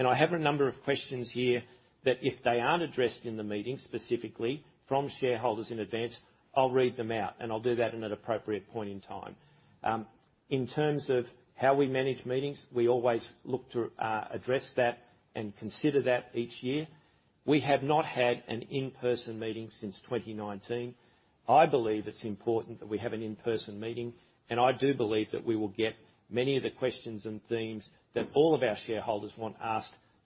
I have a number of questions here that if they aren't addressed in the meeting, specifically from shareholders in advance, I'll read them out, and I'll do that in an appropriate point in time. In terms of how we manage meetings, we always look to address that and consider that each year. We have not had an in-person meeting since 2019. I believe it's important that we have an in-person meeting, and I do believe that we will get many of the questions and themes that all of our shareholders want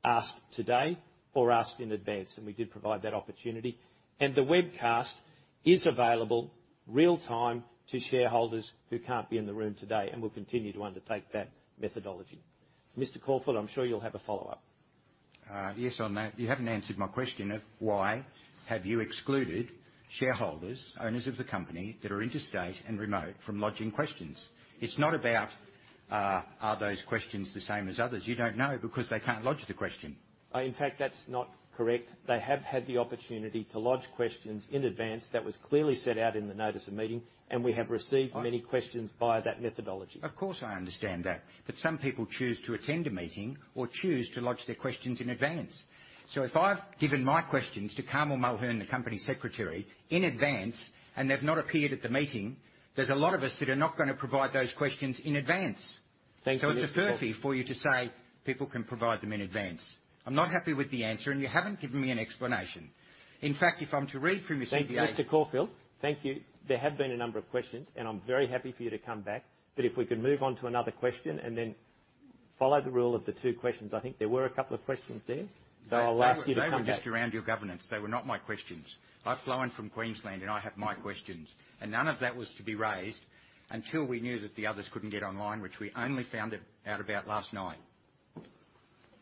asked today or asked in advance, and we did provide that opportunity. The webcast is available real-time to shareholders who can't be in the room today and will continue to undertake that methodology. Mr. Caulfield, I'm sure you'll have a follow-up. Yes, on that. You haven't answered my question of why have you excluded shareholders, owners of the company that are interstate and remote from lodging questions? It's not about, are those questions the same as others? You don't know because they can't lodge the question. In fact, that's not correct. They have had the opportunity to lodge questions in advance. That was clearly set out in the notice of meeting, and we have received. I- many questions via that methodology. Of course, I understand that. Some people choose to attend a meeting or choose to lodge their questions in advance. If I've given my questions to Carmel Mulhern, the company secretary, in advance, and they've not appeared at the meeting, there's a lot of us that are not gonna provide those questions in advance. Thank you, Mr. Caulfield. It's a furphy for you to say people can provide them in advance. I'm not happy with the answer, and you haven't given me an explanation. In fact, if I'm to read from your CBA- Thank you, Mr. Caulfield. Thank you. There have been a number of questions, and I'm very happy for you to come back. If we could move on to another question and then follow the rule of the two questions. I think there were a couple of questions there, so I'll ask you to- They were just around your governance. They were not my questions. I've flown from Queensland and I have my questions, and none of that was to be raised until we knew that the others couldn't get online, which we only found it out about last night.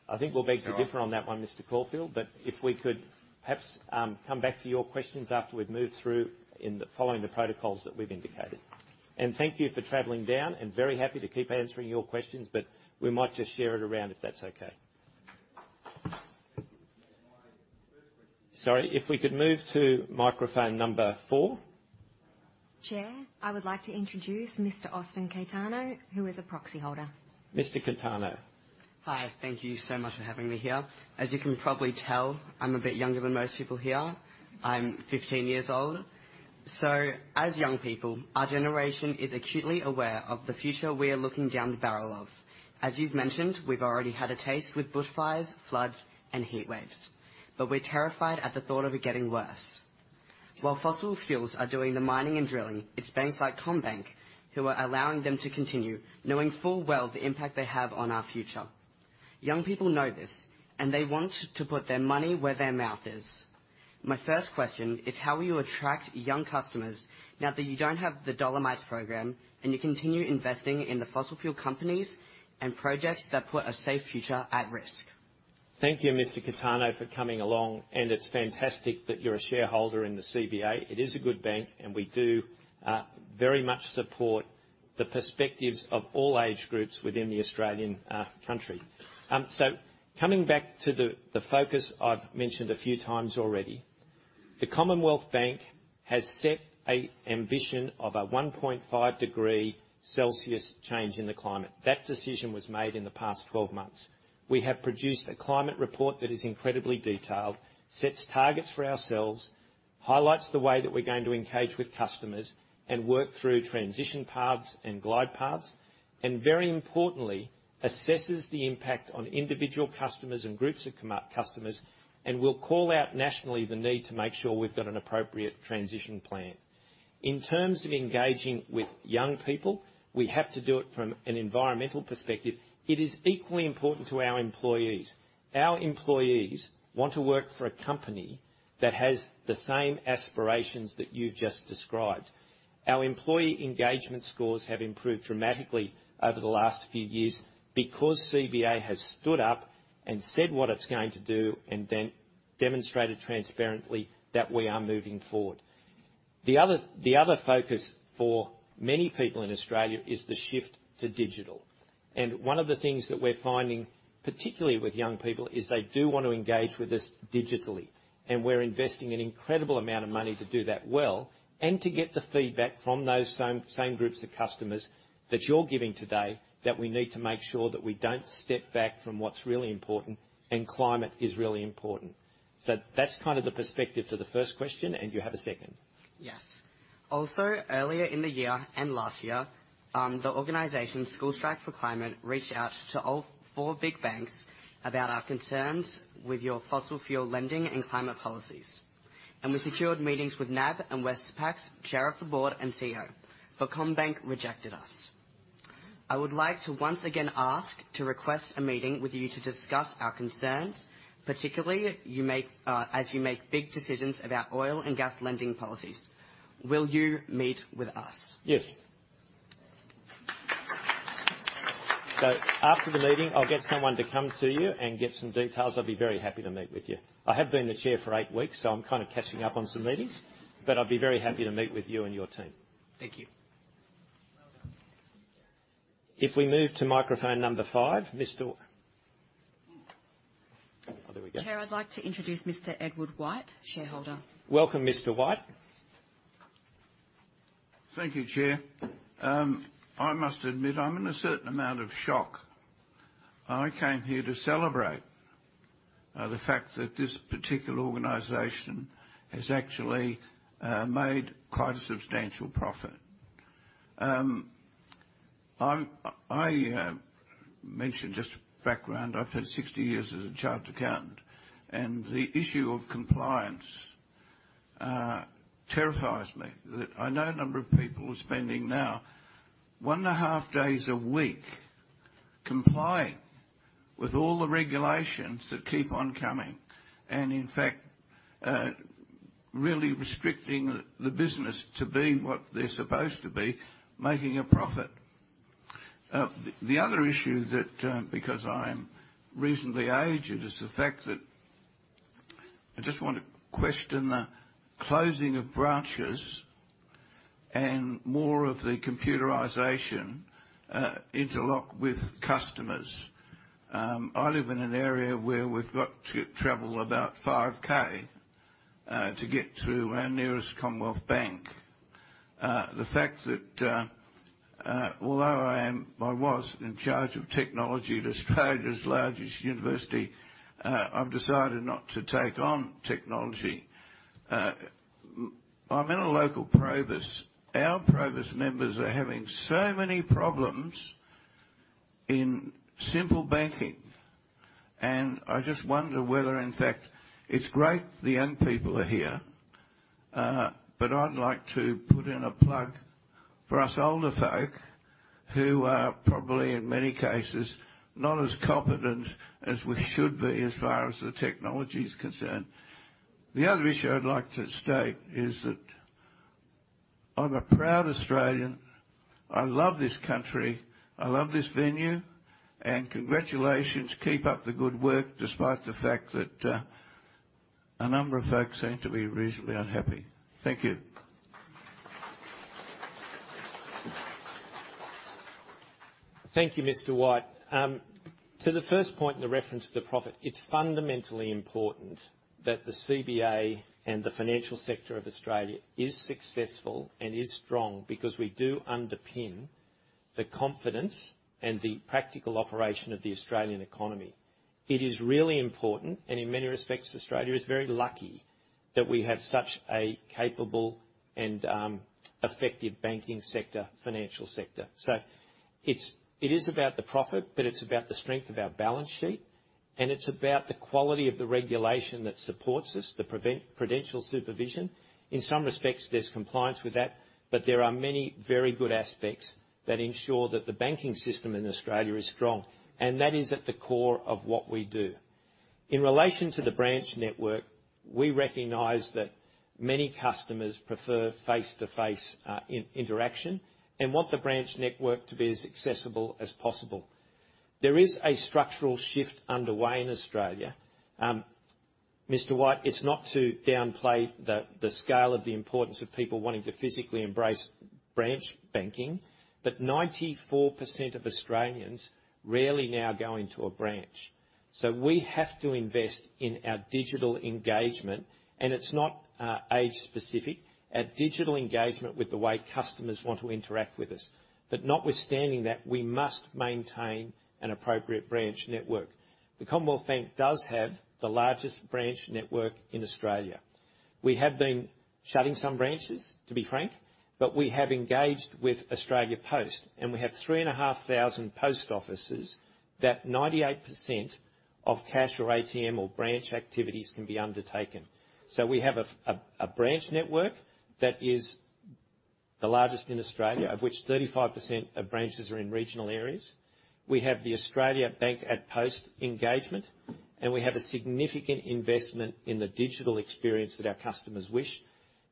I think we'll beg to differ on that one, Mr. Caulfield, but if we could perhaps come back to your questions after we've moved through the following protocols that we've indicated. Thank you for traveling down, and very happy to keep answering your questions, but we might just share it around, if that's okay. My first question. Sorry, if we could move to microphone number four. Chair, I would like to introduce Mr. Austin Caetano, who is a proxy holder. Mr. Caetano. Hi. Thank you so much for having me here. As you can probably tell, I'm a bit younger than most people here. I'm 15 years old. As young people, our generation is acutely aware of the future we are looking down the barrel of. As you've mentioned, we've already had a taste with bushfires, floods, and heatwaves, but we're terrified at the thought of it getting worse. While fossil fuels are doing the mining and drilling, it's banks like CommBank who are allowing them to continue, knowing full well the impact they have on our future. Young people know this, and they want to put their money where their mouth is. My first question is, how will you attract young customers now that you don't have the Dollarmites program and you continue investing in the fossil fuel companies and projects that put a safe future at risk? Thank you, Mr. Austin Caetano, for coming along, and it's fantastic that you're a shareholder in the CBA. It is a good bank, and we do very much support the perspectives of all age groups within the Australian country. Coming back to the focus I've mentioned a few times already, the Commonwealth Bank has set an ambition of a 1.5 degrees Celsius change in the climate. That decision was made in the past 12 months. We have produced a climate report that is incredibly detailed, sets targets for ourselves, highlights the way that we're going to engage with customers and work through transition paths and glide paths. Very importantly, assesses the impact on individual customers and groups of customers and will call out nationally the need to make sure we've got an appropriate transition plan. In terms of engaging with young people, we have to do it from an environmental perspective. It is equally important to our employees. Our employees want to work for a company that has the same aspirations that you've just described. Our employee engagement scores have improved dramatically over the last few years because CBA has stood up and said what it's going to do and then demonstrated transparently that we are moving forward. The other focus for many people in Australia is the shift to digital. One of the things that we're finding, particularly with young people, is they do want to engage with us digitally, and we're investing an incredible amount of money to do that well and to get the feedback from those same groups of customers that you're giving today that we need to make sure that we don't step back from what's really important, and climate is really important. That's kind of the perspective to the first question, and you have a second. Yes. Also, earlier in the year and last year, the organization School Strike 4 Climate reached out to all four big banks about our concerns with your fossil fuel lending and climate policies. We secured meetings with NAB and Westpac's chair of the board and CEO, but CommBank rejected us. I would like to once again ask to request a meeting with you to discuss our concerns, particularly as you make big decisions about oil and gas lending policies. Will you meet with us? Yes. After the meeting, I'll get someone to come to you and get some details. I'll be very happy to meet with you. I have been the chair for eight weeks, so I'm kind of catching up on some meetings, but I'd be very happy to meet with you and your team. Thank you. If we move to microphone number five. Oh, there we go. Chair, I'd like to introduce Mr. Edward White, shareholder. Welcome, Mr. White. Thank you, Chair. I must admit, I'm in a certain amount of shock. I came here to celebrate the fact that this particular organization has actually made quite a substantial profit. I mention just background. I've had 60 years as a chartered accountant, and the issue of compliance terrifies me. I know a number of people who are spending now one and a half days a week complying with all the regulations that keep on coming, and in fact really restricting the business to be what they're supposed to be, making a profit. The other issue that because I'm reasonably aged, is the fact that I just want to question the closing of branches and more of the computerization interlock with customers. I live in an area where we've got to travel about 5 K to get to our nearest Commonwealth Bank. The fact that although I am, I was in charge of technology at Australia's largest university, I've decided not to take on technology. I'm in a local Probus. Our Probus members are having so many problems in simple banking. I just wonder whether, in fact, it's great the young people are here, but I'd like to put in a plug for us older folk who are probably, in many cases, not as competent as we should be as far as the technology is concerned. The other issue I'd like to state is that I'm a proud Australian. I love this country. I love this venue. Congratulations, keep up the good work, despite the fact that a number of folks seem to be reasonably unhappy. Thank you. Thank you, Mr. White. To the first point in the reference to the profit, it's fundamentally important that the CBA and the financial sector of Australia is successful and is strong because we do underpin the confidence and the practical operation of the Australian economy. It is really important, and in many respects, Australia is very lucky that we have such a capable and effective banking sector, financial sector. It's, it is about the profit, but it's about the strength of our balance sheet, and it's about the quality of the regulation that supports us, the prudential supervision. In some respects, there's compliance with that, but there are many very good aspects that ensure that the banking system in Australia is strong, and that is at the core of what we do. In relation to the branch network, we recognize that many customers prefer face-to-face interaction and want the branch network to be as accessible as possible. There is a structural shift underway in Australia. Mr. White, it's not to downplay the scale of the importance of people wanting to physically embrace branch banking, but 94% of Australians rarely now go into a branch. We have to invest in our digital engagement, and it's not age-specific. Our digital engagement with the way customers want to interact with us. Notwithstanding that, we must maintain an appropriate branch network. The Commonwealth Bank does have the largest branch network in Australia. We have been shutting some branches, to be frank, but we have engaged with Australia Post, and we have 3,500 post offices that 98% of cash or ATM or branch activities can be undertaken. We have a branch network that is the largest in Australia, of which 35% of branches are in regional areas. We have the Bank@Post engagement, and we have a significant investment in the digital experience that our customers wish,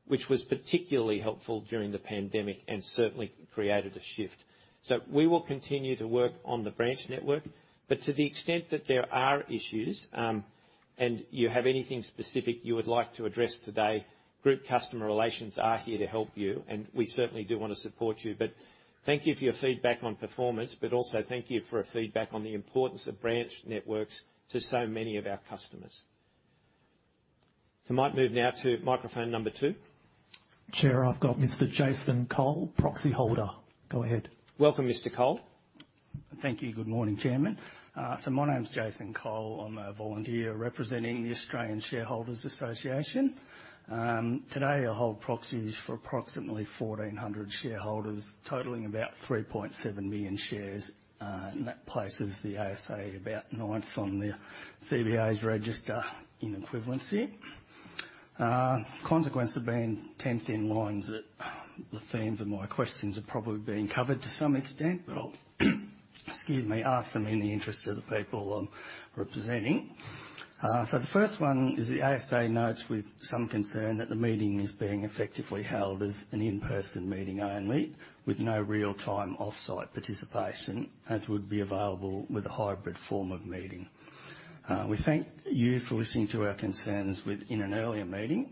which was particularly helpful during the pandemic and certainly created a shift. We will continue to work on the branch network, but to the extent that there are issues, and you have anything specific you would like to address today, group customer relations are here to help you, and we certainly do wanna support you. Thank you for your feedback on performance, but also thank you for the feedback on the importance of branch networks to so many of our customers. Might move now to microphone number two. Chair, I've got Mr. Jason Cole, proxy holder. Go ahead. Welcome, Mr. Cole. Thank you. Good morning, Chairman. My name's Jason Cole. I'm a volunteer representing the Australian Shareholders' Association. Today, I hold proxies for approximately 1,400 shareholders, totaling about 3.7 million shares, and that places the ASA about ninth on the CBA's register in equivalency. Consequence of being tenth in line is that the themes of my questions have probably been covered to some extent, but I'll excuse me, ask them in the interest of the people I'm representing. The first one is the ASA notes with some concern that the meeting is being effectively held as an in-person meeting only, with no real-time off-site participation as would be available with a hybrid form of meeting. We thank you for listening to our concerns within an earlier meeting.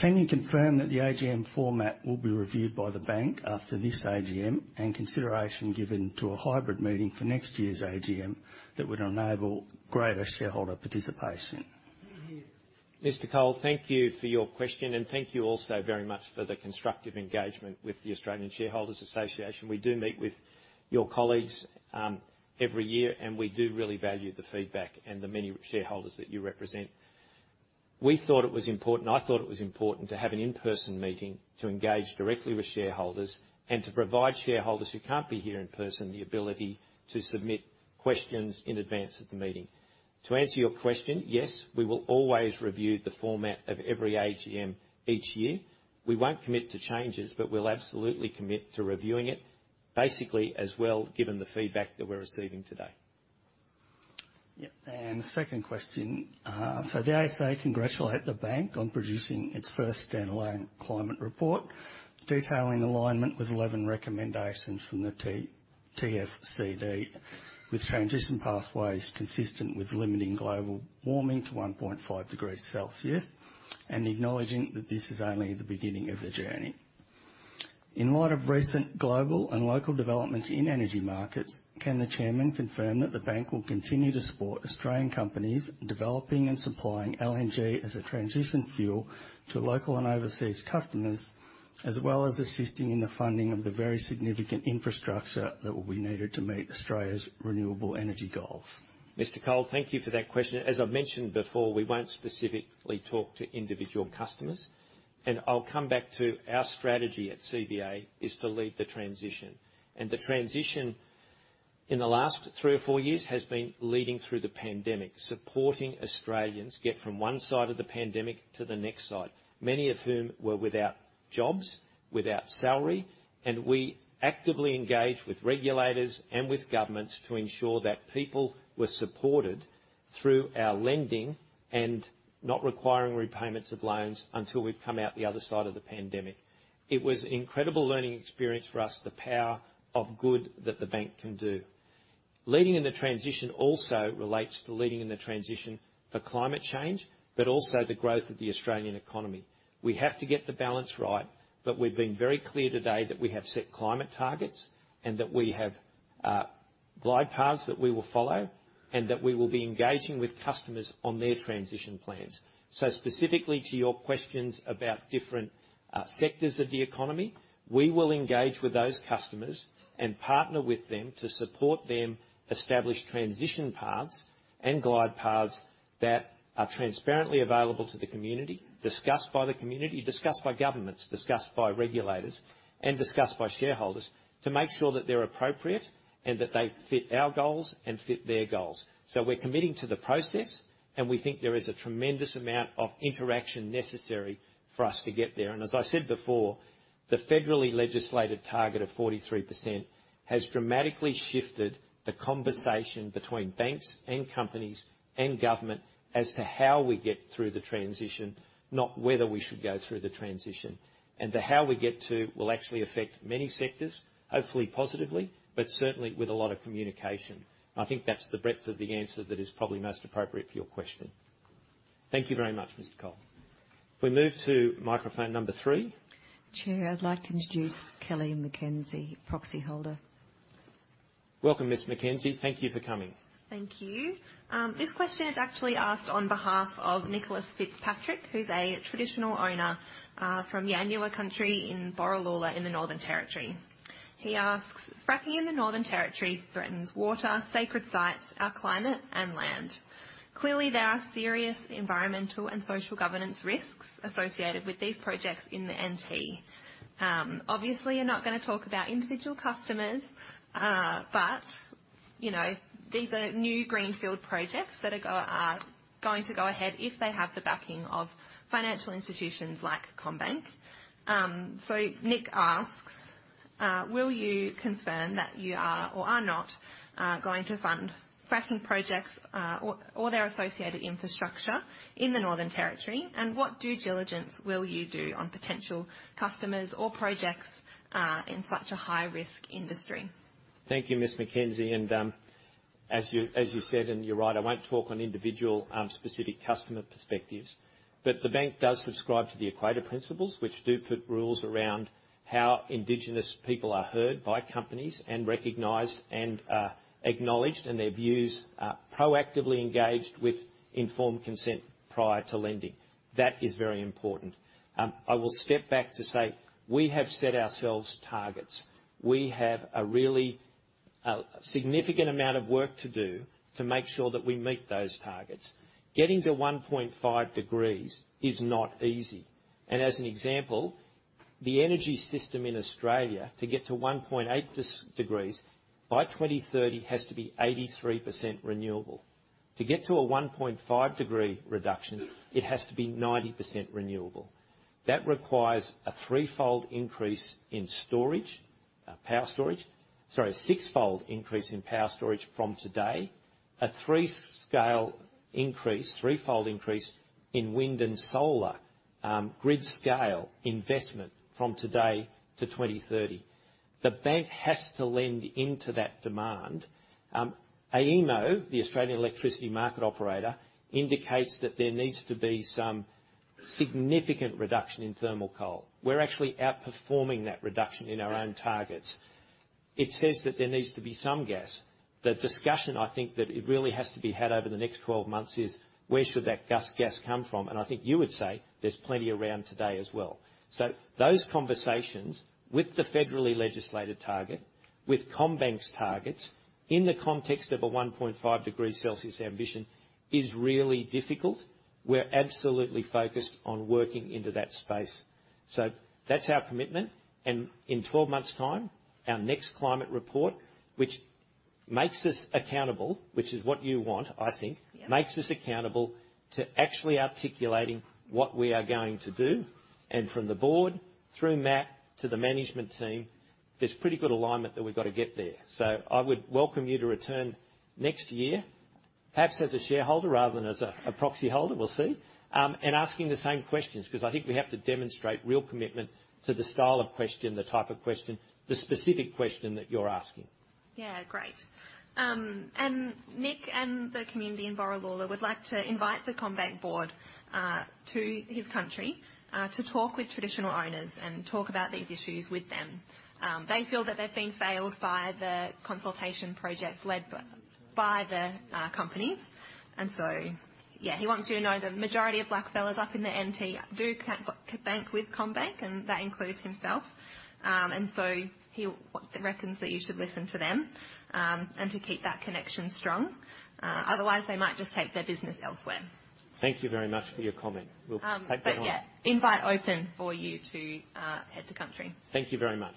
Can you confirm that the AGM format will be reviewed by the bank after this AGM and consideration given to a hybrid meeting for next year's AGM that would enable greater shareholder participation? Hear, hear. Mr. Jason Cole, thank you for your question, and thank you also very much for the constructive engagement with the Australian Shareholders' Association. We do meet with your colleagues every year, and we do really value the feedback and the many shareholders that you represent. We thought it was important, I thought it was important to have an in-person meeting to engage directly with shareholders and to provide shareholders who can't be here in person the ability to submit questions in advance of the meeting. To answer your question, yes, we will always review the format of every AGM each year. We won't commit to changes, but we'll absolutely commit to reviewing it basically as well, given the feedback that we're receiving today. Yeah. Second question. The ASA congratulates the bank on producing its first standalone climate report, detailing alignment with 11 recommendations from the TCFD, with transition pathways consistent with limiting global warming to 1.5 degrees Celsius and acknowledging that this is only the beginning of the journey. In light of recent global and local developments in energy markets, can the chairman confirm that the bank will continue to support Australian companies developing and supplying LNG as a transition fuel to local and overseas customers, as well as assisting in the funding of the very significant infrastructure that will be needed to meet Australia's renewable energy goals? Mr. Cole, thank you for that question. As I've mentioned before, we won't specifically talk to individual customers, and I'll come back to our strategy at CBA is to lead the transition. The transition in the last three or four years has been leading through the pandemic, supporting Australians get from one side of the pandemic to the next side. Many of whom were without jobs, without salary, and we actively engaged with regulators and with governments to ensure that people were supported through our lending and not requiring repayments of loans until we'd come out the other side of the pandemic. It was incredible learning experience for us, the power of good that the bank can do. Leading in the transition also relates to leading in the transition for climate change, but also the growth of the Australian economy. We have to get the balance right, but we've been very clear today that we have set climate targets and that we have glide paths that we will follow and that we will be engaging with customers on their transition plans. Specifically to your questions about different sectors of the economy, we will engage with those customers and partner with them to support them establish transition paths and glide paths that are transparently available to the community, discussed by the community, discussed by governments, discussed by regulators, and discussed by shareholders to make sure that they're appropriate and that they fit our goals and fit their goals. We're committing to the process, and we think there is a tremendous amount of interaction necessary for us to get there. As I said before, the federally legislated target of 43% has dramatically shifted the conversation between banks and companies and government as to how we get through the transition, not whether we should go through the transition. The how we get to will actually affect many sectors, hopefully, positively, but certainly with a lot of communication. I think that's the breadth of the answer that is probably most appropriate for your question. Thank you very much, Mr. Cole. We move to microphone number 3. Chair, I'd like to introduce Kelly McKenzie, proxy holder. Welcome, Ms. McKenzie. Thank you for coming. Thank you. This question is actually asked on behalf of Nicholas Fitzpatrick, who's a traditional owner, from Yanyuwa country in Borroloola in the Northern Territory. He asks, "Fracking in the Northern Territory threatens water, sacred sites, our climate and land. Clearly, there are serious environmental and social governance risks associated with these projects in the NT. Obviously, you're not gonna talk about individual customers, but, you know, these are new greenfield projects that are going to go ahead if they have the backing of financial institutions like CommBank. Nick asks, will you confirm that you are or are not going to fund fracking projects or their associated infrastructure in the Northern Territory? What due diligence will you do on potential customers or projects in such a high-risk industry? Thank you, Ms. McKenzie. As you said, and you're right, I won't talk on individual, specific customer perspectives, but the bank does subscribe to the Equator Principles, which do put rules around how indigenous people are heard by companies and recognized and acknowledged, and their views proactively engaged with informed consent prior to lending. That is very important. I will step back to say we have set ourselves targets. We have a really significant amount of work to do to make sure that we meet those targets. Getting to 1.5 degrees is not easy. As an example, the energy system in Australia, to get to 1.8 degrees by 2030 has to be 83% renewable. To get to a 1.5-degree reduction, it has to be 90% renewable. That requires a threefold increase in power storage. A six-fold increase in power storage from today, a threefold increase in wind and solar, grid scale investment from today to 2030. The bank has to lend into that demand. AEMO, the Australian Energy Market Operator, indicates that there needs to be some significant reduction in thermal coal. We're actually outperforming that reduction in our own targets. It says that there needs to be some gas. The discussion, I think that it really has to be had over the next 12 months is: Where should that gas come from? I think you would say there's plenty around today as well. Those conversations with the federally legislated target, with CommBank's targets in the context of a 1.5 degrees Celsius ambition is really difficult. We're absolutely focused on working into that space. That's our commitment. In 12 months' time, our next climate report, which makes us accountable, which is what you want, I think. Yeah. Makes us accountable to actually articulating what we are going to do. From the board through Matt Comyn to the management team, there's pretty good alignment that we've got to get there. I would welcome you to return next year, perhaps as a shareholder rather than as a proxy holder. We'll see. Asking the same questions, 'cause I think we have to demonstrate real commitment to the style of question, the type of question, the specific question that you're asking. Yeah, great. Nick and the community in Borroloola would like to invite the CommBank board to his country to talk with traditional owners and talk about these issues with them. They feel that they've been failed by the consultation projects led by the companies. Yeah, he wants you to know the majority of Blackfellas up in the NT do bank with CommBank, and that includes himself. He reckons that you should listen to them and keep that connection strong. Otherwise, they might just take their business elsewhere. Thank you very much for your comment. We'll take that on. Yeah, invite open for you to head to country. Thank you very much.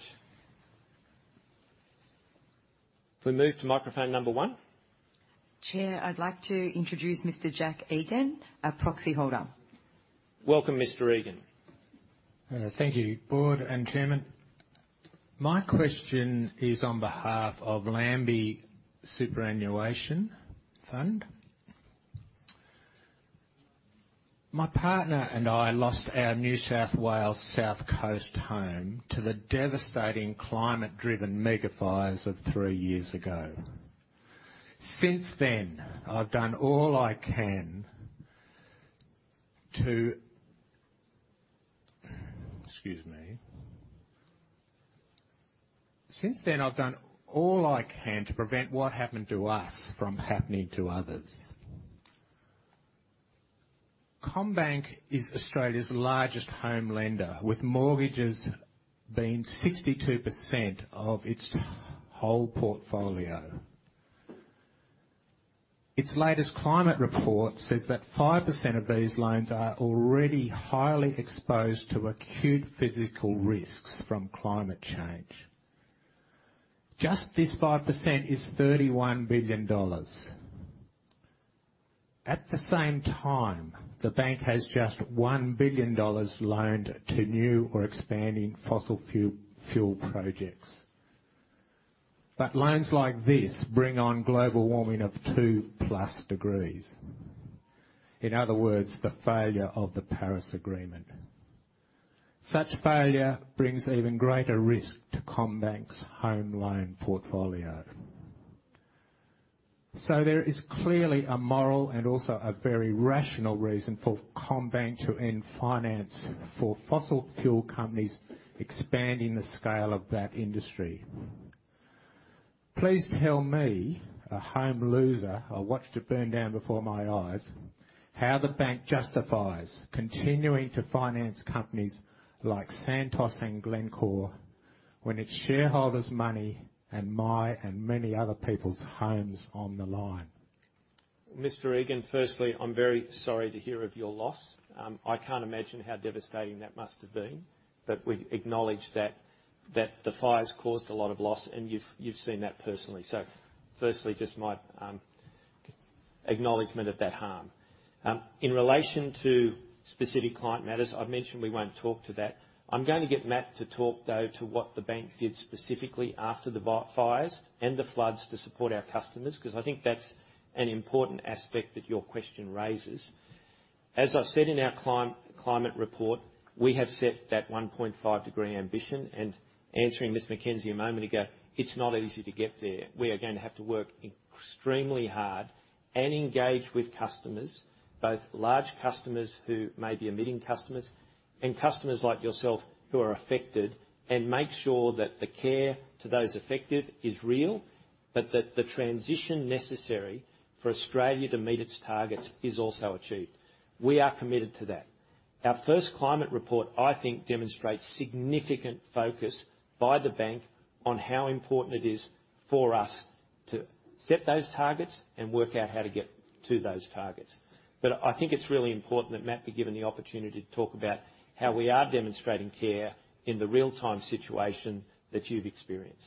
We move to microphone number one. Chair, I'd like to introduce Mr. Jack Egan, our proxy holder. Welcome, Mr. Egan. Thank you, board and chairman. My question is on behalf of Lambie Superannuation Fund. My partner and I lost our New South Wales South Coast home to the devastating climate-driven megafires of three years ago. Since then, I've done all I can to prevent what happened to us from happening to others. CommBank is Australia's largest home lender, with mortgages being 62% of its whole portfolio. Its latest climate report says that 5% of these loans are already highly exposed to acute physical risks from climate change. Just this 5% is 31 billion dollars. At the same time, the bank has just 1 billion dollars loaned to new or expanding fossil fuel projects. Loans like this bring on global warming of 2+ degrees. In other words, the failure of the Paris Agreement. Such failure brings even greater risk to CommBank's home loan portfolio. There is clearly a moral and also a very rational reason for CommBank to end finance for fossil fuel companies expanding the scale of that industry. Please tell me, a home owner, I watched it burn down before my eyes, how the bank justifies continuing to finance companies like Santos and Glencore when it's shareholders' money and my and many other people's homes on the line? Mr. Egan, firstly, I'm very sorry to hear of your loss. I can't imagine how devastating that must have been, but we acknowledge that the fires caused a lot of loss, and you've seen that personally. Firstly, just my acknowledgement of that harm. In relation to specific client matters, I've mentioned we won't talk to that. I'm gonna get Matt to talk, though, to what the bank did specifically after the fires and the floods to support our customers, 'cause I think that's an important aspect that your question raises. As I've said in our climate report, we have set that 1.5-degree ambition, and answering Ms. McKenzie a moment ago, it's not easy to get there. We are going to have to work extremely hard and engage with customers, both large customers who may be emitting customers and customers like yourself who are affected, and make sure that the care to those affected is real, but that the transition necessary for Australia to meet its targets is also achieved. We are committed to that. Our first climate report, I think, demonstrates significant focus by the bank on how important it is for us to set those targets and work out how to get to those targets. I think it's really important that Matt Comyn be given the opportunity to talk about how we are demonstrating care in the real-time situation that you've experienced.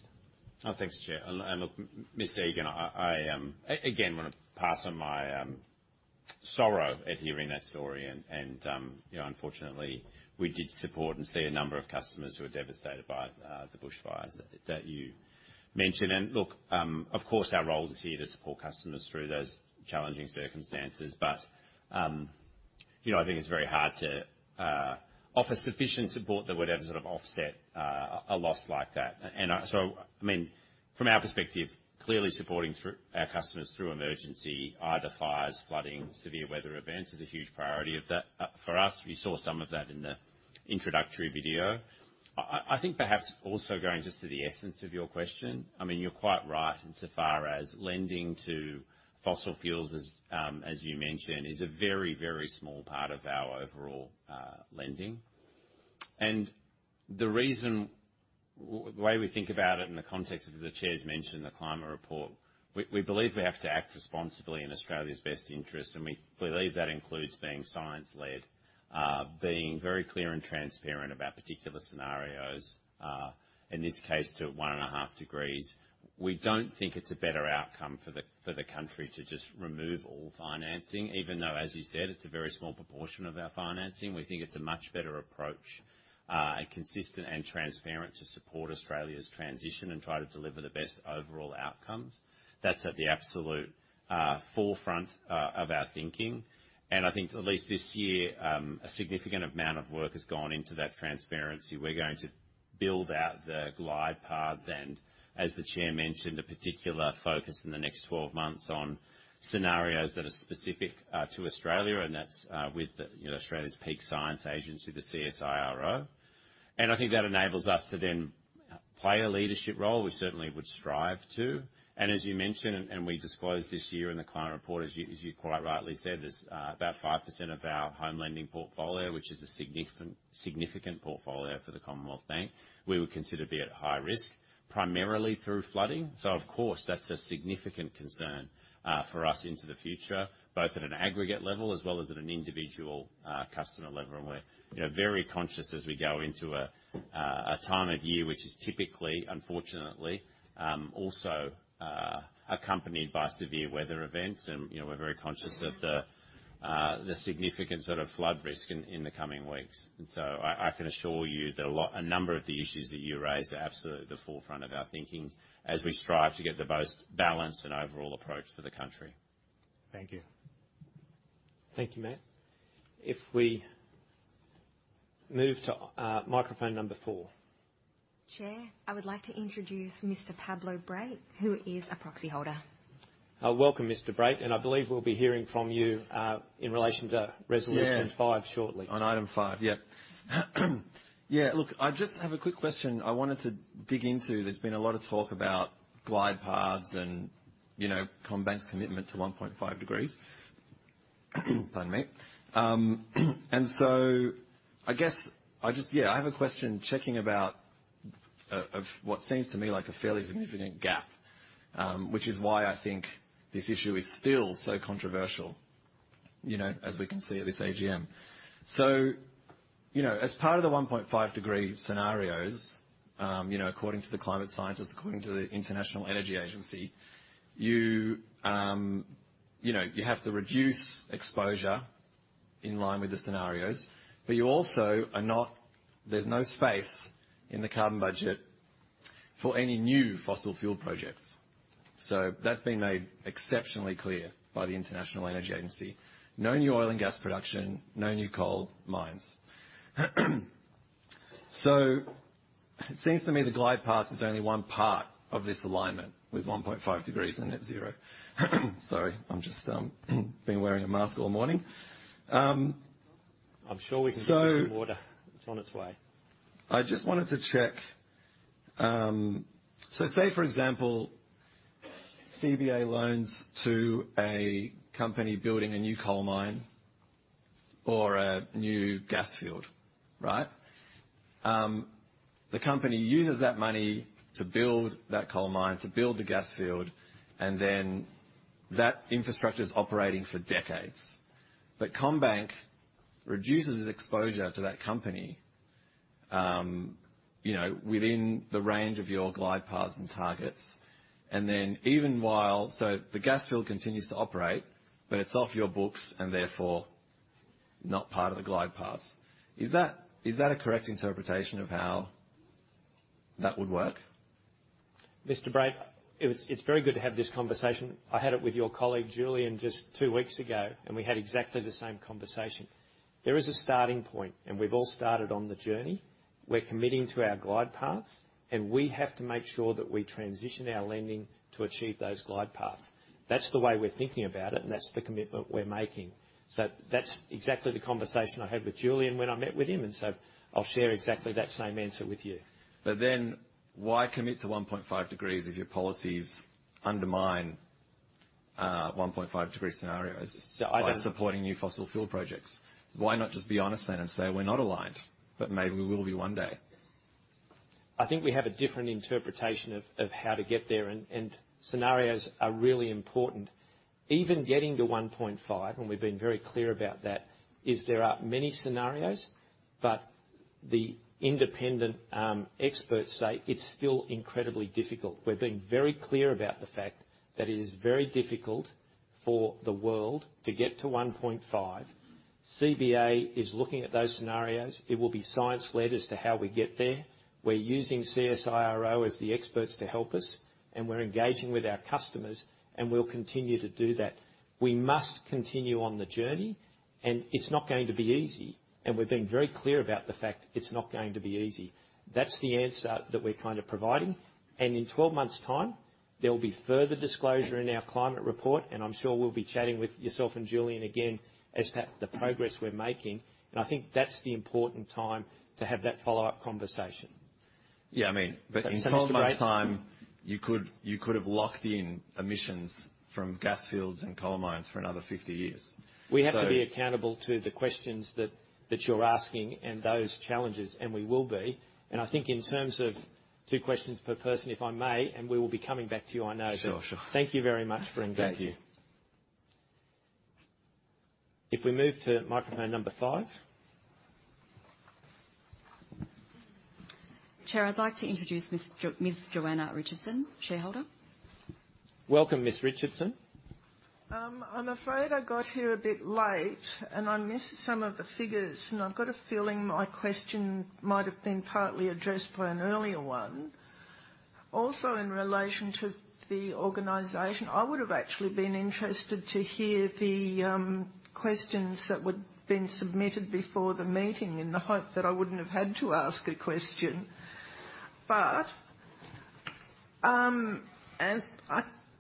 Oh, thanks, Chair. Look, Mr. Egan, I again wanna pass on my sorrow at hearing that story. You know, unfortunately, we did support and see a number of customers who were devastated by the bushfires that you mentioned. Look, of course our role is here to support customers through those challenging circumstances. You know, I think it's very hard to offer sufficient support that would ever sort of offset a loss like that. I mean, from our perspective, clearly supporting through our customers through emergency, either fires, flooding, severe weather events is a huge priority of that. For us, we saw some of that in the introductory video. I think perhaps also going just to the essence of your question, I mean, you're quite right insofar as lending to fossil fuels as you mentioned, is a very, very small part of our overall lending. The reason the way we think about it in the context of the Chair's mention in the climate report, we believe we have to act responsibly in Australia's best interest, and we believe that includes being science-led, being very clear and transparent about particular scenarios, in this case, to 1.5 degrees. We don't think it's a better outcome for the country to just remove all financing, even though, as you said, it's a very small proportion of our financing. We think it's a much better approach and consistent and transparent to support Australia's transition and try to deliver the best overall outcomes. That's at the absolute forefront of our thinking. I think at least this year a significant amount of work has gone into that transparency. We're going to build out the glide paths and as the Chair mentioned, a particular focus in the next 12 months on scenarios that are specific to Australia and that's with the you know, Australia's peak science agency, the CSIRO. I think that enables us to then. Play a leadership role, we certainly would strive to. As you mentioned, and we disclosed this year in the climate report, as you quite rightly said, there's about 5% of our home lending portfolio, which is a significant portfolio for the Commonwealth Bank, we would consider to be at high risk, primarily through flooding. Of course, that's a significant concern for us into the future, both at an aggregate level as well as at an individual customer level. We're, you know, very conscious as we go into a time of year, which is typically, unfortunately, also accompanied by severe weather events. You know, we're very conscious of the significant sort of flood risk in the coming weeks. I can assure you that a lot. A number of the issues that you raised are absolutely at the forefront of our thinking as we strive to get the most balanced and overall approach for the country. Thank you. Thank you, Matt. If we move to microphone number four. Chair, I would like to introduce Mr. Pablo Brait, who is a proxy holder. Welcome Mr. Brait, and I believe we'll be hearing from you in relation to resolution. Yeah. 5 shortly. On item five, yeah. Yeah, look, I just have a quick question I wanted to dig into. There's been a lot of talk about glide paths and, you know, CommBank's commitment to 1.5 degrees. I guess I just yeah, I have a question checking about of what seems to me like a fairly significant gap, which is why I think this issue is still so controversial, you know, as we can see at this AGM. You know, as part of the 1.5 degree scenarios, you know, according to the climate scientists, according to the International Energy Agency, you know, you have to reduce exposure in line with the scenarios, but there's no space in the carbon budget for any new fossil fuel projects. That's been made exceptionally clear by the International Energy Agency. No new oil and gas production, no new coal mines. It seems to me the glide path is only one part of this alignment with 1.5 degrees and net zero. Sorry, I'm just been wearing a mask all morning. I'm sure we can get you some water. It's on its way. I just wanted to check, so say for example, CBA loans to a company building a new coal mine or a new gas field, right? The company uses that money to build that coal mine, to build the gas field, and then that infrastructure is operating for decades. CommBank reduces its exposure to that company, you know, within the range of your glide paths and targets. The gas field continues to operate, but it's off your books and therefore not part of the glide path. Is that a correct interpretation of how that would work? Mr. Pablo Brait, it's very good to have this conversation. I had it with your colleague, Julian, just two weeks ago, and we had exactly the same conversation. There is a starting point, and we've all started on the journey. We're committing to our glide paths, and we have to make sure that we transition our lending to achieve those glide paths. That's the way we're thinking about it, and that's the commitment we're making. That's exactly the conversation I had with Julian when I met with him, and so I'll share exactly that same answer with you. Why commit to 1.5 degrees if your policies undermine 1.5 degree scenarios? Yeah, I don't- By supporting new fossil fuel projects? Why not just be honest then and say, "We're not aligned, but maybe we will be one day"? I think we have a different interpretation of how to get there and scenarios are really important. Even getting to 1.5, and we've been very clear about that, is. There are many scenarios, but the independent experts say it's still incredibly difficult. We're being very clear about the fact that it is very difficult for the world to get to 1.5. CBA is looking at those scenarios. It will be science-led as to how we get there. We're using CSIRO as the experts to help us, and we're engaging with our customers, and we'll continue to do that. We must continue on the journey, and it's not going to be easy, and we're being very clear about the fact it's not going to be easy. That's the answer that we're kind of providing. In 12 months' time, there will be further disclosure in our climate report, and I'm sure we'll be chatting with yourself and Julian again as per the progress we're making. I think that's the important time to have that follow-up conversation. Yeah, I mean, in 12 months' time. Mr. Brait. You could have locked in emissions from gas fields and coal mines for another 50 years. We have to be accountable to the questions that you're asking and those challenges, and we will be. I think in terms of two questions per person, if I may, and we will be coming back to you, I know. Sure, sure. Thank you very much for engaging. Thank you. If we move to microphone number 5. Chair, I'd like to introduce Miss Joanna Richardson, shareholder. Welcome, Miss Richardson. I'm afraid I got here a bit late, and I missed some of the figures, and I've got a feeling my question might have been partly addressed by an earlier one. Also, in relation to the organization, I would have actually been interested to hear the questions that would have been submitted before the meeting in the hope that I wouldn't have had to ask a question.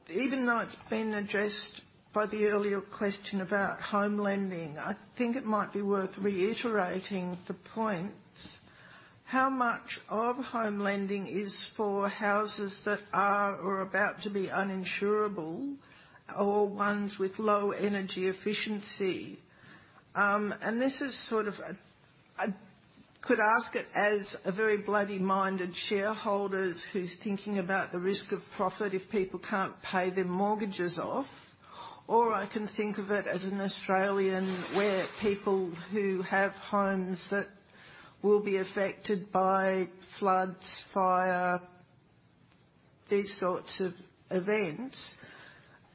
Even though it's been addressed by the earlier question about home lending, I think it might be worth reiterating the points. How much of home lending is for houses that are or about to be uninsurable or ones with low energy efficiency? I could ask it as a very bloody-minded shareholder who's thinking about the risk of profit if people can't pay their mortgages off, or I can think of it as an Australian where people who have homes that will be affected by floods, fire, these sorts of events,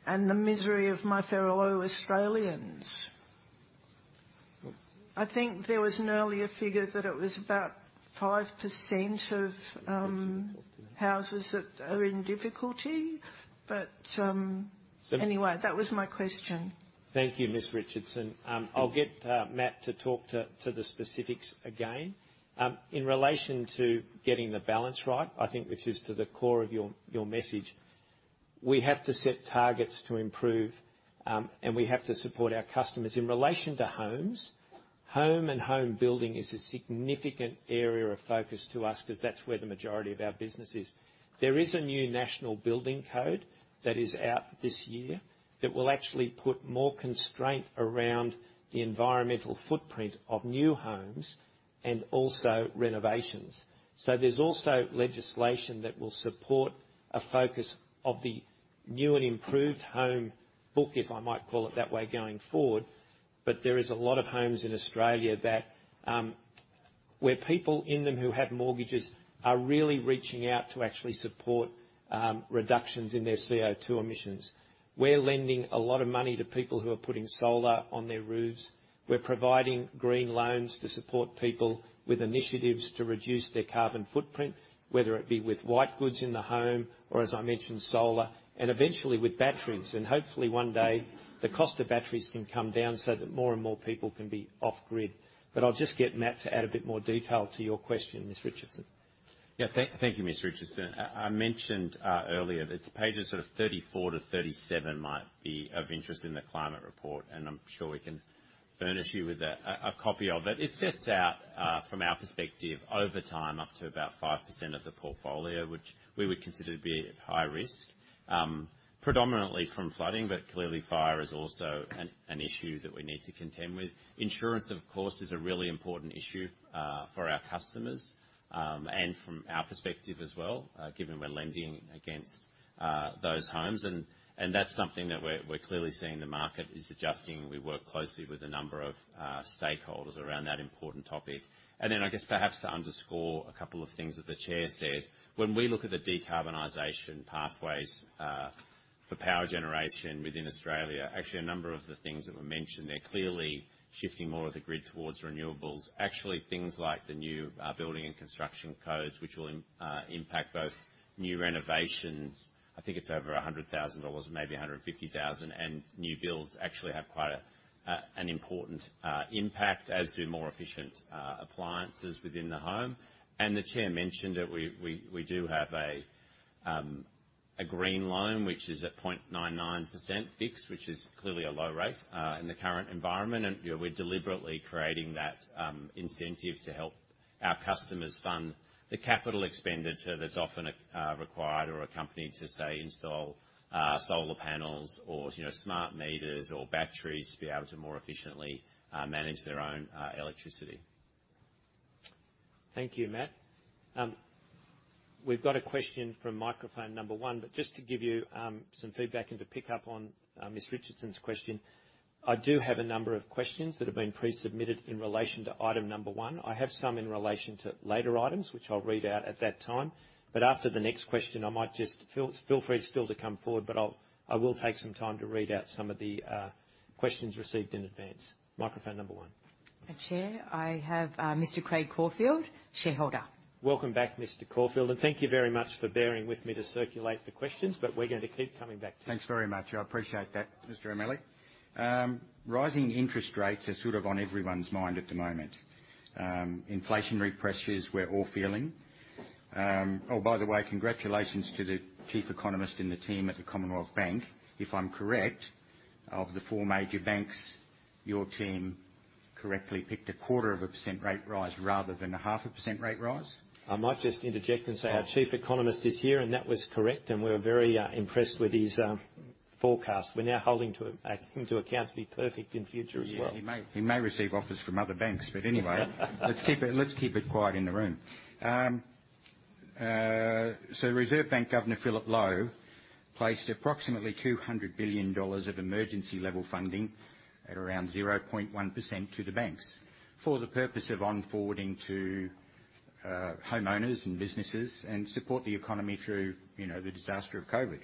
and the misery of my fellow Australians. I think there was an earlier figure that it was about 5% of houses that are in difficulty. Anyway, that was my question. Thank you, Ms. Richardson. I'll get Matt to talk to the specifics again. In relation to getting the balance right, I think this is to the core of your message. We have to set targets to improve, and we have to support our customers. In relation to homes and home building is a significant area of focus to us because that's where the majority of our business is. There is a new national building code that is out this year that will actually put more constraint around the environmental footprint of new homes and also renovations. There's also legislation that will support a focus of the new and improved home book, if I might call it that way, going forward. There is a lot of homes in Australia that, where people in them who have mortgages are really reaching out to actually support reductions in their CO2 emissions. We're lending a lot of money to people who are putting solar on their roofs. We're providing green loans to support people with initiatives to reduce their carbon footprint, whether it be with white goods in the home or, as I mentioned, solar, and eventually with batteries. Hopefully one day, the cost of batteries can come down so that more and more people can be off-grid. I'll just get Matt to add a bit more detail to your question, Ms. Richardson. Yeah. Thank you, Ms. Richardson. I mentioned earlier that pages sort of 34-37 might be of interest in the climate report, and I'm sure we can furnish you with a copy of it. It sets out from our perspective, over time, up to about 5% of the portfolio, which we would consider to be at high risk, predominantly from flooding, but clearly fire is also an issue that we need to contend with. Insurance, of course, is a really important issue for our customers, and from our perspective as well, given we're lending against those homes. That's something that we're clearly seeing the market is adjusting. We work closely with a number of stakeholders around that important topic. I guess perhaps to underscore a couple of things that the chair said, when we look at the decarbonization pathways for power generation within Australia, actually a number of the things that were mentioned there, clearly shifting more of the grid towards renewables. Actually, things like the new building and construction codes, which will impact both new renovations. I think it's over 100,000 dollars, maybe 150,000. And new builds actually have quite an important impact, as do more efficient appliances within the home. And the chair mentioned that we do have a green loan, which is at 0.99% fixed, which is clearly a low rate in the current environment. You know, we're deliberately creating that incentive to help our customers fund the capital expenditure that's often required or accompanying to, say, install solar panels or, you know, smart meters or batteries to be able to more efficiently manage their own electricity. Thank you, Matt. We've got a question from microphone number one. Just to give you some feedback and to pick up on Ms. Richardson's question, I do have a number of questions that have been pre-submitted in relation to item number one. I have some in relation to later items, which I'll read out at that time, but after the next question, I might just feel free still to come forward, but I will take some time to read out some of the questions received in advance. Microphone number one. Chair, I have Mr. Craig Caulfield, shareholder. Welcome back, Mr. Caulfield, and thank you very much for bearing with me to circulate the questions, but we're gonna keep coming back to you. Thanks very much. I appreciate that, Mr. O'Malley. Rising interest rates are sort of on everyone's mind at the moment. Inflationary pressures we're all feeling. Oh, by the way, congratulations to the chief economist in the team at the Commonwealth Bank. If I'm correct, of the four major banks, your team correctly picked a quarter of a % rate rise rather than a half a % rate rise. I might just interject and say our chief economist is here, and that was correct, and we're very impressed with his forecast. We're now holding him to account to be perfect in future as well. Yeah, he may receive offers from other banks, but anyway. Let's keep it quiet in the room. Reserve Bank Governor Philip Lowe placed approximately 200 billion dollars of emergency level funding at around 0.1% to the banks for the purpose of on forwarding to homeowners and businesses and support the economy through the disaster of COVID.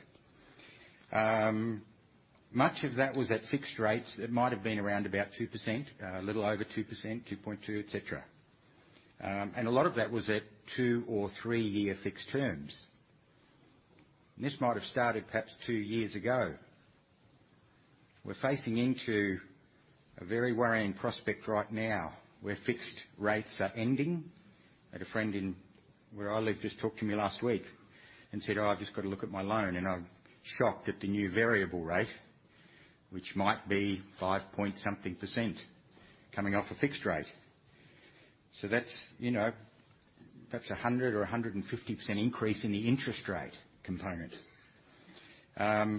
Much of that was at fixed rates that might have been around about 2%, a little over 2%, 2.2, et cetera. A lot of that was at 2- or 3-year fixed terms. This might have started perhaps 2 years ago. We're facing into a very worrying prospect right now where fixed rates are ending. I had a friend in where I live just talk to me last week and said, "Oh, I've just got a look at my loan, and I'm shocked at the new variable rate," which might be 5-point-something% coming off a fixed rate. That's, you know, that's a 100 or 150% increase in the interest rate component. A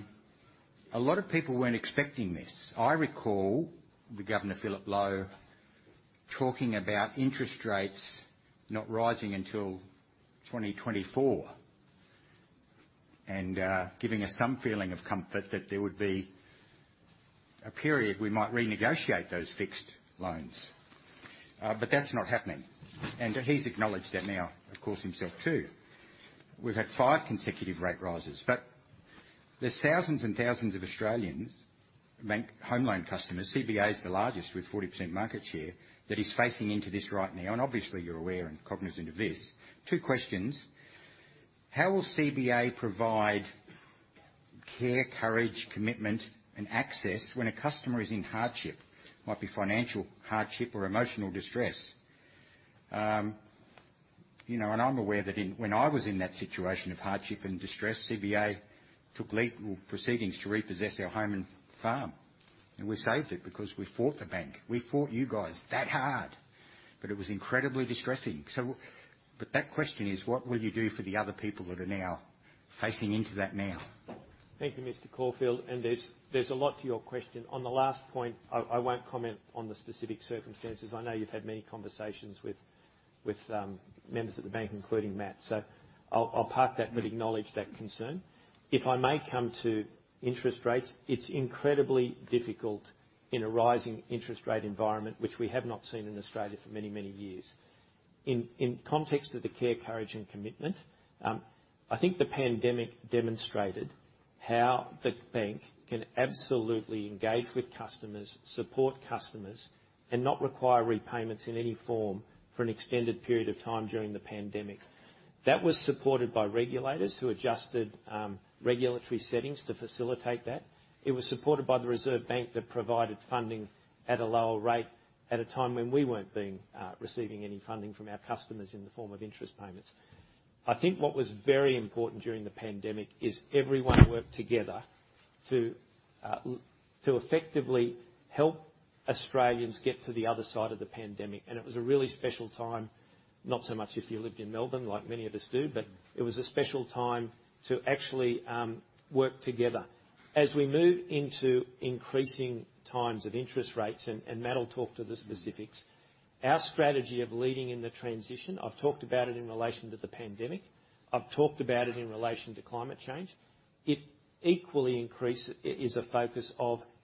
lot of people weren't expecting this. I recall the Governor, Philip Lowe, talking about interest rates not rising until 2024 and giving us some feeling of comfort that there would be a period we might renegotiate those fixed loans. That's not happening, and he's acknowledged that now, of course, himself too. We've had 5 consecutive rate rises, but there's thousands and thousands of Australians, bank home loan customers, CBA is the largest with 40% market share, that is facing into this right now, and obviously you're aware and cognizant of this. Two questions: How will CBA provide care, courage, commitment, and access when a customer is in hardship? Might be financial hardship or emotional distress. You know, and I'm aware that in, when I was in that situation of hardship and distress, CBA took legal proceedings to repossess our home and farm, and we saved it because we fought the bank. We fought you guys that hard, but it was incredibly distressing. But that question is, what will you do for the other people that are now facing into that now? Thank you, Mr. Caulfield, and there's a lot to your question. On the last point, I won't comment on the specific circumstances. I know you've had many conversations with members of the bank, including Matt, so I'll park that but acknowledge that concern. If I may come to interest rates, it's incredibly difficult in a rising interest rate environment, which we have not seen in Australia for many, many years. In context of the care, courage, and commitment, I think the pandemic demonstrated how the bank can absolutely engage with customers, support customers, and not require repayments in any form for an extended period of time during the pandemic. That was supported by regulators who adjusted regulatory settings to facilitate that. It was supported by the Reserve Bank that provided funding at a lower rate at a time when we weren't receiving any funding from our customers in the form of interest payments. I think what was very important during the pandemic is everyone worked together to effectively help Australians get to the other side of the pandemic. It was a really special time, not so much if you lived in Melbourne like many of us do, but it was a special time to actually work together. As we move into times of increasing interest rates, Matt will talk to the specifics, our strategy of leading in the transition, I've talked about it in relation to the pandemic, I've talked about it in relation to climate change, it equally is a focus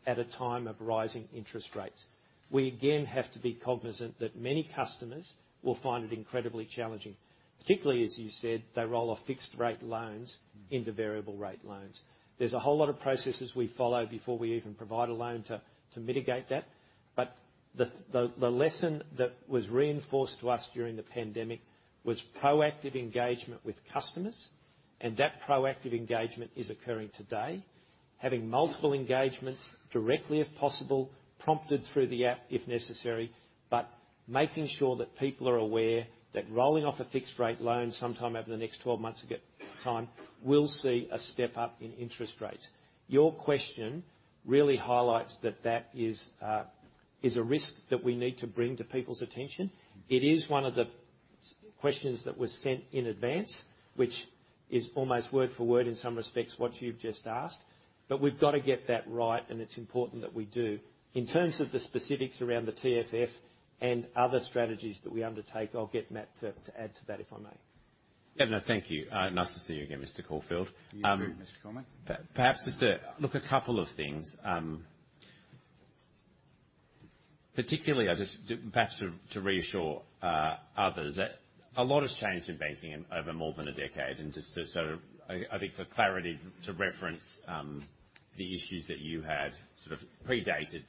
at a time of rising interest rates. We again have to be cognizant that many customers will find it incredibly challenging, particularly, as you said, they roll off fixed rate loans into variable rate loans. There's a whole lot of processes we follow before we even provide a loan to mitigate that. The lesson that was reinforced to us during the pandemic was proactive engagement with customers, and that proactive engagement is occurring today. Having multiple engagements directly, if possible, prompted through the app, if necessary. Making sure that people are aware that rolling off a fixed rate loan sometime over the next 12 months will see a step up in interest rates. Your question really highlights that is a risk that we need to bring to people's attention. It is one of the questions that was sent in advance, which is almost word for word in some respects, what you've just asked. We've got to get that right, and it's important that we do. In terms of the specifics around the TFF and other strategies that we undertake, I'll get Matt to add to that, if I may. Governor, thank you. Nice to see you again, Mr. Caulfield. You too, Mr. Comyn. Look, a couple of things. Particularly, I just perhaps to reassure others that a lot has changed in banking over more than a decade. Just to sort of I think for clarity to reference the issues that you had sort of predated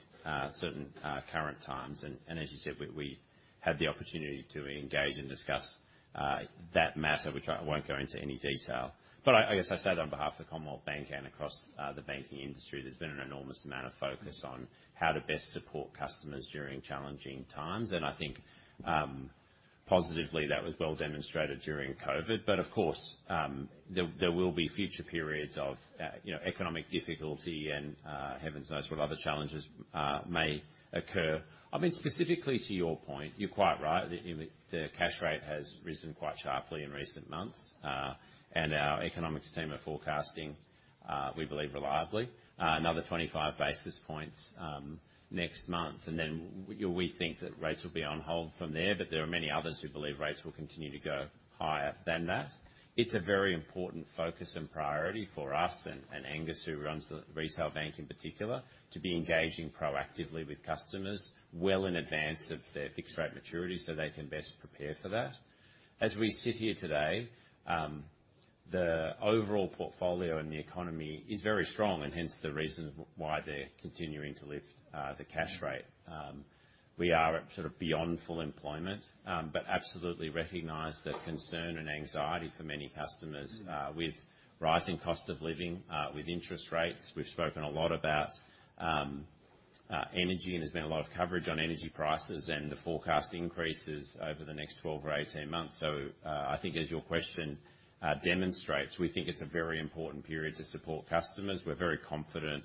certain current times. As you said, we had the opportunity to engage and discuss that matter, which I won't go into any detail. I guess I say that on behalf of the Commonwealth Bank and across the banking industry, there's been an enormous amount of focus on how to best support customers during challenging times. I think positively, that was well demonstrated during COVID. Of course, there will be future periods of, you know, economic difficulty and, heaven knows what other challenges, may occur. I mean, specifically to your point, you're quite right. The cash rate has risen quite sharply in recent months, and our economics team are forecasting, we believe reliably, another 25 basis points, next month. We think that rates will be on hold from there, but there are many others who believe rates will continue to go higher than that. It's a very important focus and priority for us and, Angus, who runs the retail bank in particular, to be engaging proactively with customers well in advance of their fixed rate maturity so they can best prepare for that. As we sit here today, the overall portfolio and the economy is very strong and hence the reason why they're continuing to lift the cash rate. We are at sort of beyond full employment, but absolutely recognize the concern and anxiety for many customers with rising cost of living with interest rates. We've spoken a lot about energy, and there's been a lot of coverage on energy prices and the forecast increases over the next 12 or 18 months. I think as your question demonstrates, we think it's a very important period to support customers. We're very confident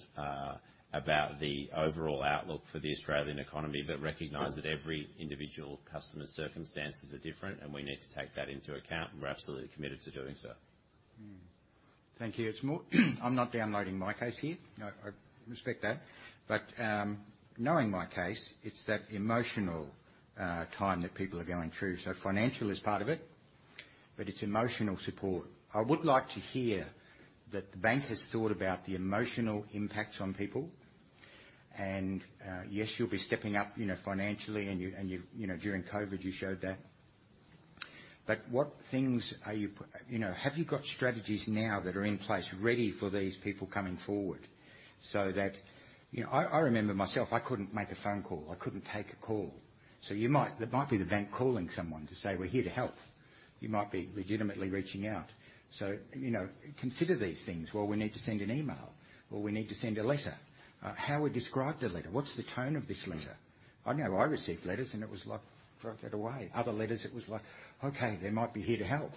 about the overall outlook for the Australian economy, but recognize that every individual customer's circumstances are different and we need to take that into account, and we're absolutely committed to doing so. Mmm-hmm. Thank you. It's more. I'm not droning on about my case here. No, I respect that. Knowing my case, it's that emotional time that people are going through. Financial is part of it, but it's emotional support. I would like to hear that the bank has thought about the emotional impacts on people. Yes, you'll be stepping up, you know, financially and you know during COVID you showed that. What things are you know, have you got strategies now that are in place ready for these people coming forward so that. You know, I remember myself, I couldn't make a phone call. I couldn't take a call. You might, it might be the bank calling someone to say, "We're here to help." You might be legitimately reaching out. You know, consider these things. Well, we need to send an email or we need to send a letter. How we describe the letter, what's the tone of this letter? I know I received letters and it was like, throw that away. Other letters, it was like, "Okay, they might be here to help."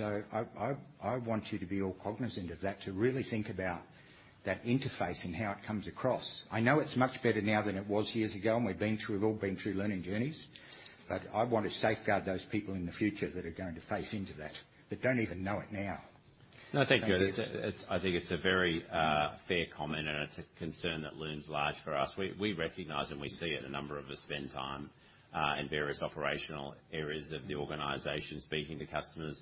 I want you to be all cognizant of that, to really think about that interface and how it comes across. I know it's much better now than it was years ago, and we've all been through learning journeys. I want to safeguard those people in the future that are going to face into that, but don't even know it now. No, thank you. That's, I think it's a very fair comment and it's a concern that looms large for us. We recognize and we see it. A number of us spend time in various operational areas of the organization speaking to customers.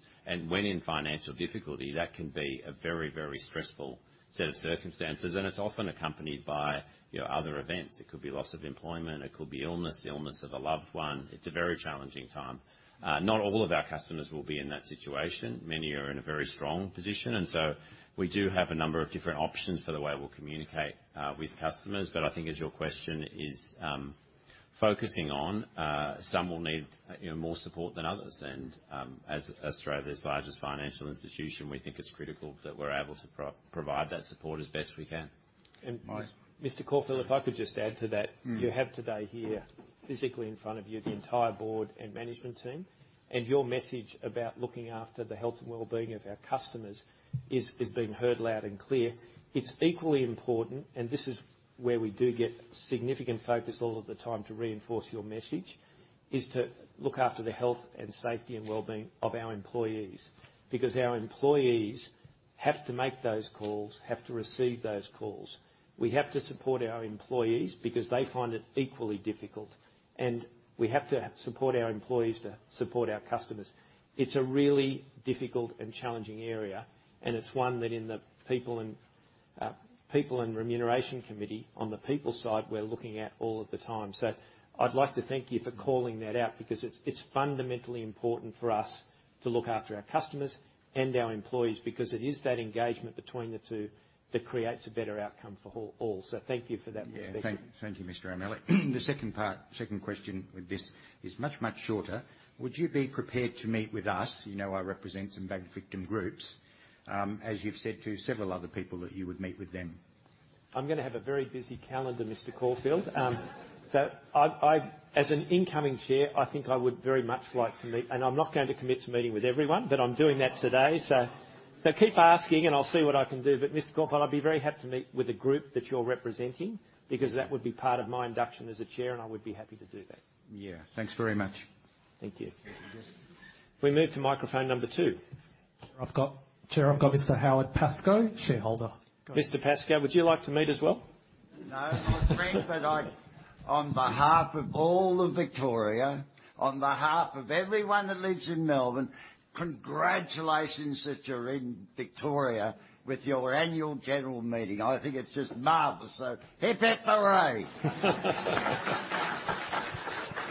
When in financial difficulty, that can be a very stressful set of circumstances, and it's often accompanied by, you know, other events. It could be loss of employment. It could be illness of a loved one. It's a very challenging time. Not all of our customers will be in that situation. Many are in a very strong position. We do have a number of different options for the way we'll communicate with customers. I think as your question is focusing on, some will need, you know, more support than others. As Australia's largest financial institution, we think it's critical that we're able to provide that support as best we can. And- Yes. Mr. Caulfield, if I could just add to that. Mm-hmm. You have today here, physically in front of you, the entire board and management team, and your message about looking after the health and well-being of our customers is being heard loud and clear. It's equally important, and this is where we do get significant focus all of the time to reinforce your message, is to look after the health and safety and well-being of our employees. Because our employees have to make those calls, have to receive those calls. We have to support our employees because they find it equally difficult, and we have to support our employees to support our customers. It's a really difficult and challenging area, and it's one that in the people and people and remuneration committee, on the people side, we're looking at all of the time. I'd like to thank you for calling that out because it's fundamentally important for us to look after our customers and our employees because it is that engagement between the two that creates a better outcome for all. Thank you for that perspective. Yeah. Thank you, Mr. O'Malley. The second part, second question with this is much shorter. Would you be prepared to meet with us? You know, I represent some bank victim groups, as you've said to several other people that you would meet with them. I'm gonna have a very busy calendar, Mr. Caulfield. I, as an incoming chair, I think I would very much like to meet. I'm not going to commit to meeting with everyone, but I'm doing that today. Keep asking and I'll see what I can do. Mr. Caulfield, I'd be very happy to meet with the group that you're representing because that would be part of my induction as a chair, and I would be happy to do that. Yeah. Thanks very much. Thank you. Yes. We move to microphone number two. Chair, I've got Mr. Howard Pascoe, shareholder. Mr. Pascoe, would you like to meet as well? No, my friend, but I, on behalf of all of Victoria, on behalf of everyone that lives in Melbourne, congratulations that you're in Victoria with your annual general meeting. I think it's just marvelous. Hip hip hooray.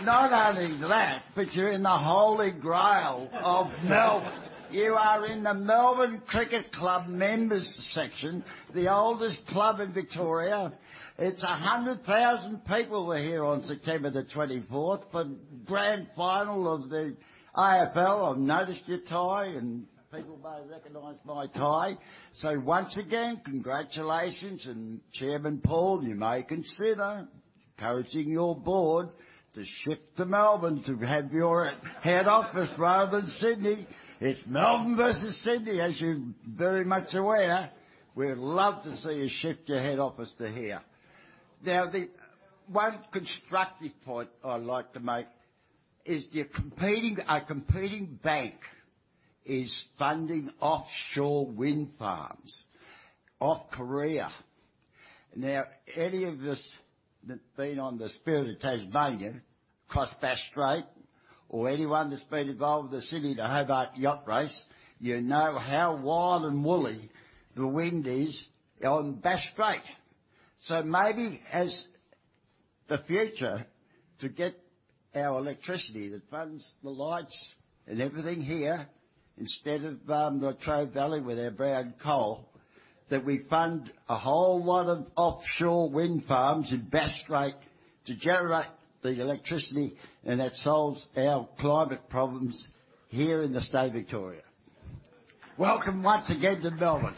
Not only that, but you're in the Holy Grail. You are in the Melbourne Cricket Club members section, the oldest club in Victoria. 100,000 people were here on September the 24th for grand final of the AFL. I've noticed your tie, and people may recognize my tie. Once again, congratulations. Chairman Paul, you may consider encouraging your board to shift to Melbourne to have your head office rather than Sydney. It's Melbourne versus Sydney, as you're very much aware. We'd love to see you shift your head office to here. Now, the one constructive point I'd like to make is you're competing, a competing bank is funding offshore wind farms off Korea. Now, any of us that's been on the Spirit of Tasmania, crossed Bass Strait, or anyone that's been involved with the Sydney to Hobart Yacht Race, you know how wild and woolly the wind is on Bass Strait. So maybe in the future to get our electricity that runs the lights and everything here, instead of the Latrobe Valley with our brown coal, that we fund a whole lot of offshore wind farms in Bass Strait to generate the electricity, and that solves our climate problems here in the state of Victoria. Welcome once again to Melbourne.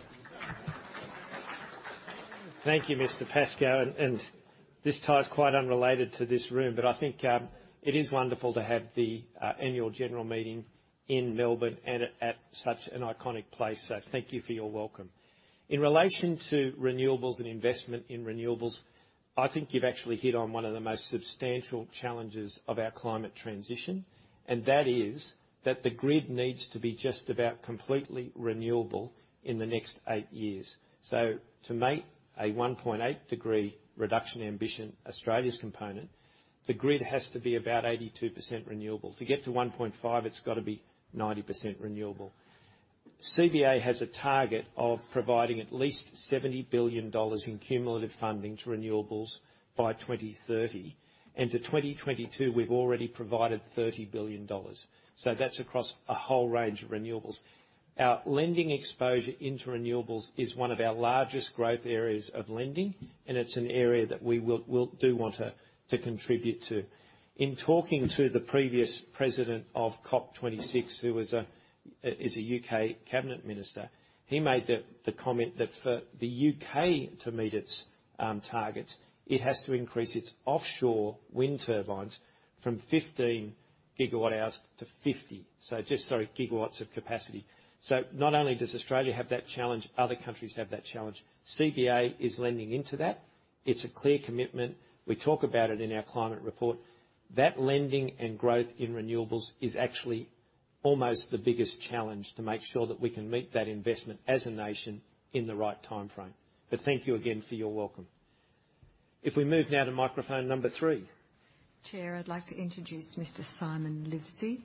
Thank you, Mr. Pascoe. This tie is quite unrelated to this room, but I think it is wonderful to have the annual general meeting in Melbourne and at such an iconic place. Thank you for your welcome. In relation to renewables and investment in renewables, I think you've actually hit on one of the most substantial challenges of our climate transition, and that is that the grid needs to be just about completely renewable in the next eight years. To meet a 1.8 degree reduction ambition, Australia's component, the grid has to be about 82% renewable. To get to 1.5, it's gotta be 90% renewable. CBA has a target of providing at least 70 billion dollars in cumulative funding to renewables by 2030. To 2022, we've already provided 30 billion dollars, so that's across a whole range of renewables. Our lending exposure into renewables is one of our largest growth areas of lending, and it's an area that we will do want to contribute to. In talking to the previous president of COP26, who is a UK Cabinet Minister, he made the comment that for the U.K. to meet its targets, it has to increase its offshore wind turbines from 15 gigawatts to 50. Gigawatts of capacity. Not only does Australia have that challenge, other countries have that challenge. CBA is lending into that. It's a clear commitment. We talk about it in our climate report. That lending and growth in renewables is actually almost the biggest challenge to make sure that we can meet that investment as a nation in the right timeframe. Thank you again for your welcome. If we move now to microphone number three. Chair, I'd like to introduce Mr. Simon Livesey.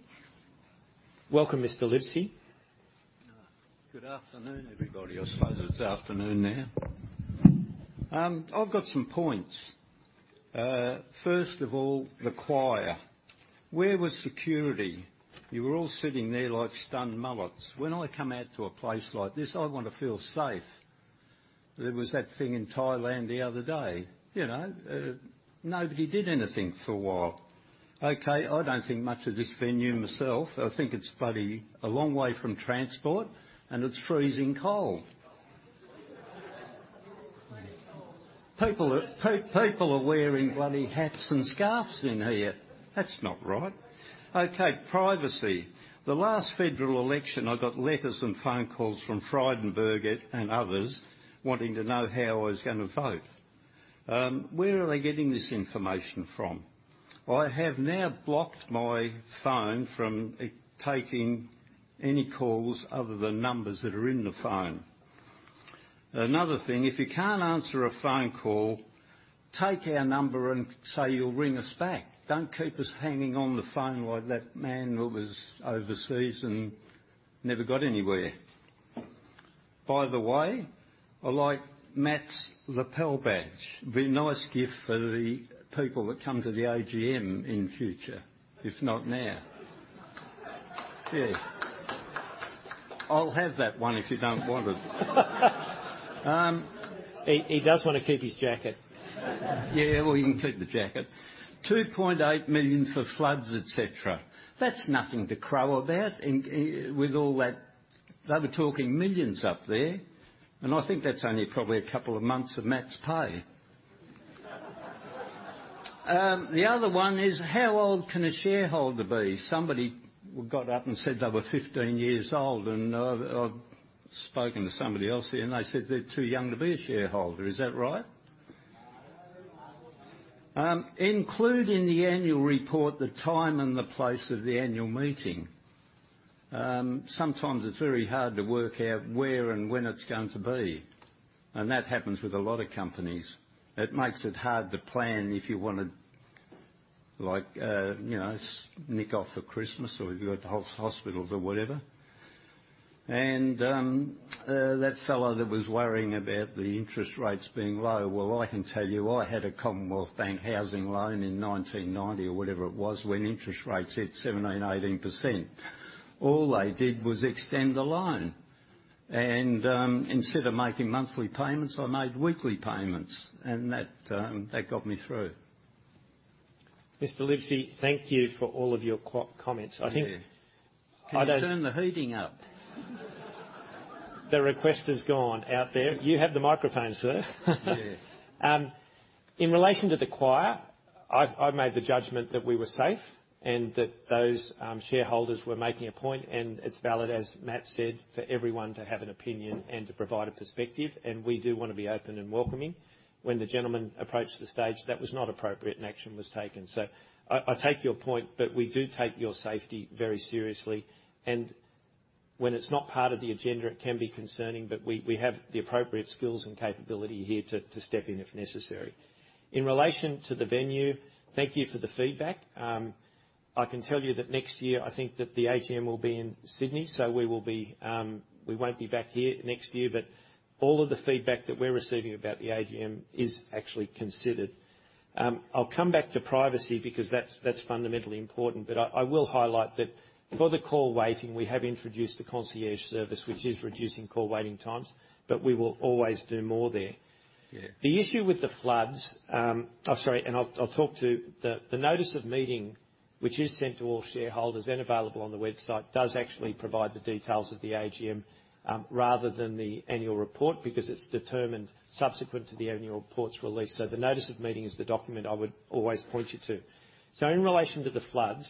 Welcome, Mr. Livesey. Good afternoon, everybody. I suppose it's afternoon now. I've got some points. First of all, the choir. Where was security? You were all sitting there like stunned mullets. When I come out to a place like this, I wanna feel safe. There was that thing in Thailand the other day, you know? Nobody did anything for a while. Okay, I don't think much of this venue myself. I think it's bloody a long way from transport, and it's freezing cold. People are wearing bloody hats and scarves in here. That's not right. Okay, privacy. The last federal election, I got letters and phone calls from Frydenberg and others wanting to know how I was gonna vote. Where are they getting this information from? I have now blocked my phone from it taking any calls other than numbers that are in the phone. Another thing, if you can't answer a phone call, take our number and say you'll ring us back. Don't keep us hanging on the phone like that man who was overseas and never got anywhere. By the way, I like Matt's lapel badge. Be a nice gift for the people that come to the AGM in future, if not now. Yeah. I'll have that one if you don't want it. He does wanna keep his jacket. Yeah, well, you can keep the jacket. 2.8 million for floods, et cetera. That's nothing to crow about in, with all that. They were talking millions up there, and I think that's only probably a couple of months of Matt's pay. The other one is, how old can a shareholder be? Somebody got up and said they were 15 years old, and I've spoken to somebody else here, and they said they're too young to be a shareholder. Is that right? Include in the annual report the time and the place of the annual meeting. Sometimes it's very hard to work out where and when it's going to be, and that happens with a lot of companies. It makes it hard to plan if you wanna, like, you know, nick off for Christmas or if you go to hospitals or whatever. That fella that was worrying about the interest rates being low, well, I can tell you, I had a Commonwealth Bank housing loan in 1990 or whatever it was when interest rates hit 17%-18%. All they did was extend the loan. Instead of making monthly payments, I made weekly payments, and that got me through. Mr. Livesey, thank you for all of your comments. Yeah. I don't- Can you turn the heating up? The request has gone out there. You have the microphone, sir. Yeah. In relation to the choir, I've made the judgment that we were safe and that those shareholders were making a point, and it's valid, as Matt said, for everyone to have an opinion and to provide a perspective, and we do wanna be open and welcoming. When the gentleman approached the stage, that was not appropriate, and action was taken. I take your point, but we do take your safety very seriously. When it's not part of the agenda, it can be concerning, but we have the appropriate skills and capability here to step in if necessary. In relation to the venue, thank you for the feedback. I can tell you that next year I think that the AGM will be in Sydney, so we won't be back here next year. All of the feedback that we're receiving about the AGM is actually considered. I'll come back to privacy because that's fundamentally important. I will highlight that for the call waiting, we have introduced the concierge service, which is reducing call waiting times, but we will always do more there. Yeah. The issue with the floods, I'm sorry, and I'll talk to the notice of meeting, which is sent to all shareholders and available on the website, does actually provide the details of the AGM, rather than the annual report because it's determined subsequent to the annual report's release. The notice of meeting is the document I would always point you to. In relation to the floods,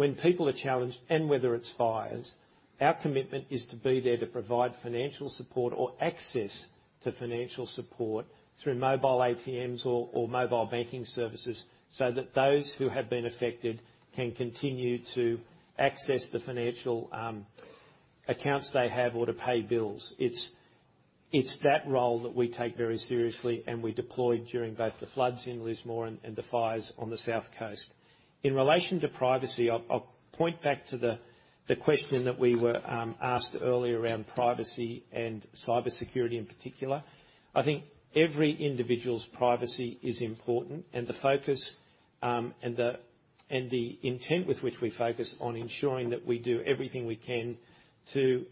when people are challenged, and whether it's fires, our commitment is to be there to provide financial support or access to financial support through mobile ATMs or mobile banking services so that those who have been affected can continue to access the financial accounts they have or to pay bills. It's that role that we take very seriously, and we deployed during both the floods in Lismore and the fires on the South Coast. In relation to privacy, I'll point back to the question that we were asked earlier around privacy and cybersecurity in particular. I think every individual's privacy is important, and the focus and the intent with which we focus on ensuring that we do everything we can to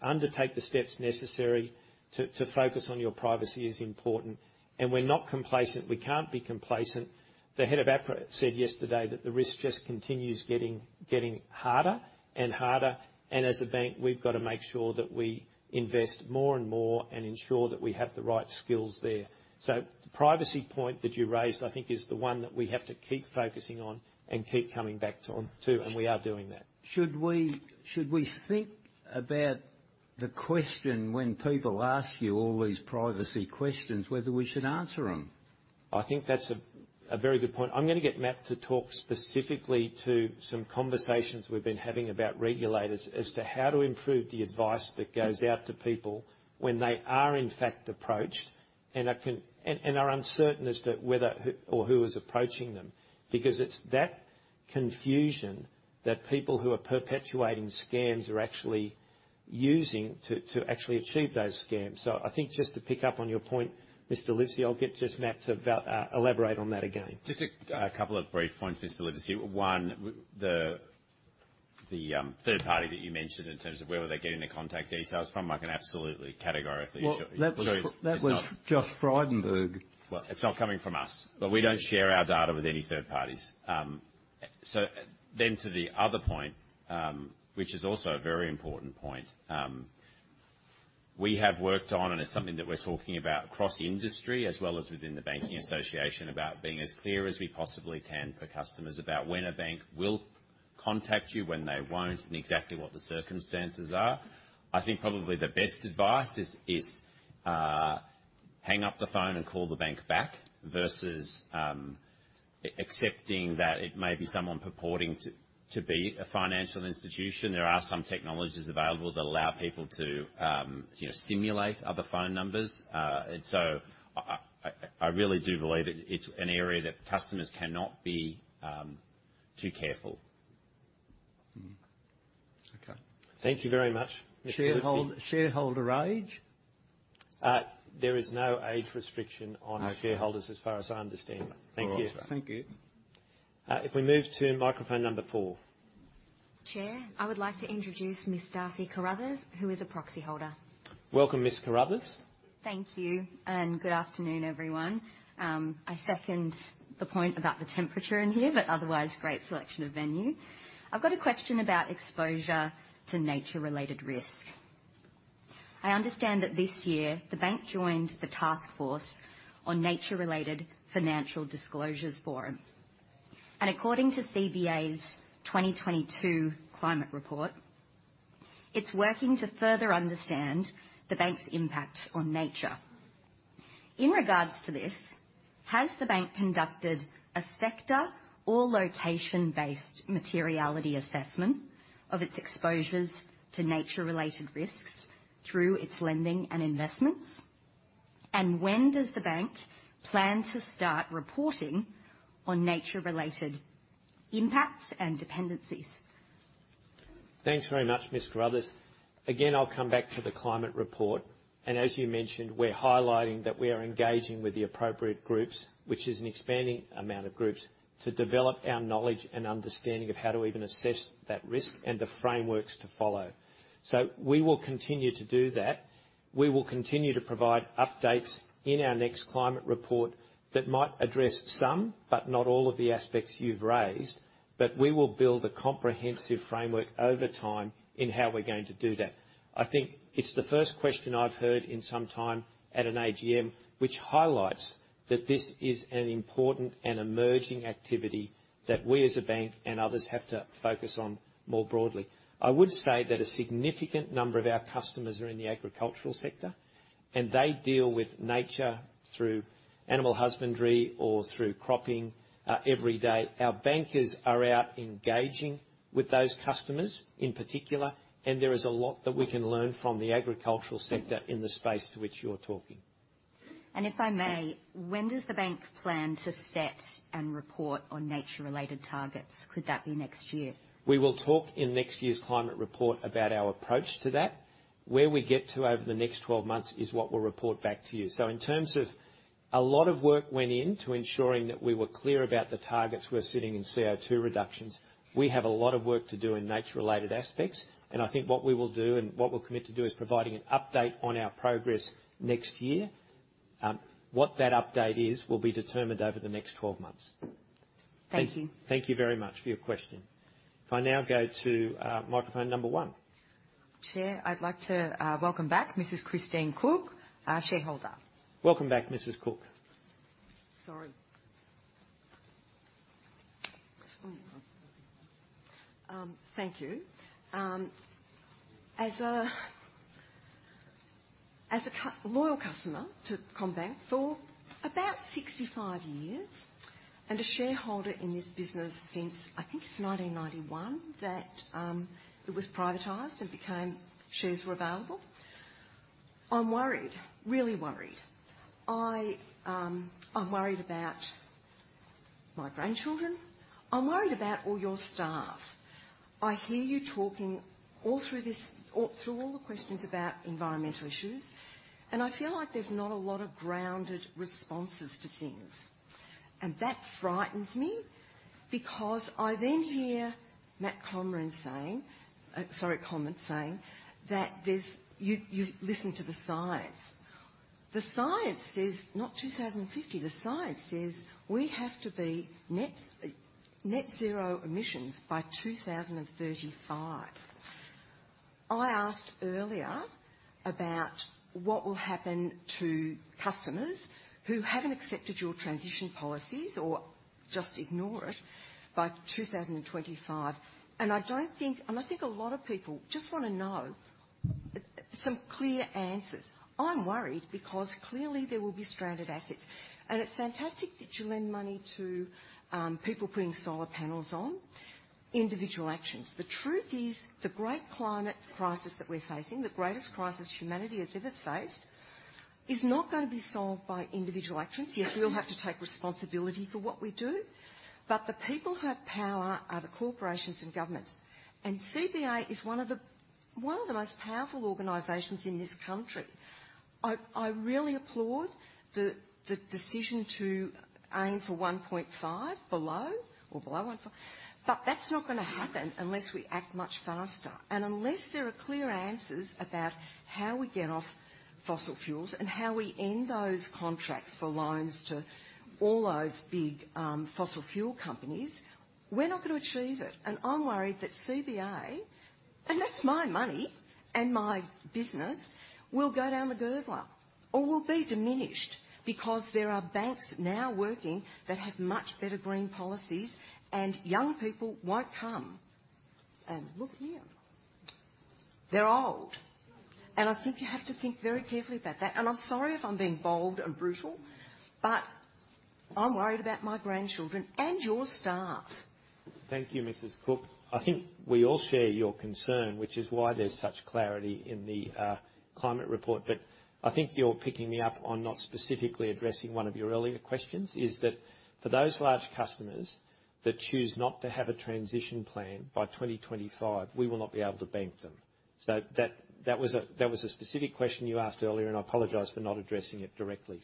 undertake the steps necessary to focus on your privacy is important. We're not complacent. We can't be complacent. The head of APRA said yesterday that the risk just continues getting harder and harder. As a bank, we've gotta make sure that we invest more and more and ensure that we have the right skills there. The privacy point that you raised, I think, is the one that we have to keep focusing on and keep coming back to, and we are doing that. Should we think about the question when people ask you all these privacy questions, whether we should answer them? I think that's a very good point. I'm gonna get Matt to talk specifically to some conversations we've been having about regulators as to how to improve the advice that goes out to people when they are, in fact, approached and are uncertain as to whether or who is approaching them. Because it's that confusion that people who are perpetuating scams are actually using to actually achieve those scams. I think just to pick up on your point, Mr. Livesey, I'll get just Matt to elaborate on that again. Just a couple of brief points, Mr. Livesey. One, the third party that you mentioned in terms of where were they getting their contact details from, I can absolutely categorically assure you. Well, that was Josh Frydenberg. Well, it's not coming from us. We don't share our data with any third parties. To the other point, which is also a very important point, we have worked on, and it's something that we're talking about across industry as well as within the banking association about being as clear as we possibly can for customers about when a bank will contact you, when they won't, and exactly what the circumstances are. I think probably the best advice is hang up the phone and call the bank back versus accepting that it may be someone purporting to be a financial institution. There are some technologies available that allow people to you know simulate other phone numbers. I really do believe it's an area that customers cannot be too careful. Okay. Thank you very much, Mr. Livesey. Shareholder, shareholder age? There is no age restriction on. Okay. Shareholders as far as I understand. Thank you. Thank you. If we move to microphone number 4. Chair, I would like to introduce Ms. Darcy Carruthers, who is a proxy holder. Welcome, Ms. Carruthers. Thank you. Good afternoon, everyone. I second the point about the temperature in here, but otherwise, great selection of venue. I've got a question about exposure to nature-related risk. I understand that this year, the bank joined the Taskforce on Nature-related Financial Disclosures forum. According to CBA's 2022 climate report, it's working to further understand the bank's impact on nature. In regards to this, has the bank conducted a sector or location-based materiality assessment of its exposures to nature-related risks through its lending and investments? When does the bank plan to start reporting on nature-related impacts and dependencies? Thanks very much, Ms. Carruthers. Again, I'll come back to the climate report. As you mentioned, we're highlighting that we are engaging with the appropriate groups, which is an expanding amount of groups, to develop our knowledge and understanding of how to even assess that risk and the frameworks to follow. We will continue to do that. We will continue to provide updates in our next climate report that might address some, but not all of the aspects you've raised. We will build a comprehensive framework over time in how we're going to do that. I think it's the first question I've heard in some time at an AGM, which highlights that this is an important and emerging activity that we as a bank and others have to focus on more broadly. I would say that a significant number of our customers are in the agricultural sector, and they deal with nature through animal husbandry or through cropping, every day. Our bankers are out engaging with those customers in particular, and there is a lot that we can learn from the agricultural sector in the space to which you're talking. If I may, when does the bank plan to set and report on nature-related targets? Could that be next year? We will talk in next year's climate report about our approach to that. Where we get to over the next 12 months is what we'll report back to you. In terms of a lot of work went into ensuring that we were clear about the targets we're setting in CO2 reductions. We have a lot of work to do in nature-related aspects. I think what we will do and what we'll commit to do is providing an update on our progress next year. What that update is will be determined over the next 12 months. Thank you. Thank you very much for your question. If I now go to microphone number one. Chair, I'd like to welcome back Mrs. Christine Cook, our shareholder. Welcome back, Mrs. Cook. Sorry. Thank you. As a loyal customer to CommBank for about 65 years and a shareholder in this business since, I think it's 1991 that it was privatized and became shares were available. I'm worried, really worried. I'm worried about my grandchildren. I'm worried about all your staff. I hear you talking all through this, through all the questions about environmental issues, and I feel like there's not a lot of grounded responses to things. That frightens me because I then hear Matt Comyn saying that there's you listen to the science. The science says not 2050. The science says we have to be net zero emissions by 2035. I asked earlier about what will happen to customers who haven't accepted your transition policies or just ignore it by 2025, and I think a lot of people just wanna know some clear answers. I'm worried because clearly there will be stranded assets, and it's fantastic that you lend money to people putting solar panels on individual actions. The truth is, the great climate crisis that we're facing, the greatest crisis humanity has ever faced, is not gonna be solved by individual actions. Yes, we all have to take responsibility for what we do, but the people who have power are the corporations and governments. CBA is one of the most powerful organizations in this country. I really applaud the decision to aim for 1.5 below or below 1, but that's not gonna happen unless we act much faster. Unless there are clear answers about how we get off fossil fuels and how we end those contracts for loans to all those big fossil fuel companies, we're not gonna achieve it. I'm worried that CBA, and that's my money and my business, will go down the gurgler or will be diminished because there are banks now working that have much better green policies and young people won't come. Look here, they're old. I think you have to think very carefully about that. I'm sorry if I'm being bold and brutal, but I'm worried about my grandchildren and your staff. Thank you, Mrs. Cook. I think we all share your concern, which is why there's such clarity in the climate report. I think you're picking me up on not specifically addressing one of your earlier questions, is that for those large customers that choose not to have a transition plan by 2025, we will not be able to bank them. That was a specific question you asked earlier, and I apologize for not addressing it directly.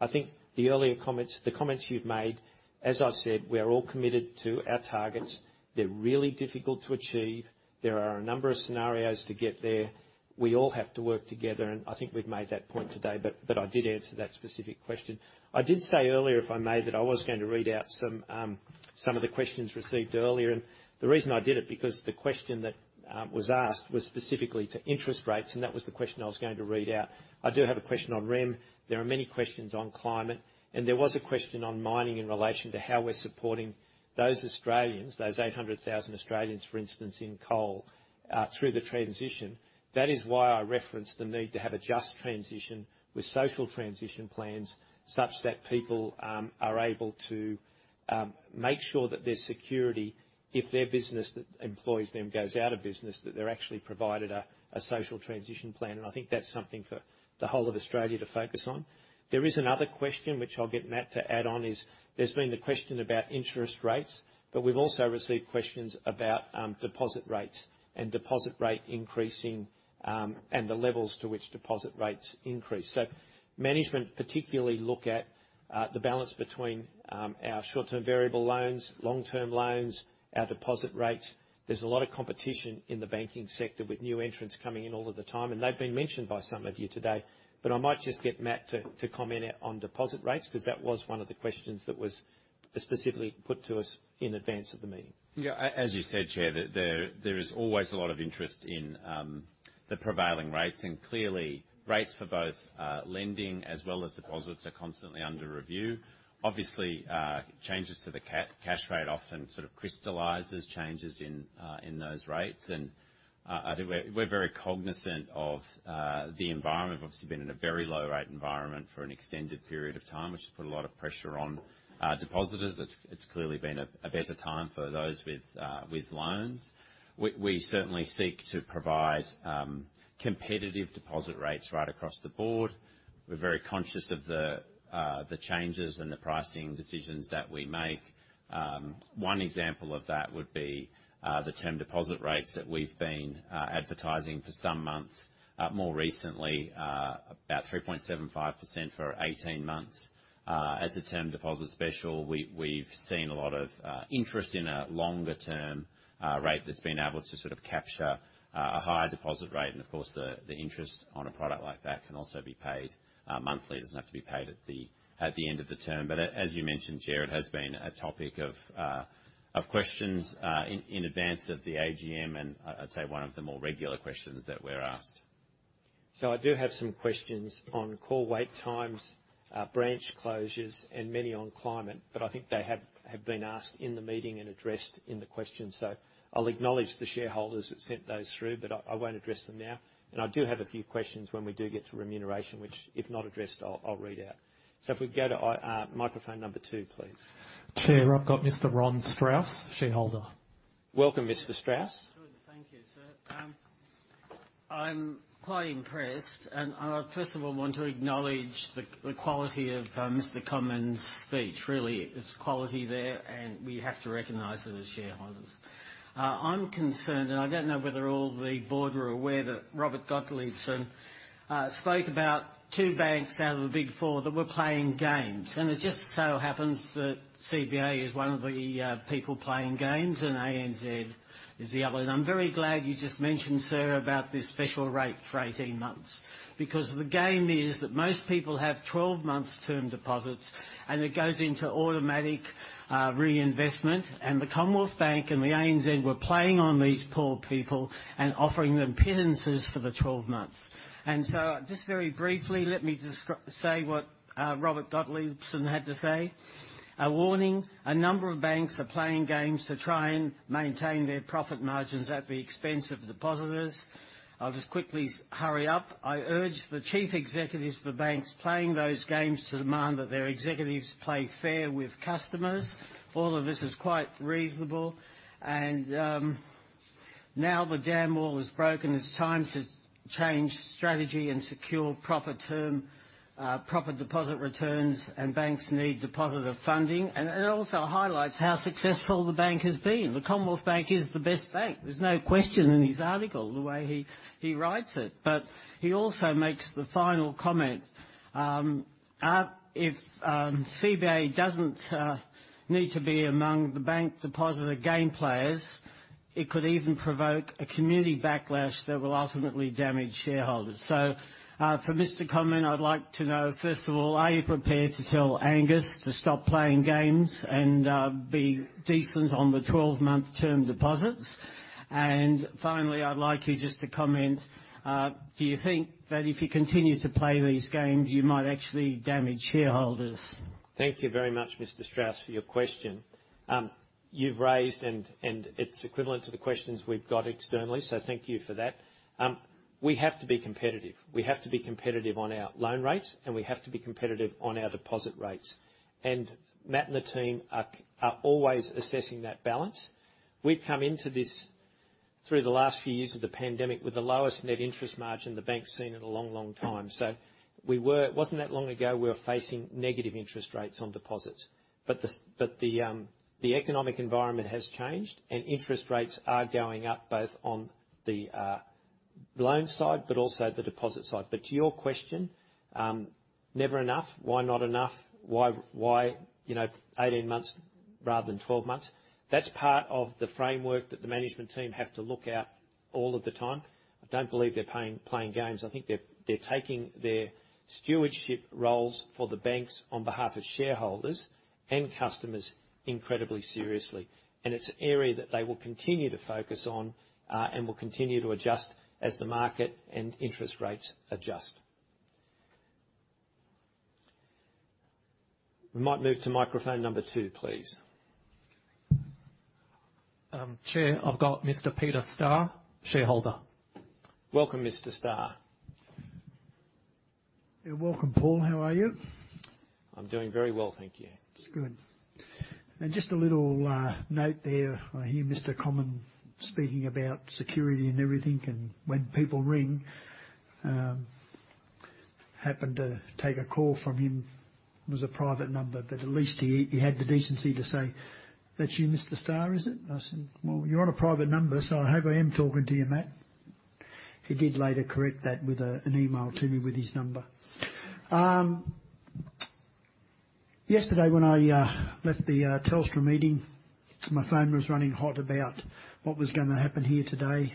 I think the earlier comments, the comments you've made, as I've said, we are all committed to our targets. They're really difficult to achieve. There are a number of scenarios to get there. We all have to work together, and I think we've made that point today. I did answer that specific question. I did say earlier, if I may, that I was gonna read out some of the questions received earlier. The reason I did it, because the question that was asked was specifically to interest rates, and that was the question I was going to read out. I do have a question on RIM. There are many questions on climate, and there was a question on mining in relation to how we're supporting those Australians, those 800,000 Australians, for instance, in coal, through the transition. That is why I referenced the need to have a just transition with social transition plans, such that people are able to make sure that there's security if their business that employs them goes out of business, that they're actually provided a social transition plan. I think that's something for the whole of Australia to focus on. There is another question which I'll get Matt to add on, is there's been the question about interest rates, but we've also received questions about, deposit rates and deposit rate increasing, and the levels to which deposit rates increase. Management particularly look at, the balance between, our short-term variable loans, long-term loans, our deposit rates. There's a lot of competition in the banking sector with new entrants coming in all of the time, and they've been mentioned by some of you today. I might just get Matt to comment on deposit rates, 'cause that was one of the questions that was specifically put to us in advance of the meeting. Yeah. As you said, Chair, there is always a lot of interest in the prevailing rates, and clearly rates for both lending as well as deposits are constantly under review. Obviously, changes to the cash rate often sort of crystallize changes in those rates. I think we're very cognizant of the environment. We've obviously been in a very low rate environment for an extended period of time, which has put a lot of pressure on depositors. It's clearly been a better time for those with loans. We certainly seek to provide competitive deposit rates right across the board. We're very conscious of the changes and the pricing decisions that we make. One example of that would be the term deposit rates that we've been advertising for some months, more recently about 3.75% for 18 months. As a term deposit special, we've seen a lot of interest in a longer-term rate that's been able to sort of capture a higher deposit rate. Of course, the interest on a product like that can also be paid monthly. It doesn't have to be paid at the end of the term. As you mentioned, Gerard, it has been a topic of questions in advance of the AGM, and I'd say one of the more regular questions that we're asked. I do have some questions on call wait times, branch closures, and many on climate, but I think they have been asked in the meeting and addressed in the questions. I'll acknowledge the shareholders that sent those through, but I won't address them now. I do have a few questions when we do get to remuneration, which if not addressed, I'll read out. If we go to microphone number two, please. Chair, I've got Mr. Ron Strauss, shareholder. Welcome, Mr. Strauss. Good. Thank you, sir. I'm quite impressed, and I first of all want to acknowledge the quality of Mr. Comyn's speech. Really, there's quality there, and we have to recognize it as shareholders. I'm concerned, and I don't know whether all the board were aware that Robert Gottliebsen spoke about two banks out of the Big Four that were playing games. It just so happens that CBA is one of the people playing games, and ANZ is the other. I'm very glad you just mentioned, sir, about this special rate for 18 months. Because the game is that most people have 12 months term deposits, and it goes into automatic reinvestment. The Commonwealth Bank and the ANZ were playing on these poor people and offering them pittances for the 12 months. Just very briefly, let me say what Robert Gottliebsen had to say. A warning, a number of banks are playing games to try and maintain their profit margins at the expense of depositors. I'll just quickly hurry up. I urge the chief executives of the banks playing those games to demand that their executives play fair with customers. All of this is quite reasonable. Now the dam wall is broken, it's time to change strategy and secure proper term, proper deposit returns, and banks need depositor funding. It also highlights how successful the bank has been. The Commonwealth Bank is the best bank. There's no question in his article the way he writes it. He also makes the final comment, if CBA doesn't need to be among the bank depositor game players, it could even provoke a community backlash that will ultimately damage shareholders. For Mr. Comyn, I'd like to know, first of all, are you prepared to tell Angus to stop playing games and be decent on the 12-month term deposits? Finally, I'd like you just to comment, do you think that if you continue to play these games, you might actually damage shareholders? Thank you very much, Mr. Strauss, for your question. You've raised and it's equivalent to the questions we've got externally, so thank you for that. We have to be competitive. We have to be competitive on our loan rates, and we have to be competitive on our deposit rates. Matt and the team are always assessing that balance. We've come into this through the last few years of the pandemic with the lowest net interest margin the bank's seen in a long time. It wasn't that long ago we were facing negative interest rates on deposits. The economic environment has changed, and interest rates are going up, both on the loan side, but also the deposit side. To your question, never enough. Why not enough? Why, you know, 18 months rather than 12 months? That's part of the framework that the management team have to look at all of the time. I don't believe they're playing games. I think they're taking their stewardship roles for the banks on behalf of shareholders and customers incredibly seriously. It's an area that they will continue to focus on, and will continue to adjust as the market and interest rates adjust. We might move to microphone number 2, please. Chair, I've got Mr. Peter Starr, shareholder. Welcome, Mr. Starr. Yeah. Welcome, Paul O'Malley. How are you? I'm doing very well, thank you. That's good. Just a little note there. I hear Mr. Comyn speaking about security and everything, and when people ring, I happened to take a call from him. It was a private number, but at least he had the decency to say, "That you Mr. Star, is it?" I said, "Well, you're on a private number, so I hope I am talking to you, Matt." He did later correct that with an email to me with his number. Yesterday when I left the Telstra meeting, my phone was running hot about what was gonna happen here today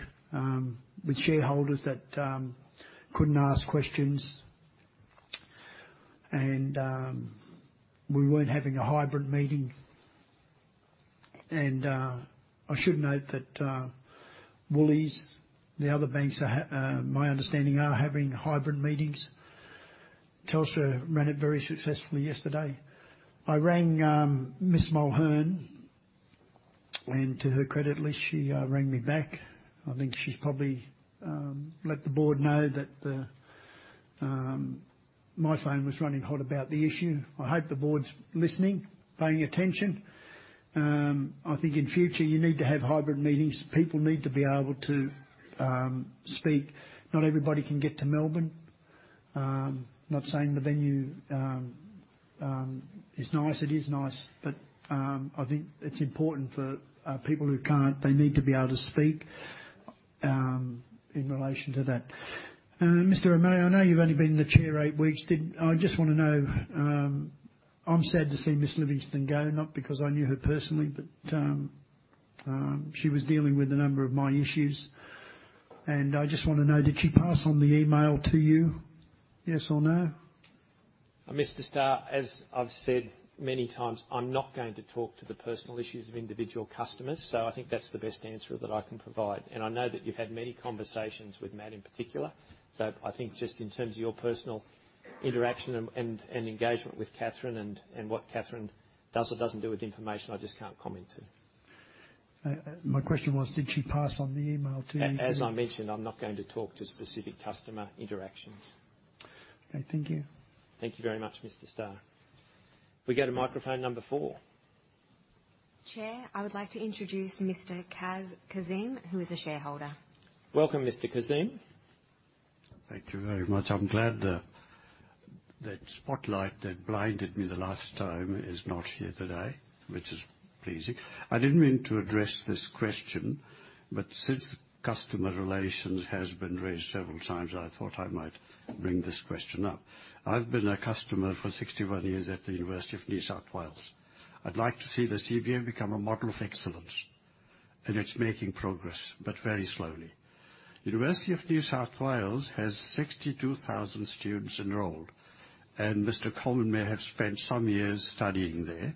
with shareholders that couldn't ask questions. We weren't having a hybrid meeting. I should note that Woolies, the other banks, my understanding, are having hybrid meetings. Telstra ran it very successfully yesterday. I rang Ms. Mulhern, and to her credit at least, she rang me back. I think she's probably let the board know that my phone was running hot about the issue. I hope the board's listening, paying attention. I think in future you need to have hybrid meetings. People need to be able to speak. Not everybody can get to Melbourne. Not saying the venue is nice. It is nice, but I think it's important for people who can't, they need to be able to speak. In relation to that. Mr. O'Malley, I know you've only been the Chair eight weeks. I just wanna know, I'm sad to see Ms. Livingstone go, not because I knew her personally, but she was dealing with a number of my issues. I just wanna know, did she pass on the email to you, yes or no? Mr. Starr, as I've said many times, I'm not going to talk to the personal issues of individual customers. I think that's the best answer that I can provide. I know that you've had many conversations with Matt Comyn in particular. I think just in terms of your personal interaction and engagement with Catherine Livingstone and what Catherine Livingstone does or doesn't do with information, I just can't comment, too. My question was, did she pass on the email to you? As I mentioned, I'm not going to talk to specific customer interactions. Okay, thank you. Thank you very much, Mr. Starr. We go to microphone number four. Chair, I would like to introduce Mr. Kaz Kazim, who is a shareholder. Welcome, Mr. Kaz Kazim. Thank you very much. I'm glad that spotlight that blinded me the last time is not here today, which is pleasing. I didn't mean to address this question, but since customer relations has been raised several times, I thought I might bring this question up. I've been a customer for 61 years at the University of New South Wales. I'd like to see the CBA become a model of excellence, and it's making progress, but very slowly. University of New South Wales has 62,000 students enrolled, and Mr. Comyn may have spent some years studying there.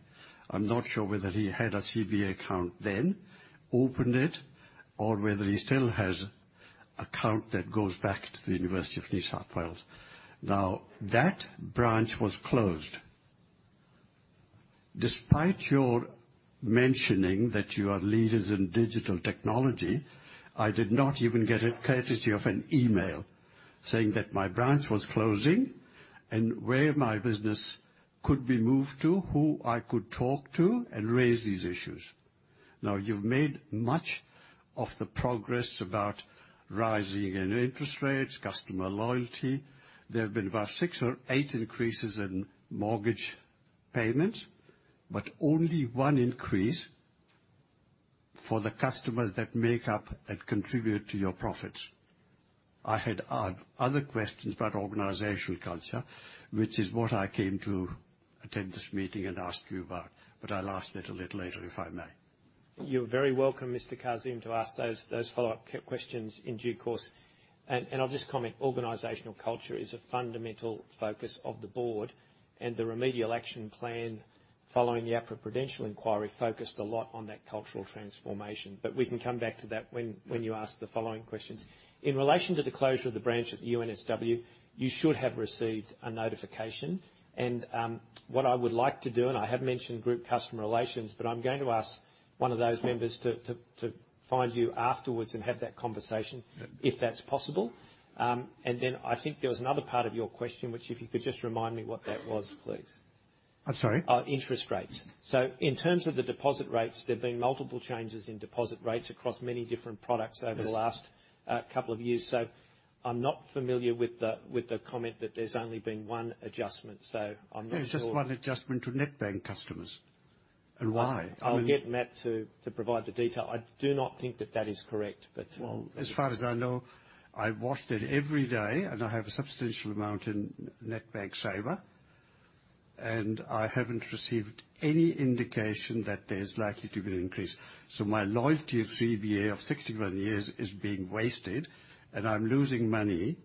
I'm not sure whether he had a CBA account then, opened it, or whether he still has account that goes back to the University of New South Wales. Now, that branch was closed. Despite your mentioning that you are leaders in digital technology, I did not even get a courtesy of an email saying that my branch was closing and where my business could be moved to, who I could talk to and raise these issues. Now you've made much of the progress about rising interest rates, customer loyalty. There have been about 6 or 8 increases in mortgage payments, but only one increase for the customers that make up and contribute to your profits. I had other questions about organizational culture, which is what I came to attend this meeting and ask you about, but I'll ask that a little later, if I may. You're very welcome, Mr. Kaz Kazim, to ask those follow-up questions in due course. I'll just comment, organizational culture is a fundamental focus of the board, and the Remedial Action Plan following the APRA Prudential Inquiry focused a lot on that cultural transformation. We can come back to that when you ask the following questions. In relation to the closure of the branch at the UNSW, you should have received a notification. What I would like to do, and I have mentioned Group Customer Relations, but I'm going to ask one of those members to find you afterwards and have that conversation. Yeah. -if that's possible. I think there was another part of your question, which if you could just remind me what that was, please. I'm sorry. Interest rates. In terms of the deposit rates, there've been multiple changes in deposit rates across many different products over the last- Yes. Couple of years. I'm not familiar with the comment that there's only been one adjustment, so I'm not sure. There's just one adjustment to NetBank customers. Why? I'll get Matt to provide the detail. I do not think that is correct. Well, as far as I know, I watched it every day and I have a substantial amount in NetBank Saver, and I haven't received any indication that there's likely to be an increase. My loyalty of CBA of 61 years is being wasted, and I'm losing money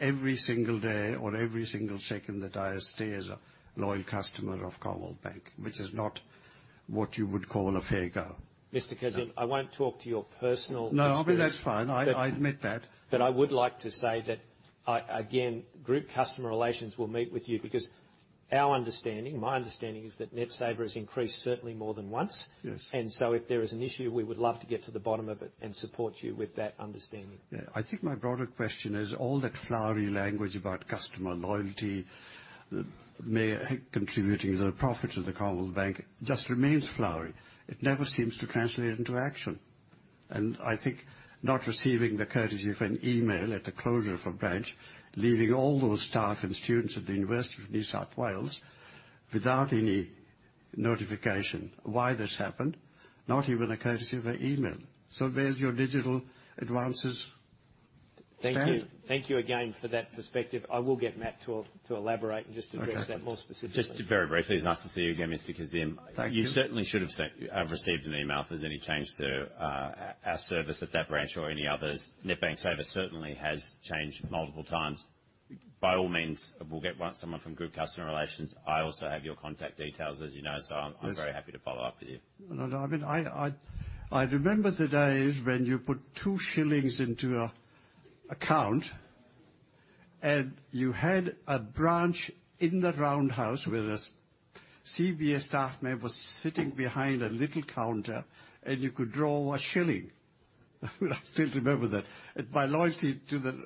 every single day or every single second that I stay as a loyal customer of Commonwealth Bank, which is not what you would call a fair go. Mr. Kaz Kazim, I won't talk to your personal experience. No, I mean, that's fine. I admit that. I would like to say that I, again, Group Customer Relations will meet with you because our understanding, my understanding, is that NetBank Saver has increased certainly more than once. Yes. If there is an issue, we would love to get to the bottom of it and support you with that understanding. Yeah. I think my broader question is all that flowery language about customer loyalty, maybe contributing to the profits of the Commonwealth Bank just remains flowery. It never seems to translate into action. I think not receiving the courtesy of an email at the closure of a branch, leaving all those staff and students at the University of New South Wales without any notification why this happened, not even the courtesy of an email. Where's your digital advances stand? Thank you. Thank you again for that perspective. I will get Matt to elaborate and just address that more specifically. Just very briefly, it's nice to see you again, Mr. Kaz Kazim. Thank you. You certainly should have received an email if there's any change to our service at that branch or any others. NetBank Saver certainly has changed multiple times. By all means, we'll get someone from group customer relations. I also have your contact details, as you know, so I'm very happy to follow up with you. No, no, I mean, I remember the days when you put two shillings into an account, and you had a branch in that roundhouse where the CBA staff member sitting behind a little counter, and you could draw a shilling. I still remember that. My loyalty to the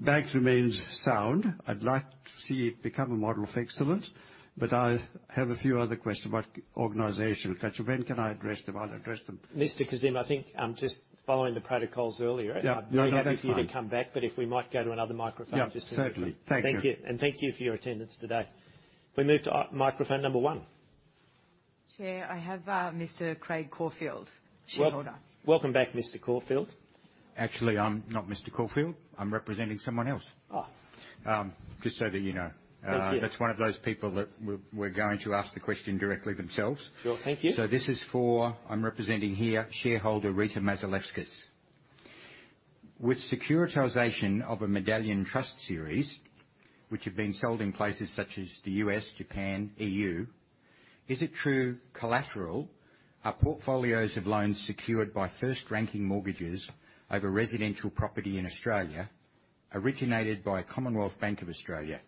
bank remains sound. I'd like to see it become a model of excellence, but I have a few other questions about organizational culture. When can I address them? I'll address them. Mr. Kaz Kazim, I think, just following the protocols earlier. Yeah. No, that's fine. I'd be happy for you to come back, but if we might go to another microphone just to Yeah, certainly. Thank you. Thank you. Thank you for your attendance today. We move to microphone number one. Chair, I have Mr. Craig Caulfield, shareholder. Welcome back, Mr. Caulfield. Actually, I'm not Mr. Caulfield. I'm representing someone else. Oh. Just so that you know. Thank you. That's one of those people that we're going to ask the question directly themselves. Sure. Thank you. This is for. I'm representing here shareholder Rita Mazaleskas. With securitization of a Medallion Trust series, which have been sold in places such as the U.S., Japan, E.U., is it true collateral are portfolios of loans secured by first-ranking mortgages over residential property in Australia originated by Commonwealth Bank of Australia,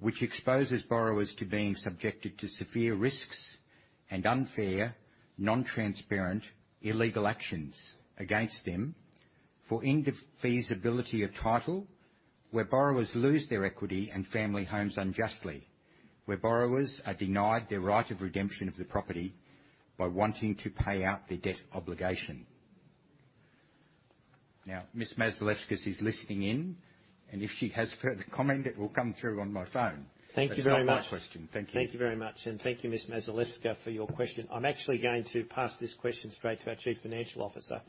which exposes borrowers to being subjected to severe risks and unfair, non-transparent, illegal actions against them for indefeasibility of title, where borrowers lose their equity and family homes unjustly, where borrowers are denied their right of redemption of the property by wanting to pay out their debt obligation? Now, Ms. Mazaleskas is listening in, and if she has further comment, it will come through on my phone. Thank you very much. That's not my question. Thank you. Thank you very much. Thank you, Ms. Mazaleskas, for your question. I'm actually going to pass this question straight to our Chief Financial Officer,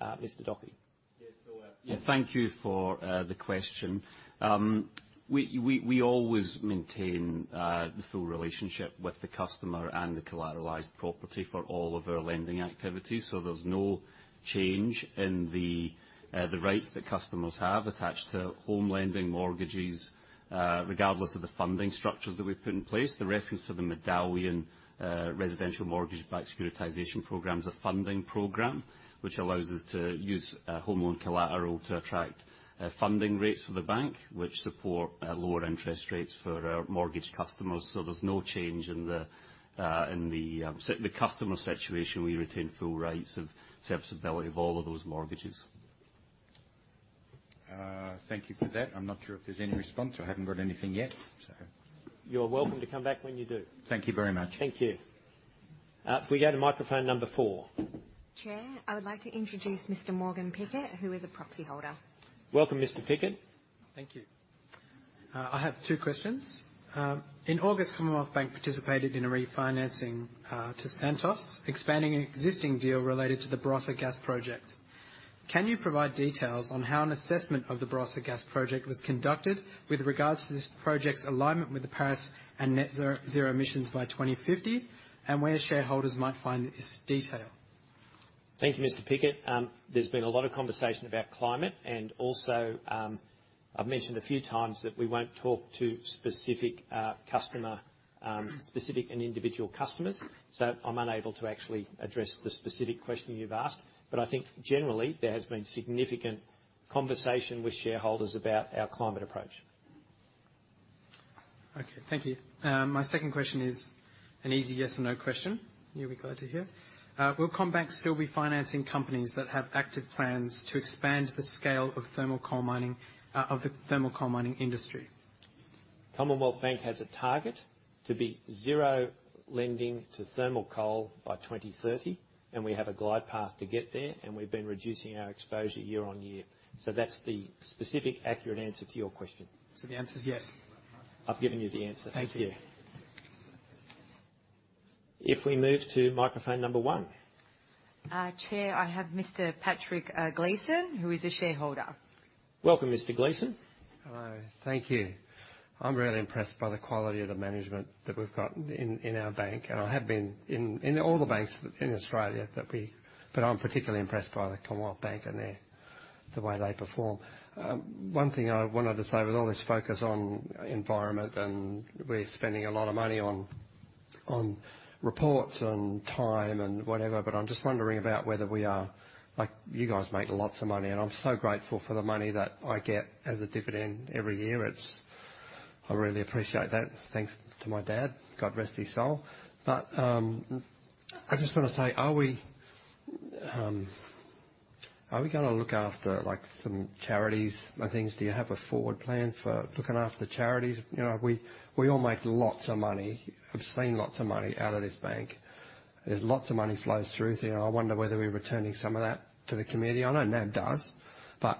Mr. Docherty. Yeah, sure. Yeah, thank you for the question. We always maintain the full relationship with the customer and the collateralized property for all of our lending activities, so there's no change in the rights that customers have attached to home lending mortgages, regardless of the funding structures that we've put in place. The reference to the Medallion residential mortgage-backed securitization program is a funding program which allows us to use home loan collateral to attract funding rates for the bank, which support lower interest rates for our mortgage customers. There's no change in the customer situation. We retain full rights of serviceability of all of those mortgages. Thank you for that. I'm not sure if there's any response. I haven't got anything yet, so. You're welcome to come back when you do. Thank you very much. Thank you. If we go to microphone number four. Chair, I would like to introduce Mr. Morgan Pickett, who is a proxy holder. Welcome, Mr. Morgan Pickett. Thank you. I have two questions. In August, Commonwealth Bank participated in a refinancing to Santos, expanding an existing deal related to the Barossa gas project. Can you provide details on how an assessment of the Barossa gas project was conducted with regards to this project's alignment with the Paris Agreement and net-zero emissions by 2050, and where shareholders might find this detail? Thank you, Mr. Pickett. There's been a lot of conversation about climate, and also, I've mentioned a few times that we won't talk to specific and individual customers. I'm unable to actually address the specific question you've asked. I think generally there has been significant conversation with shareholders about our climate approach. Okay, thank you. My second question is an easy yes or no question, you'll be glad to hear. Will CommBank still be financing companies that have active plans to expand the scale of thermal coal mining of the thermal coal mining industry? Commonwealth Bank has a target to be zero lending to thermal coal by 2030, and we have a glide path to get there, and we've been reducing our exposure year on year. That's the specific accurate answer to your question. The answer's yes? I've given you the answer. Thank you. Thank you. If we move to microphone number one. Chair, I have Mr. Patrick Gleeson, who is a shareholder. Welcome, Mr. Gleeson. Hello. Thank you. I'm really impressed by the quality of the management that we've got in our bank, and I have been in all the banks in Australia, but I'm particularly impressed by the Commonwealth Bank and the way they perform. One thing I wanted to say, with all this focus on environment, and we're spending a lot of money on reports and time and whatever, but I'm just wondering about whether we are. Like, you guys make lots of money, and I'm so grateful for the money that I get as a dividend every year. I really appreciate that. Thanks to my dad, God rest his soul. I just wanna say, are we gonna look after, like, some charities and things? Do you have a forward plan for looking after charities? You know, we all make lots of money, obscene lots of money out of this bank. There's lots of money flows through, so I wonder whether we're returning some of that to the community. I know NAB does, but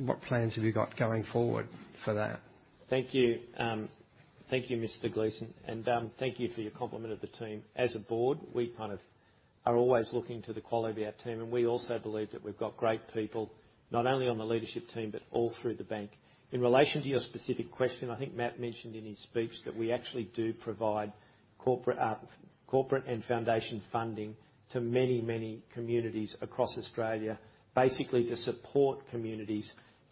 what plans have you got going forward for that? Thank you. Thank you, Mr. Gleeson, and thank you for your compliment of the team. As a board, we kind of are always looking to the quality of our team, and we also believe that we've got great people, not only on the leadership team, but all through the bank. In relation to your specific question, I think Matt mentioned in his speech that we actually do provide corporate and foundation funding to many, many communities across Australia, basically to support communities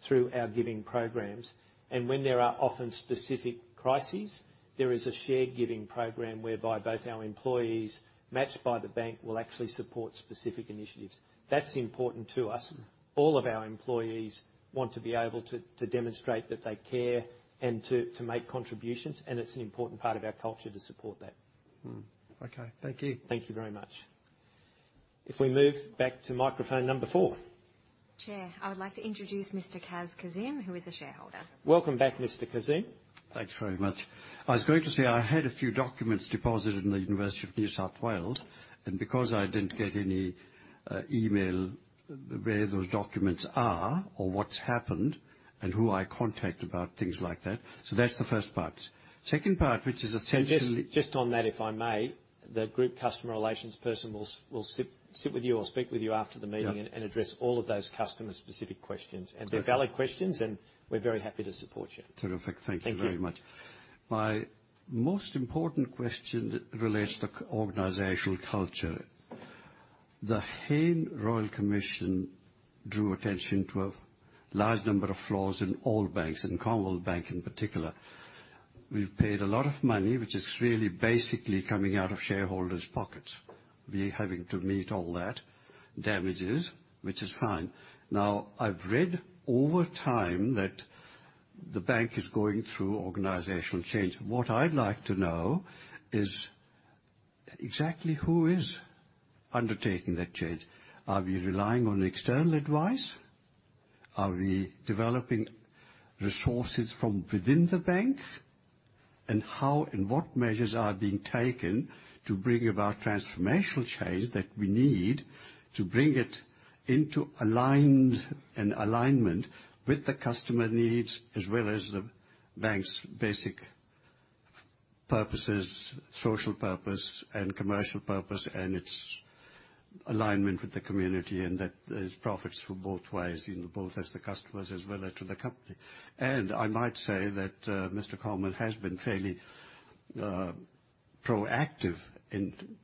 through our giving programs. When there are often specific crises, there is a shared giving program whereby both our employees, matched by the bank, will actually support specific initiatives. That's important to us. All of our employees want to be able to demonstrate that they care and to make contributions, and it's an important part of our culture to support that. Okay. Thank you. Thank you very much. If we move back to microphone number four. Chair, I would like to introduce Mr. Kaz Kazim, who is a shareholder. Welcome back, Mr. Kaz Kazim. Thanks very much. I was going to say, I had a few documents deposited in the University of New South Wales, and because I didn't get any email where those documents are or what's happened and who I contact about things like that. That's the first part. Second part, which is essentially- Just on that, if I may. The group customer relations person will sit with you or speak with you after the meeting. Yeah address all of those customer-specific questions. Terrific. They're valid questions, and we're very happy to support you. Terrific. Thank you very much. Thank you. My most important question relates to organizational culture. The Hayne Royal Commission drew attention to a large number of flaws in all banks and Commonwealth Bank in particular. We've paid a lot of money, which is really basically coming out of shareholders' pockets, we're having to meet all that damages, which is fine. Now, I've read over time that the bank is going through organizational change. What I'd like to know is exactly who is undertaking that change. Are we relying on external advice? Are we developing resources from within the bank? How and what measures are being taken to bring about transformational change that we need to bring it into aligned and alignment with the customer needs, as well as the bank's basic purposes, social purpose and commercial purpose, and its alignment with the community, and that there's profits for both ways, you know, both as the customers as well as to the company. I might say that, Mr. Comyn has been fairly, proactive in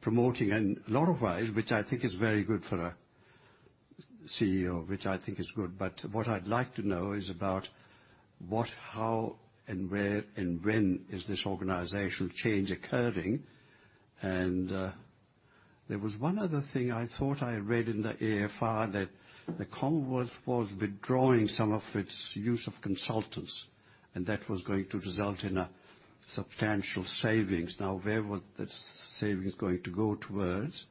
promoting in a lot of ways, which I think is very good for a CEO, which I think is good. What I'd like to know is about what, how, and where, and when is this organizational change occurring. There was one other thing I thought I read in the AFR, that the Commonwealth was withdrawing some of its use of consultants, and that was going to result in a substantial savings. Now, where were the savings going to go towards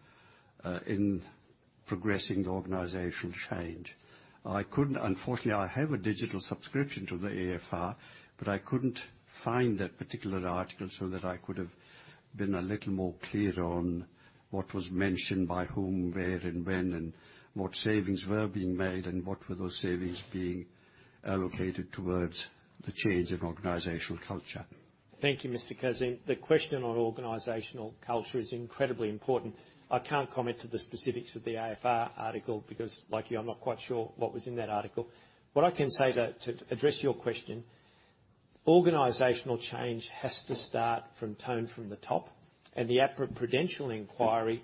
in progressing organizational change? I couldn't. Unfortunately, I have a digital subscription to the AFR, but I couldn't find that particular article so that I could have been a little more clear on what was mentioned by whom, where, and when, and what savings were being made, and what were those savings being allocated towards the change in organizational culture. Thank you, Mr. Kazim. The question on organizational culture is incredibly important. I can't comment on the specifics of the AFR article because, like you, I'm not quite sure what was in that article. What I can say to address your question, organizational change has to start from tone from the top, and the APRA Prudential Inquiry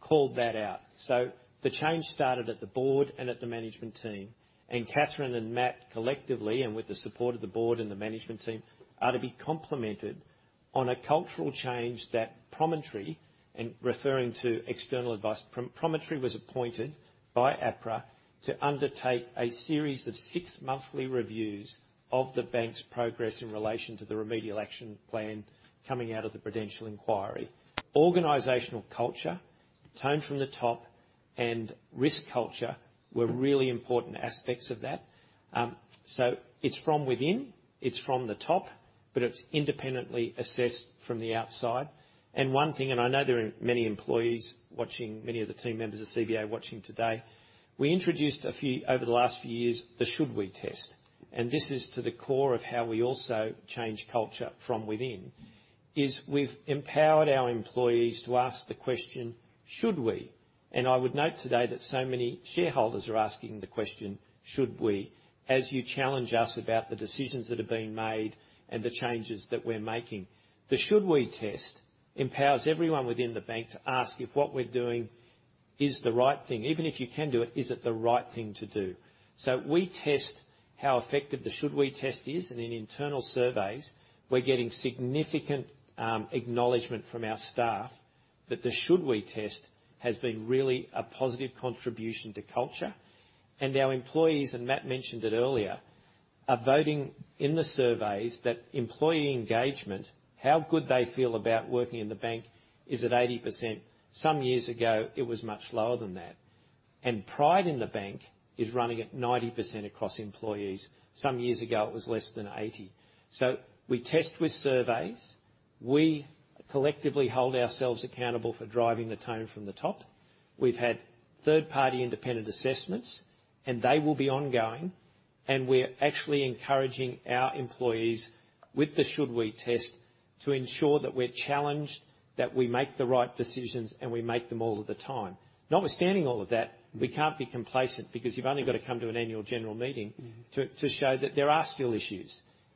called that out. The change started at the board and at the management team. Catherine and Matt, collectively, and with the support of the board and the management team, are to be complimented on a cultural change. Promontory was appointed by APRA to undertake a series of six-monthly reviews of the bank's progress in relation to the Remedial Action Plan coming out of the Prudential Inquiry. Organizational culture, tone from the top, and risk culture were really important aspects of that. It's from within, it's from the top, but it's independently assessed from the outside. One thing, I know there are many employees watching, many of the team members of CBA watching today, we introduced a few, over the last few years, the should we test. This is to the core of how we also change culture from within, is we've empowered our employees to ask the question, should we? I would note today that so many shareholders are asking the question, should we? As you challenge us about the decisions that are being made and the changes that we're making. The should we test empowers everyone within the bank to ask if what we're doing is the right thing. Even if you can do it, is it the right thing to do? We test how effective the should we test is. In internal surveys, we're getting significant acknowledgement from our staff that the should we test has been really a positive contribution to culture. Our employees, and Matt mentioned it earlier, are voting in the surveys that employee engagement, how good they feel about working in the bank is at 80%. Some years ago, it was much lower than that. Pride in the bank is running at 90% across employees. Some years ago, it was less than 80%. We test with surveys. We collectively hold ourselves accountable for driving the tone from the top. We've had third-party independent assessments, and they will be ongoing. We're actually encouraging our employees with the should we test to ensure that we're challenged, that we make the right decisions, and we make them all of the time. Notwithstanding all of that, we can't be complacent because you've only got to come to an annual general meeting. Mm-hmm to show that there are still issues.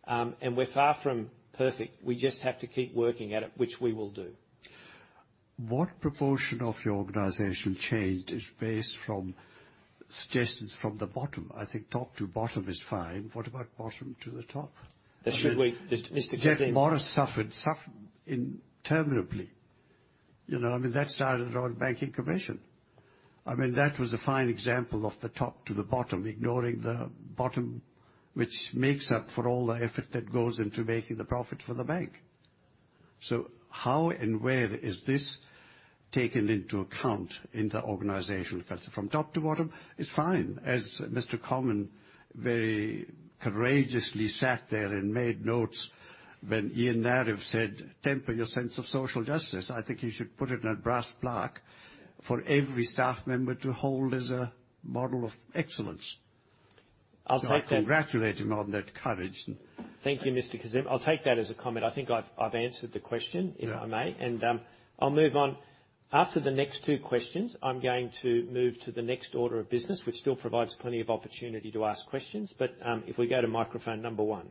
We're far from perfect. We just have to keep working at it, which we will do. What proportion of your organization change is based from suggestions from the bottom? I think top to bottom is fine. What about bottom to the top? Mr. Kaz Kazim Just Morris suffered interminably, you know. I mean, that started the Hayne Royal Commission. I mean, that was a fine example of the top to the bottom, ignoring the bottom, which makes up for all the effort that goes into making the profit for the bank. How and where is this taken into account in the organization? Because from top to bottom is fine. As Mr. Comyn very courageously sat there and made notes when Ian Narev said, "Temper your sense of social justice," I think you should put it in a brass plaque for every staff member to hold as a model of excellence. I'll take that. I congratulate him on that courage and Thank you, Mr. Kaz Kazim. I'll take that as a comment. I think I've answered the question. Yeah If I may, I'll move on. After the next two questions, I'm going to move to the next order of business, which still provides plenty of opportunity to ask questions. If we go to microphone number one.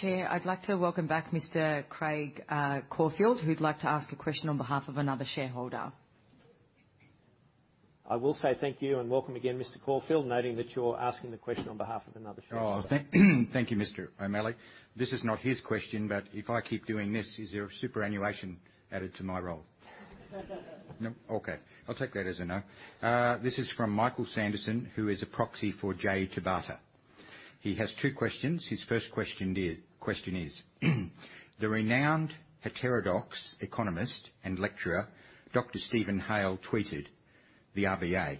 Chair, I'd like to welcome back Mr. Craig Caulfield, who'd like to ask a question on behalf of another shareholder. I will say thank you and welcome again, Mr. Caulfield, noting that you're asking the question on behalf of another shareholder. Oh, thank you, Mr. O'Malley. This is not his question, but if I keep doing this, is there a superannuation added to my role? No? Okay. I'll take that as a no. This is from Michael Sanderson, who is a proxy for Jaquie Tabata. He has two questions. His first question is, the renowned heterodox economist and lecturer, Dr. Steve Keen, tweeted the RBA,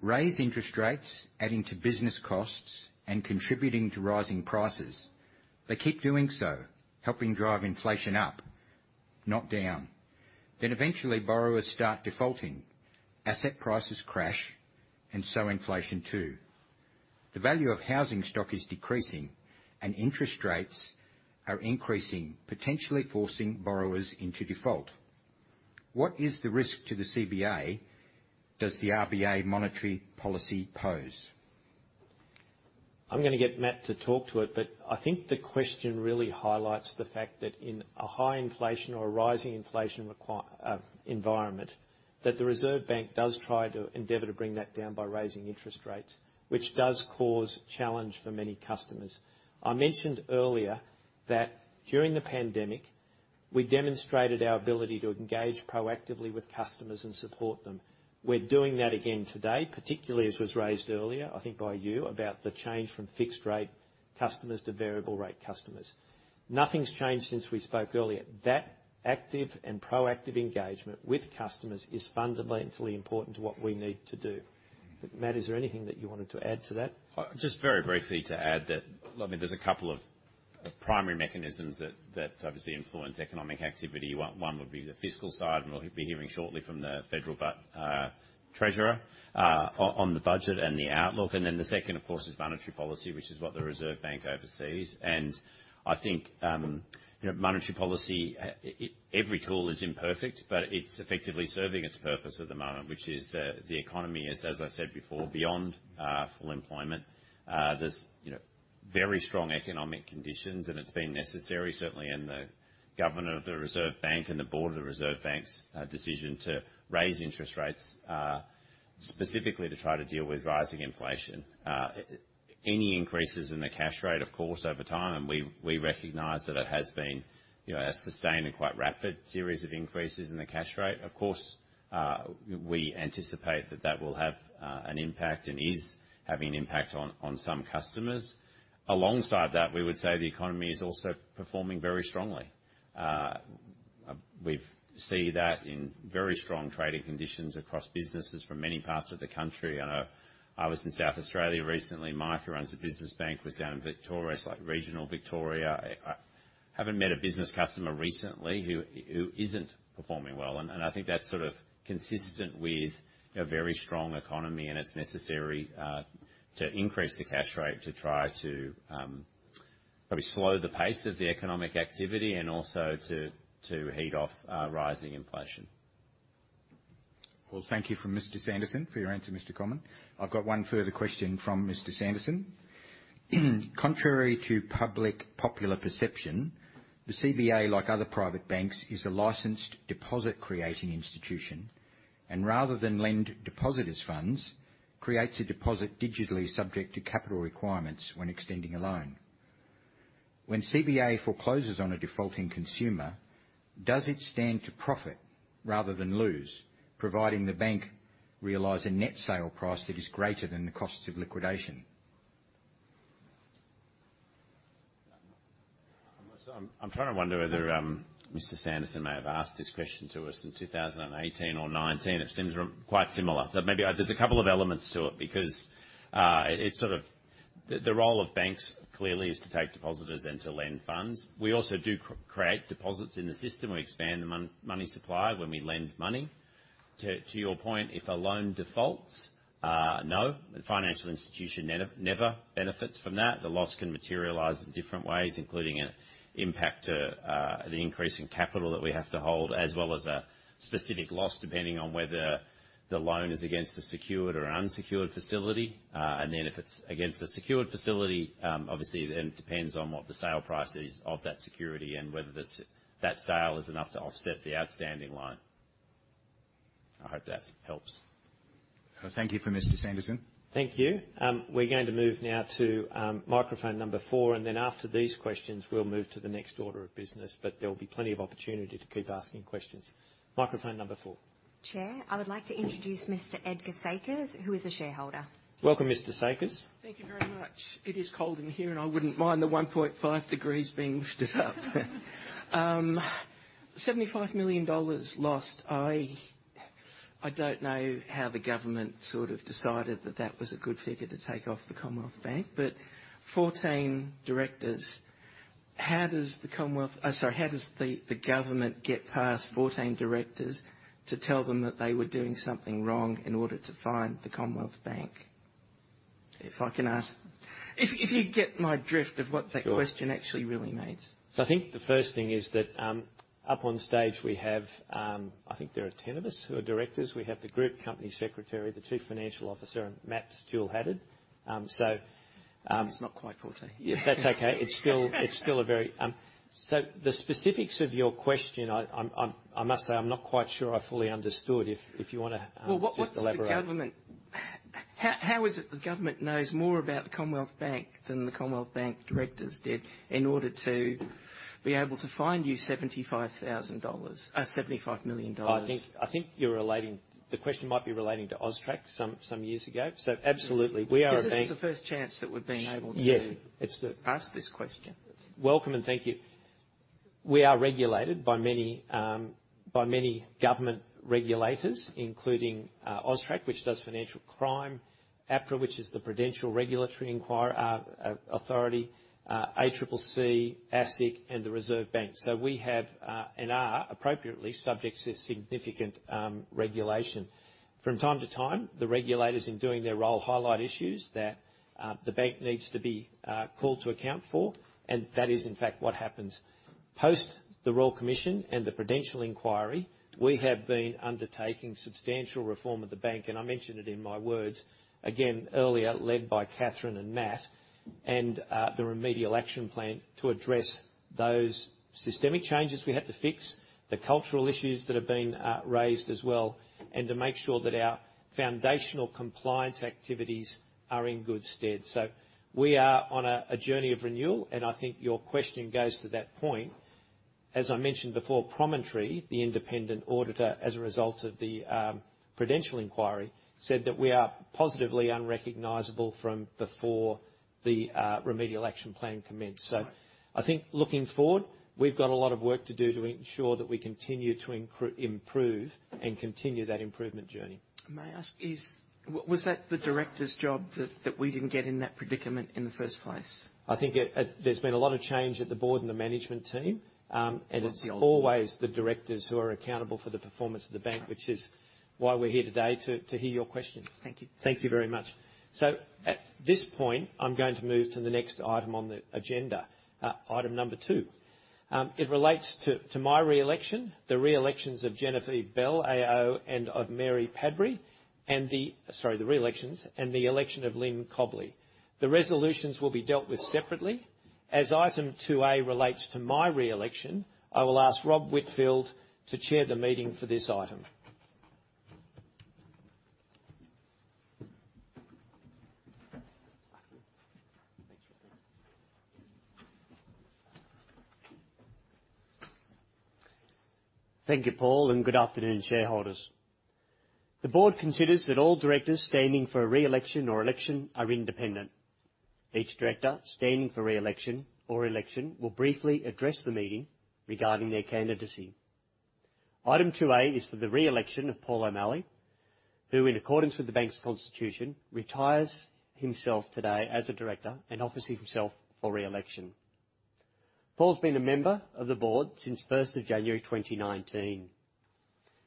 "Raise interest rates, adding to business costs and contributing to rising prices. They keep doing so, helping drive inflation up, not down. Then eventually borrowers start defaulting, asset prices crash, and so inflation too. The value of housing stock is decreasing and interest rates are increasing, potentially forcing borrowers into default. What is the risk to the CBA does the RBA monetary policy pose? I'm gonna get Matt to talk to it, but I think the question really highlights the fact that in a high inflation or a rising inflation environment, that the Reserve Bank does try to endeavor to bring that down by raising interest rates, which does cause challenge for many customers. I mentioned earlier that during the pandemic, we demonstrated our ability to engage proactively with customers and support them. We're doing that again today, particularly as was raised earlier, I think by you, about the change from fixed rate customers to variable rate customers. Nothing's changed since we spoke earlier. That active and proactive engagement with customers is fundamentally important to what we need to do. Matt, is there anything that you wanted to add to that? Just very briefly to add that, I mean, there's a couple of primary mechanisms that obviously influence economic activity. One would be the fiscal side, and we'll be hearing shortly from the federal treasurer on the budget and the outlook. Then the second, of course, is monetary policy, which is what the Reserve Bank oversees. I think, you know, monetary policy, every tool is imperfect, but it's effectively serving its purpose at the moment, which is the economy is, as I said before, beyond full employment. There's, you know, very strong economic conditions, and it's been necessary, certainly in the governor of the Reserve Bank and the board of the Reserve Bank's decision to raise interest rates, specifically to try to deal with rising inflation. Any increases in the cash rate, of course, over time, and we recognize that it has been, you know, a sustained and quite rapid series of increases in the cash rate. Of course, we anticipate that that will have an impact and is having an impact on some customers. Alongside that, we would say the economy is also performing very strongly. We've seen that in very strong trading conditions across businesses from many parts of the country. I know I was in South Australia recently. Mike, who runs the business bank, was down in Victoria, it's like regional Victoria. I haven't met a business customer recently who isn't performing well. I think that's sort of consistent with a very strong economy, and it's necessary to increase the cash rate to try to probably slow the pace of the economic activity and also to head off rising inflation. Well, thank you from Mr. Sanderson for your answer, Mr. Comyn. I've got one further question from Mr. Sanderson. Contrary to public popular perception, the CBA, like other private banks, is a licensed deposit-creating institution, and rather than lend depositors' funds, creates a deposit digitally subject to capital requirements when extending a loan. When CBA forecloses on a defaulting consumer, does it stand to profit rather than lose, providing the bank realize a net sale price that is greater than the cost of liquidation? I'm sorry. I'm trying to wonder whether Mr. Sanderson may have asked this question to us in 2018 or 2019. It seems quite similar. Maybe there's a couple of elements to it because it sort of. The role of banks, clearly, is to take deposits then to lend funds. We also do create deposits in the system. We expand the money supply when we lend money. To your point, if a loan defaults, no, the financial institution never benefits from that. The loss can materialize in different ways, including an impact to the increase in capital that we have to hold, as well as a specific loss depending on whether the loan is against a secured or unsecured facility. If it's against the secured facility, obviously, then it depends on what the sale price is of that security and whether that sale is enough to offset the outstanding loan. I hope that helps. Thank you for Mr. Sanderson. Thank you. We're going to move now to microphone number four, and then after these questions, we'll move to the next order of business, but there will be plenty of opportunity to keep asking questions. Microphone number four. Chair, I would like to introduce Mr. Edgar Sakers, who is a shareholder. Welcome, Mr. Sakers. Thank you very much. It is cold in here, and I wouldn't mind the 1.5 degrees being pushed up. 75 million dollars lost. I don't know how the government sort of decided that that was a good figure to take off the Commonwealth Bank, but 14 directors, how does the government get past 14 directors to tell them that they were doing something wrong in order to fine the Commonwealth Bank? If I can ask. If you get my drift of what that question Sure. actually really means. I think the first thing is that up on stage we have I think there are ten of us who are directors. We have the group company secretary, the chief financial officer, and Matt's dual-hatted. It's not quite 14. That's okay. The specifics of your question, I must say, I'm not quite sure I fully understood. If you wanna just elaborate. Well, how is it the government knows more about the Commonwealth Bank than the Commonwealth Bank directors did in order to be able to fine you 75 thousand dollars, 75 million dollars? I think you're relating. The question might be relating to AUSTRAC some years ago. Absolutely, we are a bank. This is the first chance that we've been able to. Yeah. Ask this question. Welcome, and thank you. We are regulated by many government regulators, including AUSTRAC, which does financial crime, APRA, which is the Prudential Regulation Authority, ACCC, ASIC, and the Reserve Bank. We have and are appropriately subject to significant regulation. From time to time, the regulators, in doing their role, highlight issues that the bank needs to be called to account for, and that is in fact what happens. Post the Royal Commission and the Prudential Inquiry, we have been undertaking substantial reform of the bank, and I mentioned it in my words, again, earlier, led by Catherine and Matt and the remedial action plan to address those systemic changes we had to fix, the cultural issues that have been raised as well, and to make sure that our foundational compliance activities are in good stead. We are on a journey of renewal, and I think your questioning goes to that point. As I mentioned before, Promontory, the independent auditor, as a result of the Prudential Inquiry, said that we are positively unrecognizable from before the remedial action plan commenced. I think looking forward, we've got a lot of work to do to ensure that we continue to improve and continue that improvement journey. May I ask, was that the directors' job that we didn't get in that predicament in the first place? I think there's been a lot of change at the board and the management team, and it's. What's the ultimate- Always the directors who are accountable for the performance of the bank. All right. which is why we're here today to hear your questions. Thank you. Thank you very much. At this point, I'm going to move to the next item on the agenda, item number 2. It relates to my re-election, the re-elections of Genevieve Bell AO and of Mary Padbury, Sorry, the re-elections and the election of Lyn Cobley. The resolutions will be dealt with separately. As item two A relates to my re-election, I will ask Rob Whitfield to chair the meeting for this item. Thank you. Thank you. Thank you, Paul, and good afternoon, shareholders. The board considers that all directors standing for re-election or election are independent. Each director standing for re-election or election will briefly address the meeting regarding their candidacy. Item 2A is for the re-election of Paul O'Malley, who, in accordance with the bank's constitution, retires himself today as a director and offers himself for re-election. Paul's been a member of the board since January 1, 2019,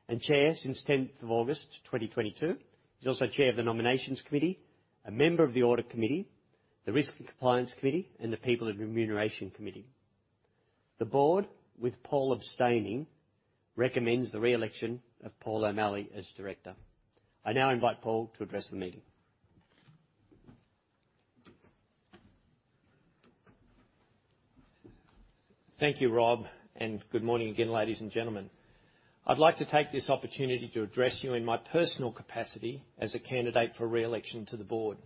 and chair since August 10, 2022. He's also chair of the Nominations Committee, a member of the Audit Committee, the Risk and Compliance Committee, and the People and Remuneration Committee. The board, with Paul abstaining, recommends the re-election of Paul O'Malley as director. I now invite Paul to address the meeting. Thank you, Rob, and good morning again, ladies and gentlemen. I'd like to take this opportunity to address you in my personal capacity as a candidate for re-election to the board.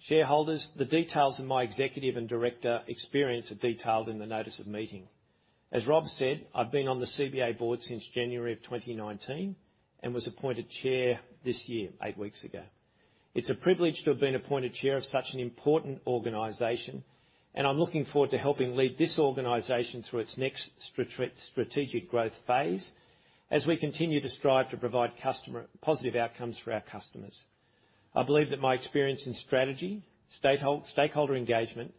Shareholders, the details of my executive and director experience are detailed in the notice of meeting. As Rob said, I've been on the CBA board since January of 2019 and was appointed chair this year, eight weeks ago. It's a privilege to have been appointed chair of such an important organization, and I'm looking forward to helping lead this organization through its next strategic growth phase as we continue to strive to provide customer positive outcomes for our customers. I believe that my experience in strategy, stakeholder engagement,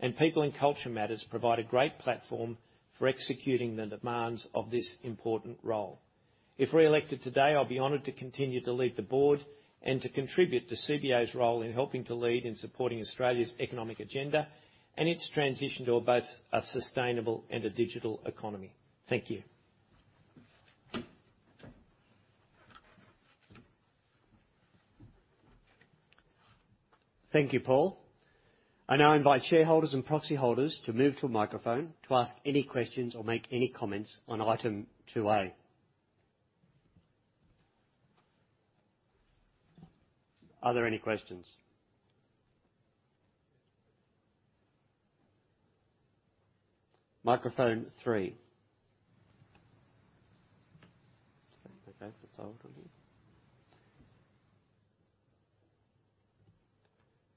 and people and culture matters provide a great platform for executing the demands of this important role. If re-elected today, I'll be honored to continue to lead the board and to contribute to CBA's role in helping to lead in supporting Australia's economic agenda and its transition to a both, a sustainable and a digital economy. Thank you. Thank you, Paul. I now invite shareholders and proxy holders to move to a microphone to ask any questions or make any comments on item 2A. Are there any questions? Microphone three.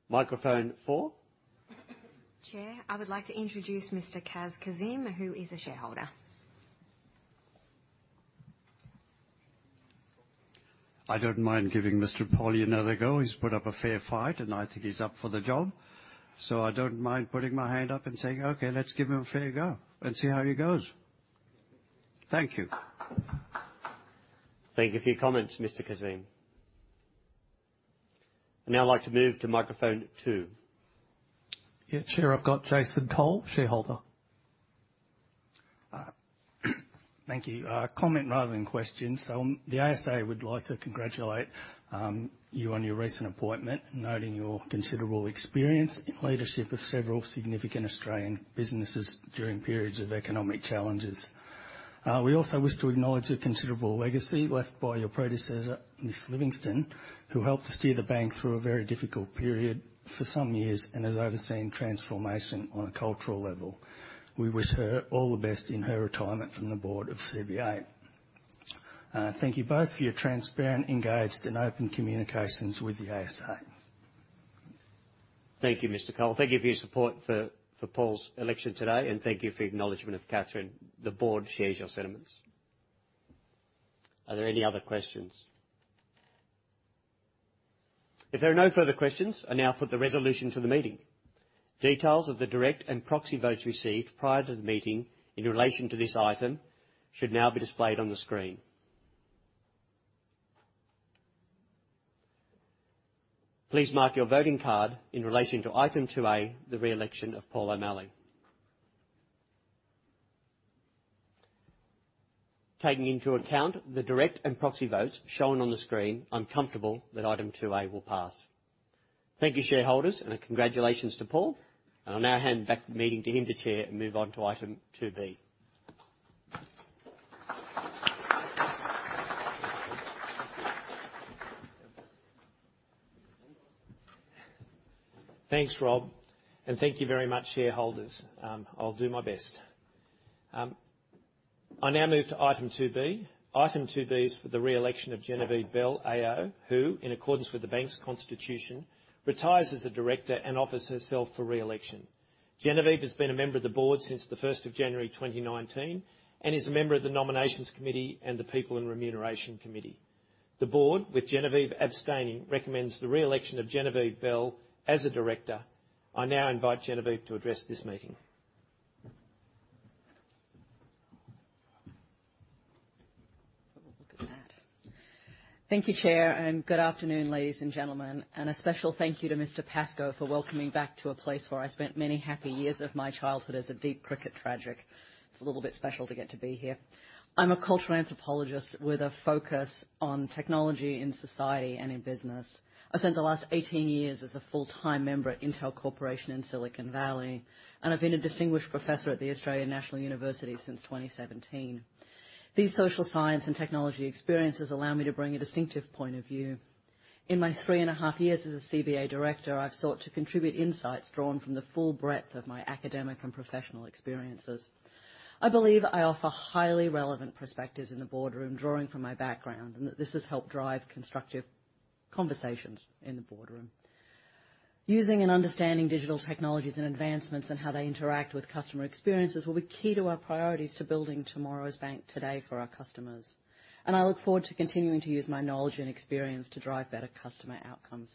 Microphone four. Chair, I would like to introduce Mr. Kaz Kazim, who is a shareholder. I don't mind giving Mr. O'Malley another go. He's put up a fair fight, and I think he's up for the job. I don't mind putting my hand up and saying, "Okay, let's give him a fair go and see how he goes." Thank you. Thank you for your comments, Mr. Kaz Kazim. I'd now like to move to microphone two. Yeah, sure. I've got Jason Cole, shareholder. Thank you. Comment rather than question. The ASA would like to congratulate you on your recent appointment, noting your considerable experience in leadership of several significant Australian businesses during periods of economic challenges. We also wish to acknowledge the considerable legacy left by your predecessor, Ms. Catherine Livingstone, who helped steer the bank through a very difficult period for some years and has overseen transformation on a cultural level. We wish her all the best in her retirement from the board of CBA. Thank you both for your transparent, engaged, and open communications with the ASA. Thank you, Mr. Cole. Thank you for your support for Paul's election today, and thank you for your acknowledgement of Catherine. The board shares your sentiments. Are there any other questions? If there are no further questions, I now put the resolution to the meeting. Details of the direct and proxy votes received prior to the meeting in relation to this item should now be displayed on the screen. Please mark your voting card in relation to item 2A, the re-election of Paul O'Malley. Taking into account the direct and proxy votes shown on the screen, I'm comfortable that item 2A will pass. Thank you, shareholders, and congratulations to Paul. I'll now hand back the meeting to him to chair and move on to item 2B. Thanks, Rob, and thank you very much, shareholders. I'll do my best. I now move to item two B. Item two B is for the re-election of Genevieve Bell AO, who, in accordance with the bank's constitution, retires as a director and offers herself for re-election. Genevieve has been a member of the board since the first of January 2019 and is a member of the Nominations Committee and the People and Remuneration Committee. The board, with Genevieve abstaining, recommends the re-election of Genevieve Bell AO as a director. I now invite Genevieve to address this meeting. We'll look at that. Thank you, Chair, and good afternoon, ladies and gentlemen, and a special thank you to Mr. Pascoe for welcoming back to a place where I spent many happy years of my childhood as a deep cricket tragic. It's a little bit special to get to be here. I'm a cultural anthropologist with a focus on technology in society and in business. I spent the last 18 years as a full-time member at Intel Corporation in Silicon Valley, and I've been a distinguished professor at the Australian National University since 2017. These social science and technology experiences allow me to bring a distinctive point of view. In my three and a half years as a CBA director, I've sought to contribute insights drawn from the full breadth of my academic and professional experiences. I believe I offer highly relevant perspectives in the boardroom, drawing from my background, and that this has helped drive constructive conversations in the boardroom. Using and understanding digital technologies and advancements and how they interact with customer experiences will be key to our priorities to building tomorrow's bank today for our customers. I look forward to continuing to use my knowledge and experience to drive better customer outcomes.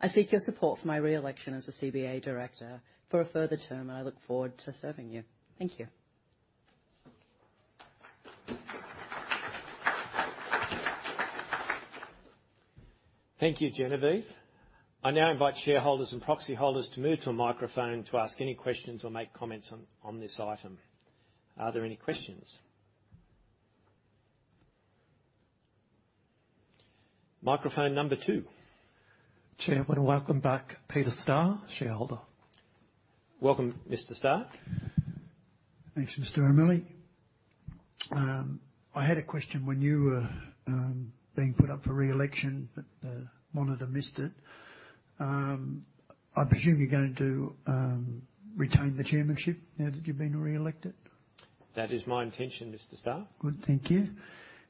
I seek your support for my re-election as a CBA director for a further term, and I look forward to serving you. Thank you. Thank you, Genevieve. I now invite shareholders and proxy holders to move to a microphone to ask any questions or make comments on this item. Are there any questions? Microphone number 2. Chair, I want to welcome back Peter Starr, shareholder. Welcome, Mr. Starr. Thanks, Mr. O'Malley. I had a question when you were being put up for re-election, but the monitor missed it. I presume you're going to retain the chairmanship now that you've been re-elected? That is my intention, Mr. Starr. Good, thank you.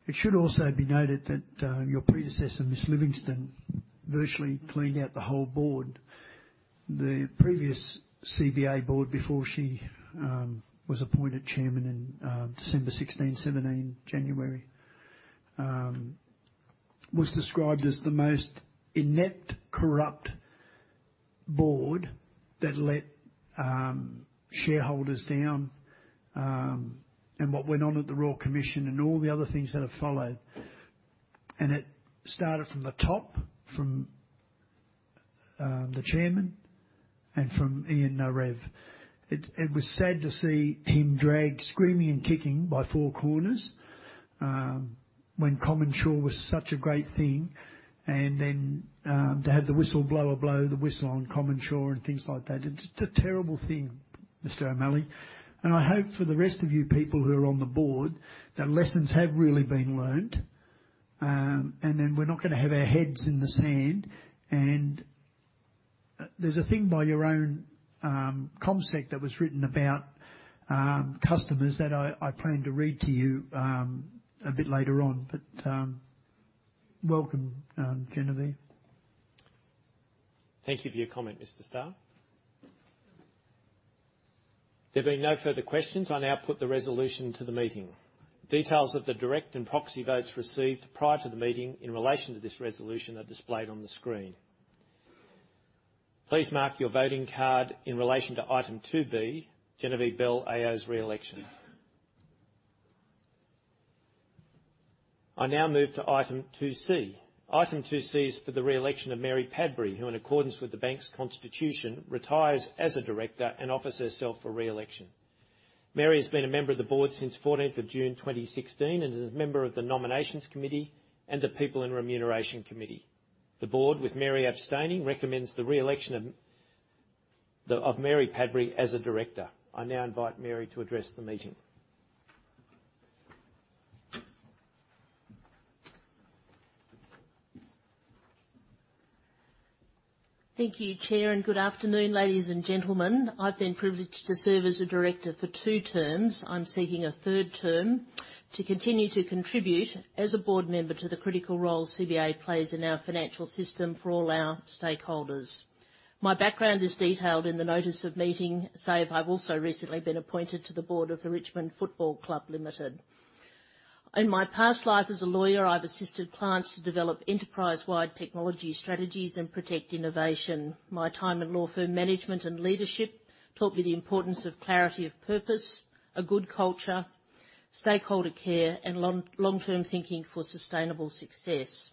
It should also be noted that, your predecessor, Ms. Catherine Livingstone, virtually cleaned out the whole board. The previous CBA board before she was appointed chairman in December 2016, 2017, January was described as the most inept, corrupt board that let shareholders down, and what went on at the Royal Commission and all the other things that have followed. It started from the top, from the chairman and from Ian Narev. It was sad to see him dragged, screaming and kicking, by Four Corners, when CommInsure was such a great thing. Then to have the whistleblower blow the whistle on CommInsure and things like that. It's just a terrible thing, Mr. O'Malley, I hope for the rest of you people who are on the board that lessons have really been learned, and then we're not gonna have our heads in the sand. There's a thing by your own CommSec that was written about customers that I plan to read to you a bit later on, but welcome Genevieve. Thank you for your comment, Mr. Starr. There being no further questions, I now put the resolution to the meeting. Details of the direct and proxy votes received prior to the meeting in relation to this resolution are displayed on the screen. Please mark your voting card in relation to item two B, Genevieve Bell AO's reelection. I now move to item two C. Item two C is for the reelection of Mary Padbury, who in accordance with the Bank's Constitution, retires as a director and offers herself for reelection. Mary has been a member of the board since 14 June 2016 and is a member of the Nominations Committee and the People and Remuneration Committee. The board, with Mary abstaining, recommends the reelection of Mary Padbury as a director. I now invite Mary to address the meeting. Thank you, Chair, and good afternoon, ladies and gentlemen. I've been privileged to serve as a director for two terms. I'm seeking a third term to continue to contribute as a board member to the critical role CBA plays in our financial system for all our stakeholders. My background is detailed in the notice of meeting, save I've also recently been appointed to the board of the Richmond Football Club Limited. In my past life as a lawyer, I've assisted clients to develop enterprise-wide technology strategies and protect innovation. My time in law firm management and leadership taught me the importance of clarity of purpose, a good culture, stakeholder care, and long-term thinking for sustainable success.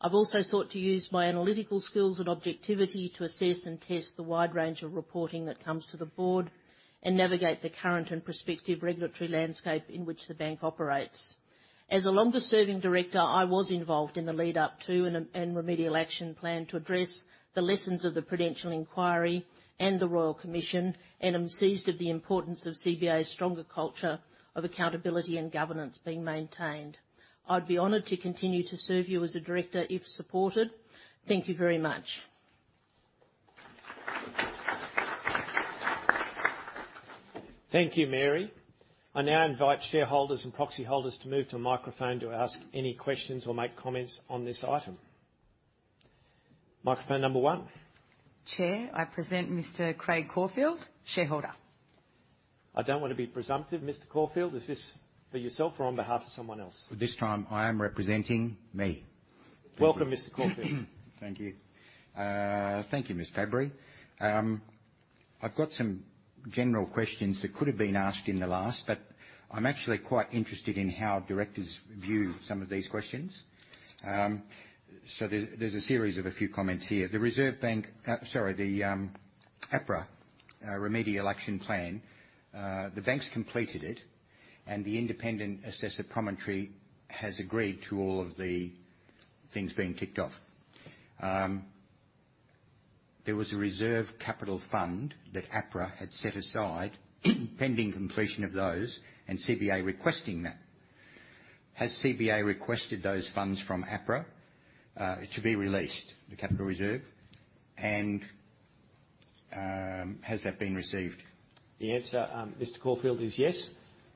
I've also sought to use my analytical skills and objectivity to assess and test the wide range of reporting that comes to the board and navigate the current and prospective regulatory landscape in which the bank operates. As a longer-serving director, I was involved in the lead up to and Remedial Action Plan to address the lessons of the Prudential Inquiry and the Royal Commission, and I'm seized of the importance of CBA's stronger culture of accountability and governance being maintained. I'd be honored to continue to serve you as a director if supported. Thank you very much. Thank you, Mary. I now invite shareholders and proxy holders to move to a microphone to ask any questions or make comments on this item. Microphone number one. Chair, I present Mr. Craig Caulfield, shareholder. I don't want to be presumptive, Mr. Caulfield. Is this for yourself or on behalf of someone else? This time, I am representing me. Welcome, Mr. Caulfield. Thank you. Thank you, Ms. Padbury. I've got some general questions that could have been asked in the last, but I'm actually quite interested in how directors view some of these questions. So there's a series of a few comments here. The APRA Remedial Action Plan, the bank's completed it, and the independent assessor commentary has agreed to all of the things being ticked off. There was a reserve capital fund that APRA had set aside pending completion of those and CBA requesting that. Has CBA requested those funds from APRA to be released, the capital reserve? And has that been received? The answer, Mr. Caulfield, is yes.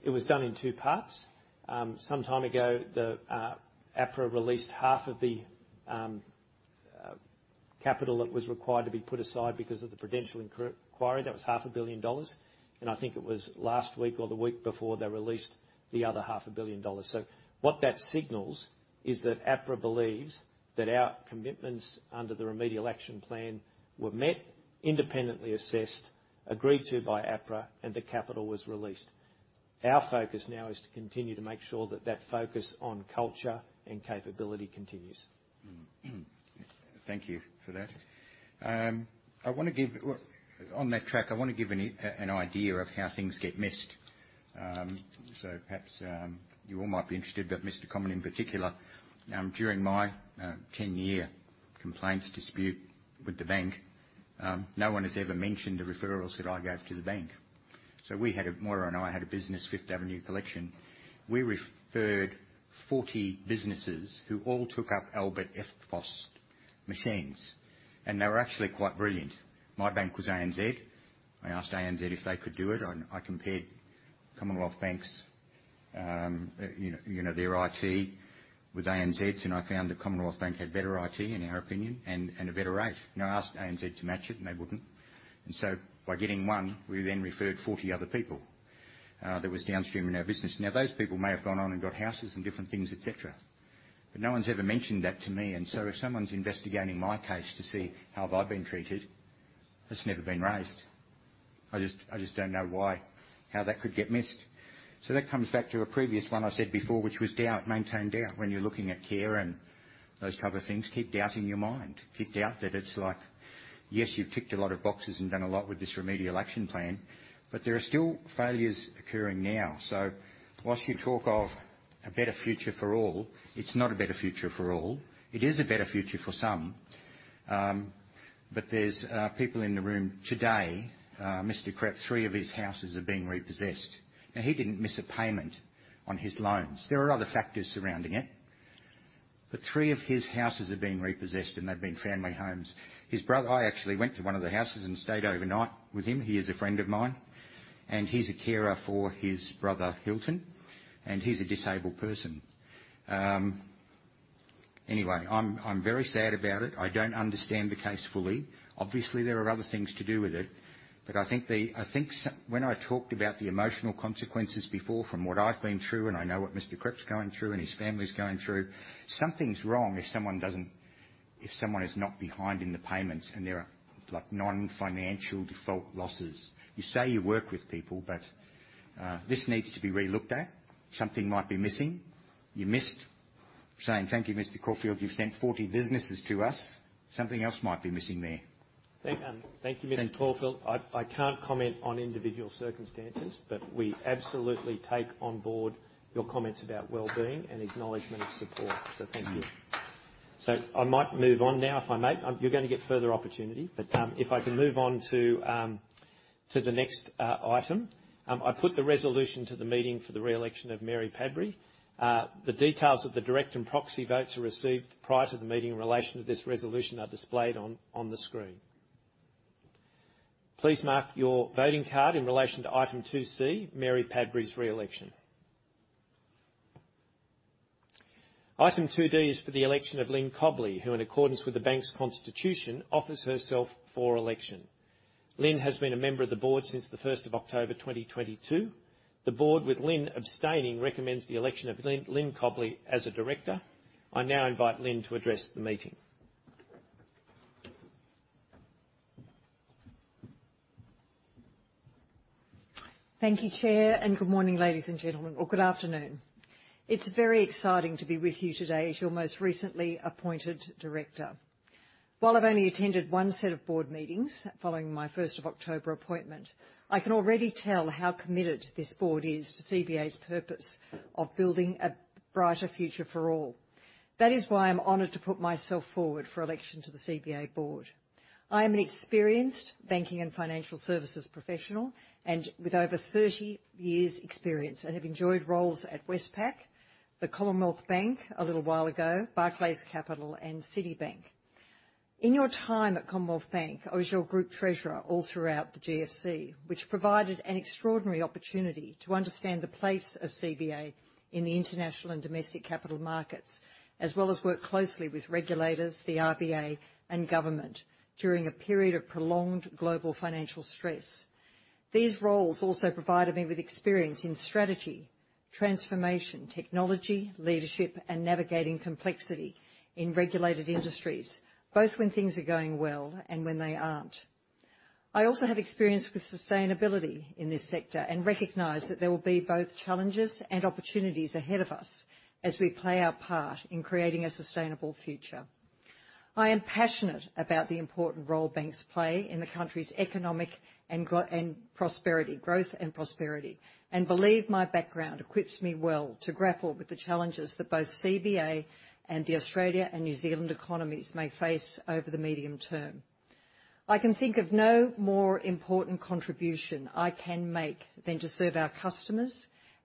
It was done in two parts. Some time ago, the APRA released half of the capital that was required to be put aside because of the Prudential Inquiry. That was AUD half a billion dollars. I think it was last week or the week before, they released the other AUD half a billion dollars. What that signals is that APRA believes that our commitments under the Remedial Action Plan were met, independently assessed, agreed to by APRA, and the capital was released. Our focus now is to continue to make sure that focus on culture and capability continues. Thank you for that. Well, on that track, I want to give an idea of how things get missed. Perhaps you all might be interested, but Mr. Comyn in particular, during my 10-year complaints dispute with the bank, no one has ever mentioned the referrals that I gave to the bank. Moira and I had a business, Fifth Avenue Collection. We referred 40 businesses who all took up Albert EFTPOS machines, and they were actually quite brilliant. My bank was ANZ. I asked ANZ if they could do it. I compared Commonwealth Bank's, you know, their IT with ANZ's, and I found that Commonwealth Bank had better IT, in our opinion, and a better rate. I asked ANZ to match it, and they wouldn't. By getting one, we then referred 40 other people that was downstream in our business. Now, those people may have gone on and got houses and different things, et cetera. But no one's ever mentioned that to me, if someone's investigating my case to see how have I been treated, that's never been raised. I just don't know why how that could get missed. That comes back to a previous one I said before, which was doubt, maintain doubt. When you're looking at care and those type of things, keep doubting your mind. Keep doubt that it's like, yes, you've ticked a lot of boxes and done a lot with this Remedial Action Plan, but there are still failures occurring now. While you talk of a better future for all, it's not a better future for all. It is a better future for some. There's people in the room today, Mr. Cripps, three of his houses are being repossessed. Now, he didn't miss a payment on his loans. There are other factors surrounding it. Three of his houses are being repossessed, and they've been family homes. His brother. I actually went to one of the houses and stayed overnight with him. He is a friend of mine, and he's a carer for his brother, Hilton, and he's a disabled person. Anyway, I'm very sad about it. I don't understand the case fully. Obviously, there are other things to do with it. I think when I talked about the emotional consequences before from what I've been through, and I know what Mr. Mr. Cripps's going through and his family's going through, something's wrong if someone doesn't, if someone is not behind in the payments, and there are, like, non-financial default losses. You say you work with people, but this needs to be re-looked at. Something might be missing. You missed saying, "Thank you, Mr. Caulfield, you've sent 40 businesses to us." Something else might be missing there. Thank you, Mr. Caulfield. Thank you. I can't comment on individual circumstances, but we absolutely take on board your comments about well-being and acknowledgement of support. Thank you. Mm-hmm. I might move on now if I may. You're gonna get further opportunity. If I can move on to the next item. I put the resolution to the meeting for the re-election of Mary Padbury. The details of the direct and proxy votes are received prior to the meeting in relation to this resolution are displayed on the screen. Please mark your voting card in relation to item 2C, Mary Padbury's re-election. Item 2D is for the election of Lyn Cobley, who, in accordance with the bank's constitution, offers herself for election. Lyn has been a member of the board since the first of October 2022. The board, with Lyn abstaining, recommends the election of Lyn Cobley as a director. I now invite Lyn to address the meeting. Thank you, Chair, and good morning, ladies and gentlemen or good afternoon. It's very exciting to be with you today as your most recently appointed director. While I've only attended one set of board meetings following my first of October appointment, I can already tell how committed this board is to CBA's purpose of building a brighter future for all. That is why I'm honored to put myself forward for election to the CBA board. I am an experienced banking and financial services professional, and with over 30 years experience and have enjoyed roles at Westpac, the Commonwealth Bank a little while ago, Barclays Capital and Citibank. In your time at Commonwealth Bank, I was your group treasurer all throughout the GFC, which provided an extraordinary opportunity to understand the place of CBA in the international and domestic capital markets, as well as work closely with regulators, the RBA and government during a period of prolonged global financial stress. These roles also provided me with experience in strategy, transformation, technology, leadership, and navigating complexity in regulated industries, both when things are going well and when they aren't. I also have experience with sustainability in this sector and recognize that there will be both challenges and opportunities ahead of us as we play our part in creating a sustainable future. I am passionate about the important role banks play in the country's economic and growth and prosperity, and believe my background equips me well to grapple with the challenges that both CBA and the Australia and New Zealand economies may face over the medium term. I can think of no more important contribution I can make than to serve our customers,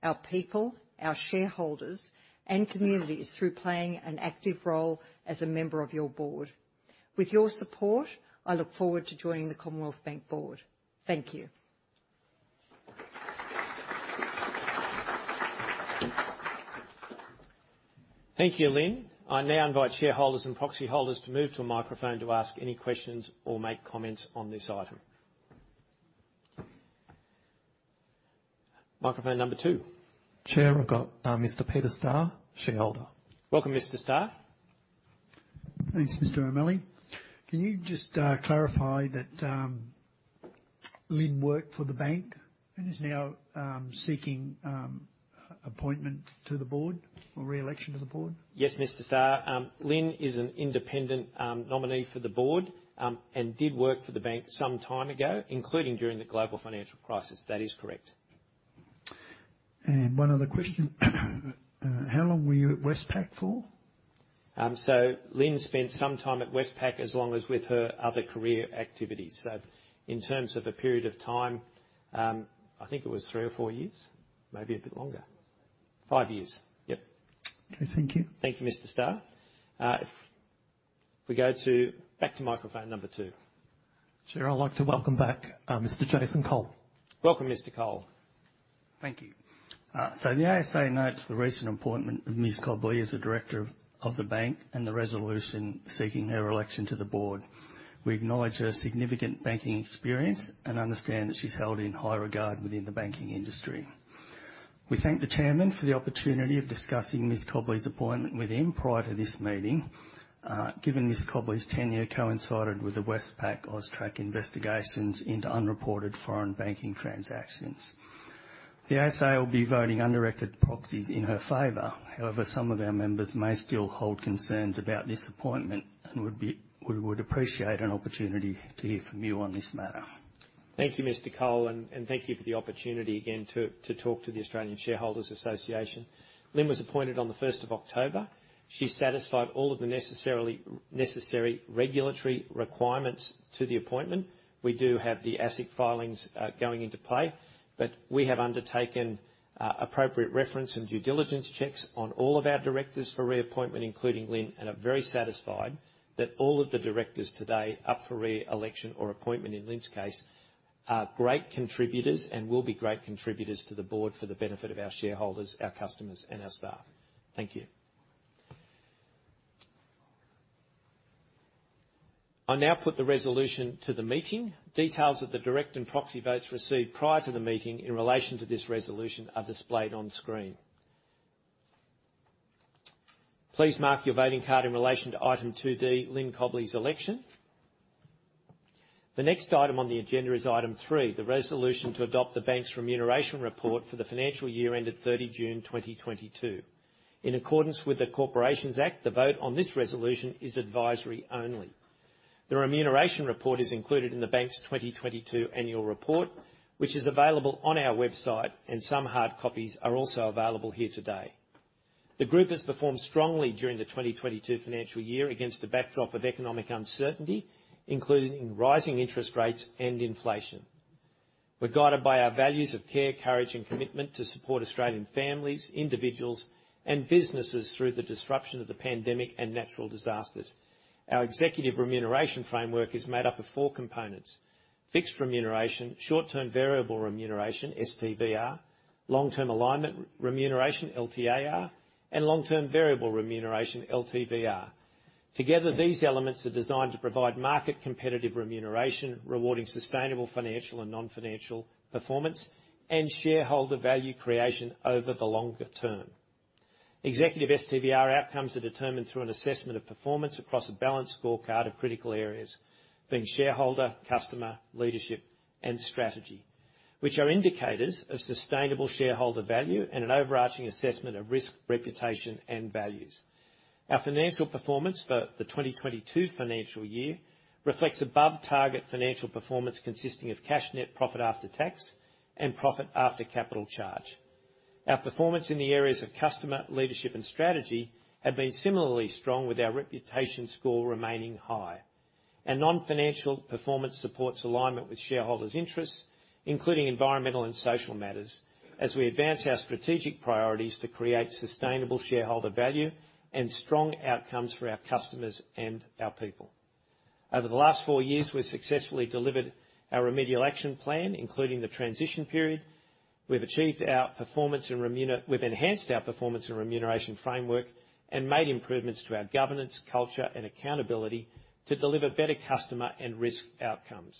our people, our shareholders, and communities through playing an active role as a member of your board. With your support, I look forward to joining the Commonwealth Bank board. Thank you. Thank you, Lyn. I now invite shareholders and proxy holders to move to a microphone to ask any questions or make comments on this item. Microphone number 2. Chair, I've got Mr. Peter Starr, shareholder. Welcome, Mr. Starr. Thanks, Mr. O'Malley. Can you just clarify that Lyn Cobley worked for the bank and is now seeking appointment to the board or re-election to the board? Yes, Mr. Starr. Lyn is an independent nominee for the board and did work for the bank some time ago, including during the Global Financial Crisis. That is correct. One other question. How long were you at Westpac for? Lyn spent some time at Westpac along with her other career activities. In terms of the period of time, I think it was 3 or 4 years, maybe a bit longer. 5 years. Yep. Okay. Thank you. Thank you, Mr. Star. Back to microphone number two. Chair, I'd like to welcome back, Mr. Jason Cole. Welcome, Mr. Cole. Thank you. So the ASA notes the recent appointment of Ms. Cobley as a director of the bank and the resolution seeking her election to the board. We acknowledge her significant banking experience and understand that she's held in high regard within the banking industry. We thank the chairman for the opportunity of discussing Ms. Cobley's appointment with him prior to this meeting, given Ms. Cobley's tenure coincided with the Westpac AUSTRAC investigations into unreported foreign banking transactions. The ASA will be voting undirected proxies in her favor. However, some of our members may still hold concerns about this appointment and we would appreciate an opportunity to hear from you on this matter. Thank you, Mr. Cole, and thank you for the opportunity again to talk to the Australian Shareholders' Association. Lyn was appointed on the first of October. She satisfied all of the necessary regulatory requirements to the appointment. We do have the ASX filings going into play, but we have undertaken appropriate reference and due diligence checks on all of our directors for reappointment, including Lyn, and are very satisfied that all of the directors today up for re-election or appointment in Lyn's case, are great contributors and will be great contributors to the board for the benefit of our shareholders, our customers, and our staff. Thank you. I now put the resolution to the meeting. Details of the direct and proxy votes received prior to the meeting in relation to this resolution are displayed on screen. Please mark your voting card in relation to item 2D, Lyn Cobley's election. The next item on the agenda is item 3, the resolution to adopt the bank's remuneration report for the financial year ended 30 June 2022. In accordance with the Corporations Act, the vote on this resolution is advisory only. The remuneration report is included in the bank's 2022 annual report, which is available on our website, and some hard copies are also available here today. The group has performed strongly during the 2022 financial year against the backdrop of economic uncertainty, including rising interest rates and inflation. We're guided by our values of care, courage, and commitment to support Australian families, individuals, and businesses through the disruption of the pandemic and natural disasters. Our executive remuneration framework is made up of four components, fixed remuneration, short-term variable remuneration, STVR, long-term alignment remuneration, LTAR, and long-term variable remuneration, LTVR. Together, these elements are designed to provide market competitive remuneration, rewarding sustainable financial and non-financial performance and shareholder value creation over the longer term. Executive STVR outcomes are determined through an assessment of performance across a balanced scorecard of critical areas, being shareholder, customer, leadership, and strategy, which are indicators of sustainable shareholder value and an overarching assessment of risk, reputation, and values. Our financial performance for the 2022 financial year reflects above target financial performance consisting of cash net profit after tax and profit after capital charge. Our performance in the areas of customer leadership and strategy have been similarly strong with our reputation score remaining high. Our non-financial performance supports alignment with shareholders' interests, including environmental and social matters, as we advance our strategic priorities to create sustainable shareholder value and strong outcomes for our customers and our people. Over the last four years, we've successfully delivered our Remedial Action Plan, including the transition period. We've enhanced our performance and remuneration framework and made improvements to our governance, culture, and accountability to deliver better customer and risk outcomes.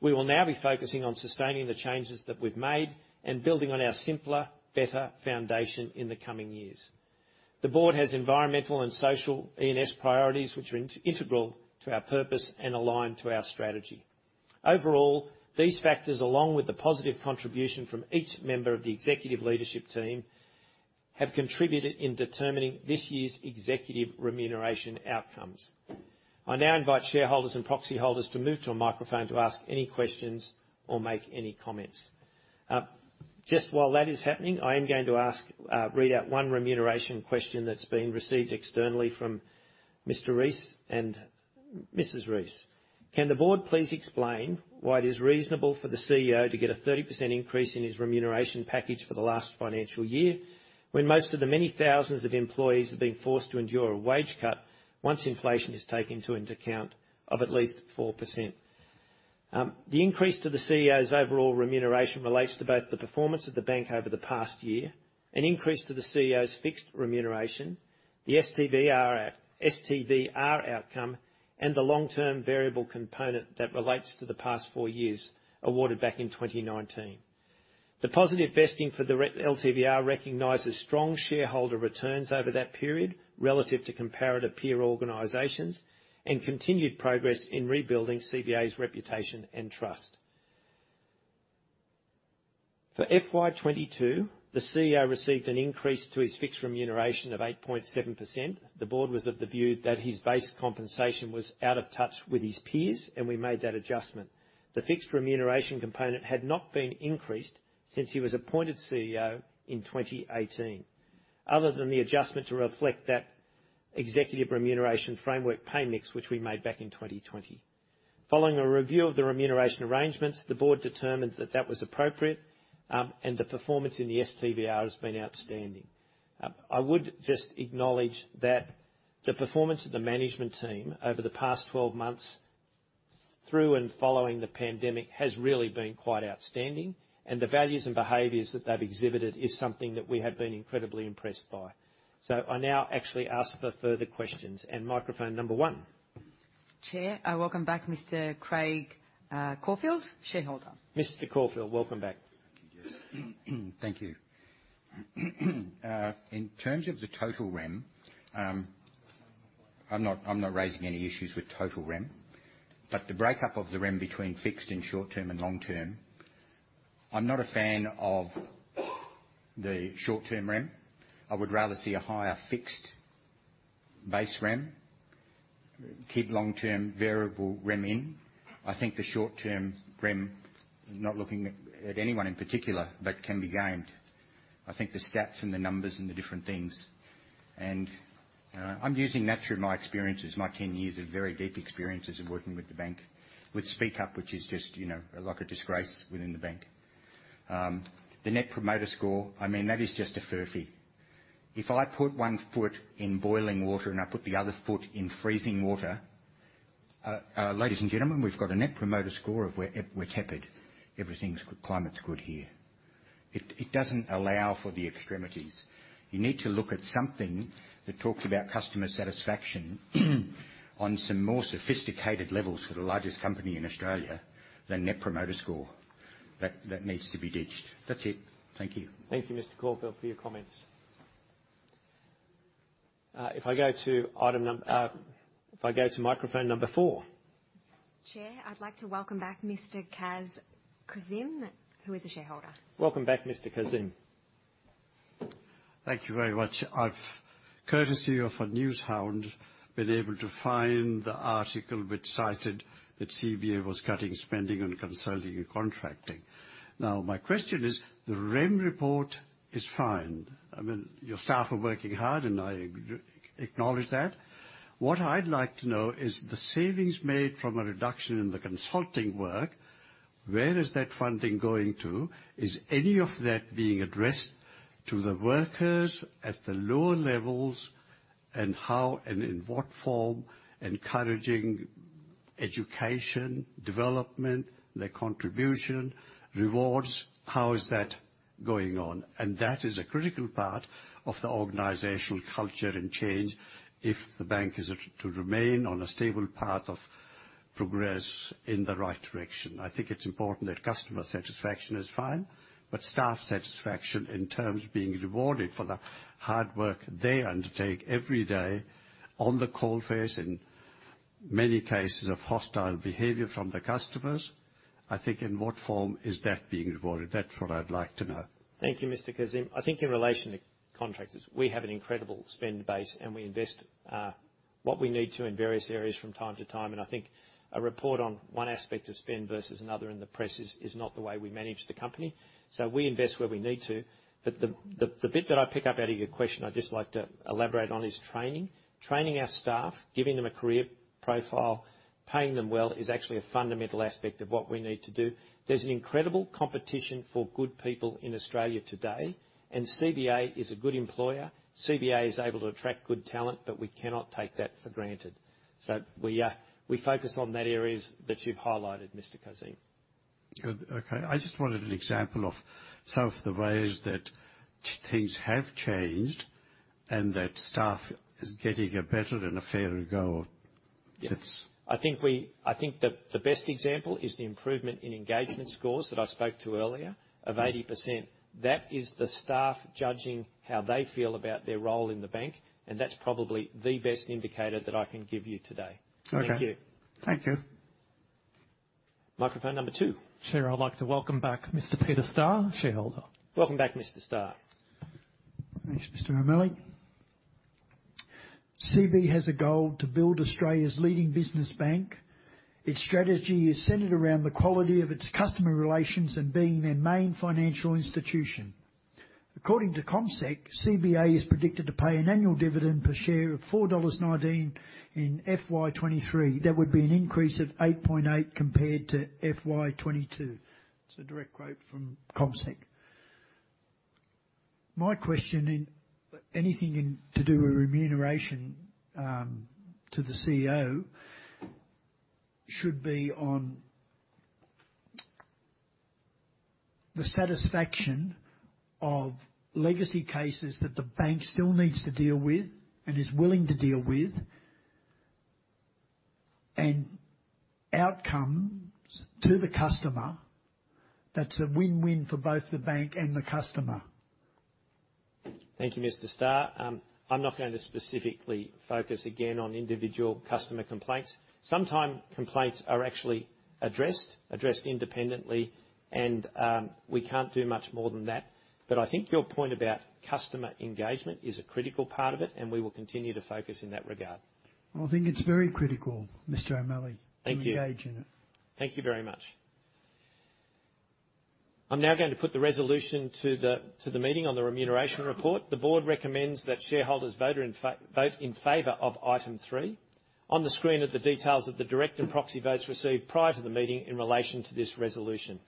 We will now be focusing on sustaining the changes that we've made and building on our simpler, better foundation in the coming years. The board has environmental and social E&S priorities, which are integral to our purpose and aligned to our strategy. Overall, these factors, along with the positive contribution from each member of the executive leadership team, have contributed in determining this year's executive remuneration outcomes. I now invite shareholders and proxy holders to move to a microphone to ask any questions or make any comments. Just while that is happening, I am going to read out one remuneration question that's been received externally from Mr. Reese and Mrs. Reese. Can the board please explain why it is reasonable for the CEO to get a 30% increase in his remuneration package for the last financial year, when most of the many thousands of employees have been forced to endure a wage cut once inflation is taken into account of at least 4%? The increase to the CEO's overall remuneration relates to both the performance of the bank over the past year and increase to the CEO's fixed remuneration, the STVR outcome, and the long-term variable component that relates to the past four years awarded back in 2019. The positive vesting for the LTVR recognizes strong shareholder returns over that period relative to comparative peer organizations and continued progress in rebuilding CBA's reputation and trust. For FY 22, the CEO received an increase to his fixed remuneration of 8.7%. The board was of the view that his base compensation was out of touch with his peers, and we made that adjustment. The fixed remuneration component had not been increased since he was appointed CEO in 2018. Other than the adjustment to reflect that executive remuneration framework pay mix, which we made back in 2020. Following a review of the remuneration arrangements, the board determined that that was appropriate, and the performance in the STVR has been outstanding. I would just acknowledge that the performance of the management team over the past 12 months through and following the pandemic has really been quite outstanding, and the values and behaviors that they've exhibited is something that we have been incredibly impressed by. I now actually ask for further questions. Microphone number 1. Chair, I welcome back Mr. Craig Caulfield, shareholder. Mr. Caulfield, welcome back. Thank you. In terms of the total rem, I'm not raising any issues with total rem, but the breakup of the rem between fixed and short-term and long-term, I'm not a fan of the short-term rem. I would rather see a higher fixed base REM, keep long-term variable REM in. I think the short-term REM, not looking at anyone in particular, but can be gamed. I think the stats and the numbers and the different things, and I'm using that through my experiences, my 10 years of very deep experiences in working with the bank. With SpeakUP, which is just, you know, like a disgrace within the bank. The Net Promoter Score, I mean, that is just a furphy. If I put one foot in boiling water and I put the other foot in freezing water, ladies and gentlemen, we've got a Net Promoter Score. We're tepid. Everything's good, climate's good here. It doesn't allow for the extremities. You need to look at something that talks about customer satisfaction on some more sophisticated levels for the largest company in Australia than Net Promoter Score. That needs to be ditched. That's it. Thank you. Thank you, Mr. Caulfield, for your comments. If I go to microphone number four. Chair, I'd like to welcome back Mr. Kaz Kazim, who is a shareholder. Welcome back, Mr. Kaz Kazim. Thank you very much. I've, courtesy of a newshound, been able to find the article which cited that CBA was cutting spending on consulting and contracting. Now, my question is, the REM report is fine. I mean, your staff are working hard, and I acknowledge that. What I'd like to know is the savings made from a reduction in the consulting work, where is that funding going to? Is any of that being addressed to the workers at the lower levels? And how and in what form encouraging education, development, their contribution, rewards, how is that going on? And that is a critical part of the organizational culture and change if the bank is to remain on a stable path of progress in the right direction. I think it's important that customer satisfaction is fine, but staff satisfaction in terms of being rewarded for the hard work they undertake every day on the coalface, in many cases of hostile behavior from the customers, I think in what form is that being rewarded? That's what I'd like to know. Thank you, Mr. Kaz Kazim. I think in relation to contractors, we have an incredible spend base, and we invest what we need to in various areas from time to time. I think a report on one aspect of spend versus another in the press is not the way we manage the company. We invest where we need to. The bit that I pick up out of your question I'd just like to elaborate on is training. Training our staff, giving them a career profile, paying them well, is actually a fundamental aspect of what we need to do. There's an incredible competition for good people in Australia today, and CBA is a good employer. CBA is able to attract good talent, but we cannot take that for granted. We focus on that areas that you've highlighted, Mr. Kaz Kazim. Good. Okay. I just wanted an example of some of the ways that things have changed and that staff is getting a better and a fairer go of since. I think that the best example is the improvement in engagement scores that I spoke to earlier of 80%. That is the staff judging how they feel about their role in the bank, and that's probably the best indicator that I can give you today. Okay. Thank you. Thank you. Microphone number two. Chair, I'd like to welcome back Mr. Peter Starr, shareholder. Welcome back, Mr. Starr. Thanks, Mr. O'Malley. CBA has a goal to build Australia's leading business bank. Its strategy is centered around the quality of its customer relations and being their main financial institution. According to CommSec, CBA is predicted to pay an annual dividend per share of 4.19 dollars in FY23. That would be an increase of 8.8% compared to FY22. It's a direct quote from CommSec. My question, anything to do with remuneration to the CEO, should be on the satisfaction of legacy cases that the bank still needs to deal with and is willing to deal with and outcomes to the customer that's a win-win for both the bank and the customer. Thank you, Mr. Starr. I'm not going to specifically focus again on individual customer complaints. Sometimes complaints are actually addressed independently, and we can't do much more than that. I think your point about customer engagement is a critical part of it, and we will continue to focus in that regard. Well, I think it's very critical, Mr. O'Malley- Thank you. to engage in it. Thank you very much. I'm now going to put the resolution to the meeting on the remuneration report. The board recommends that shareholders vote in favor of item three. On the screen are the details of the direct and proxy votes received prior to the meeting in relation to this resolution.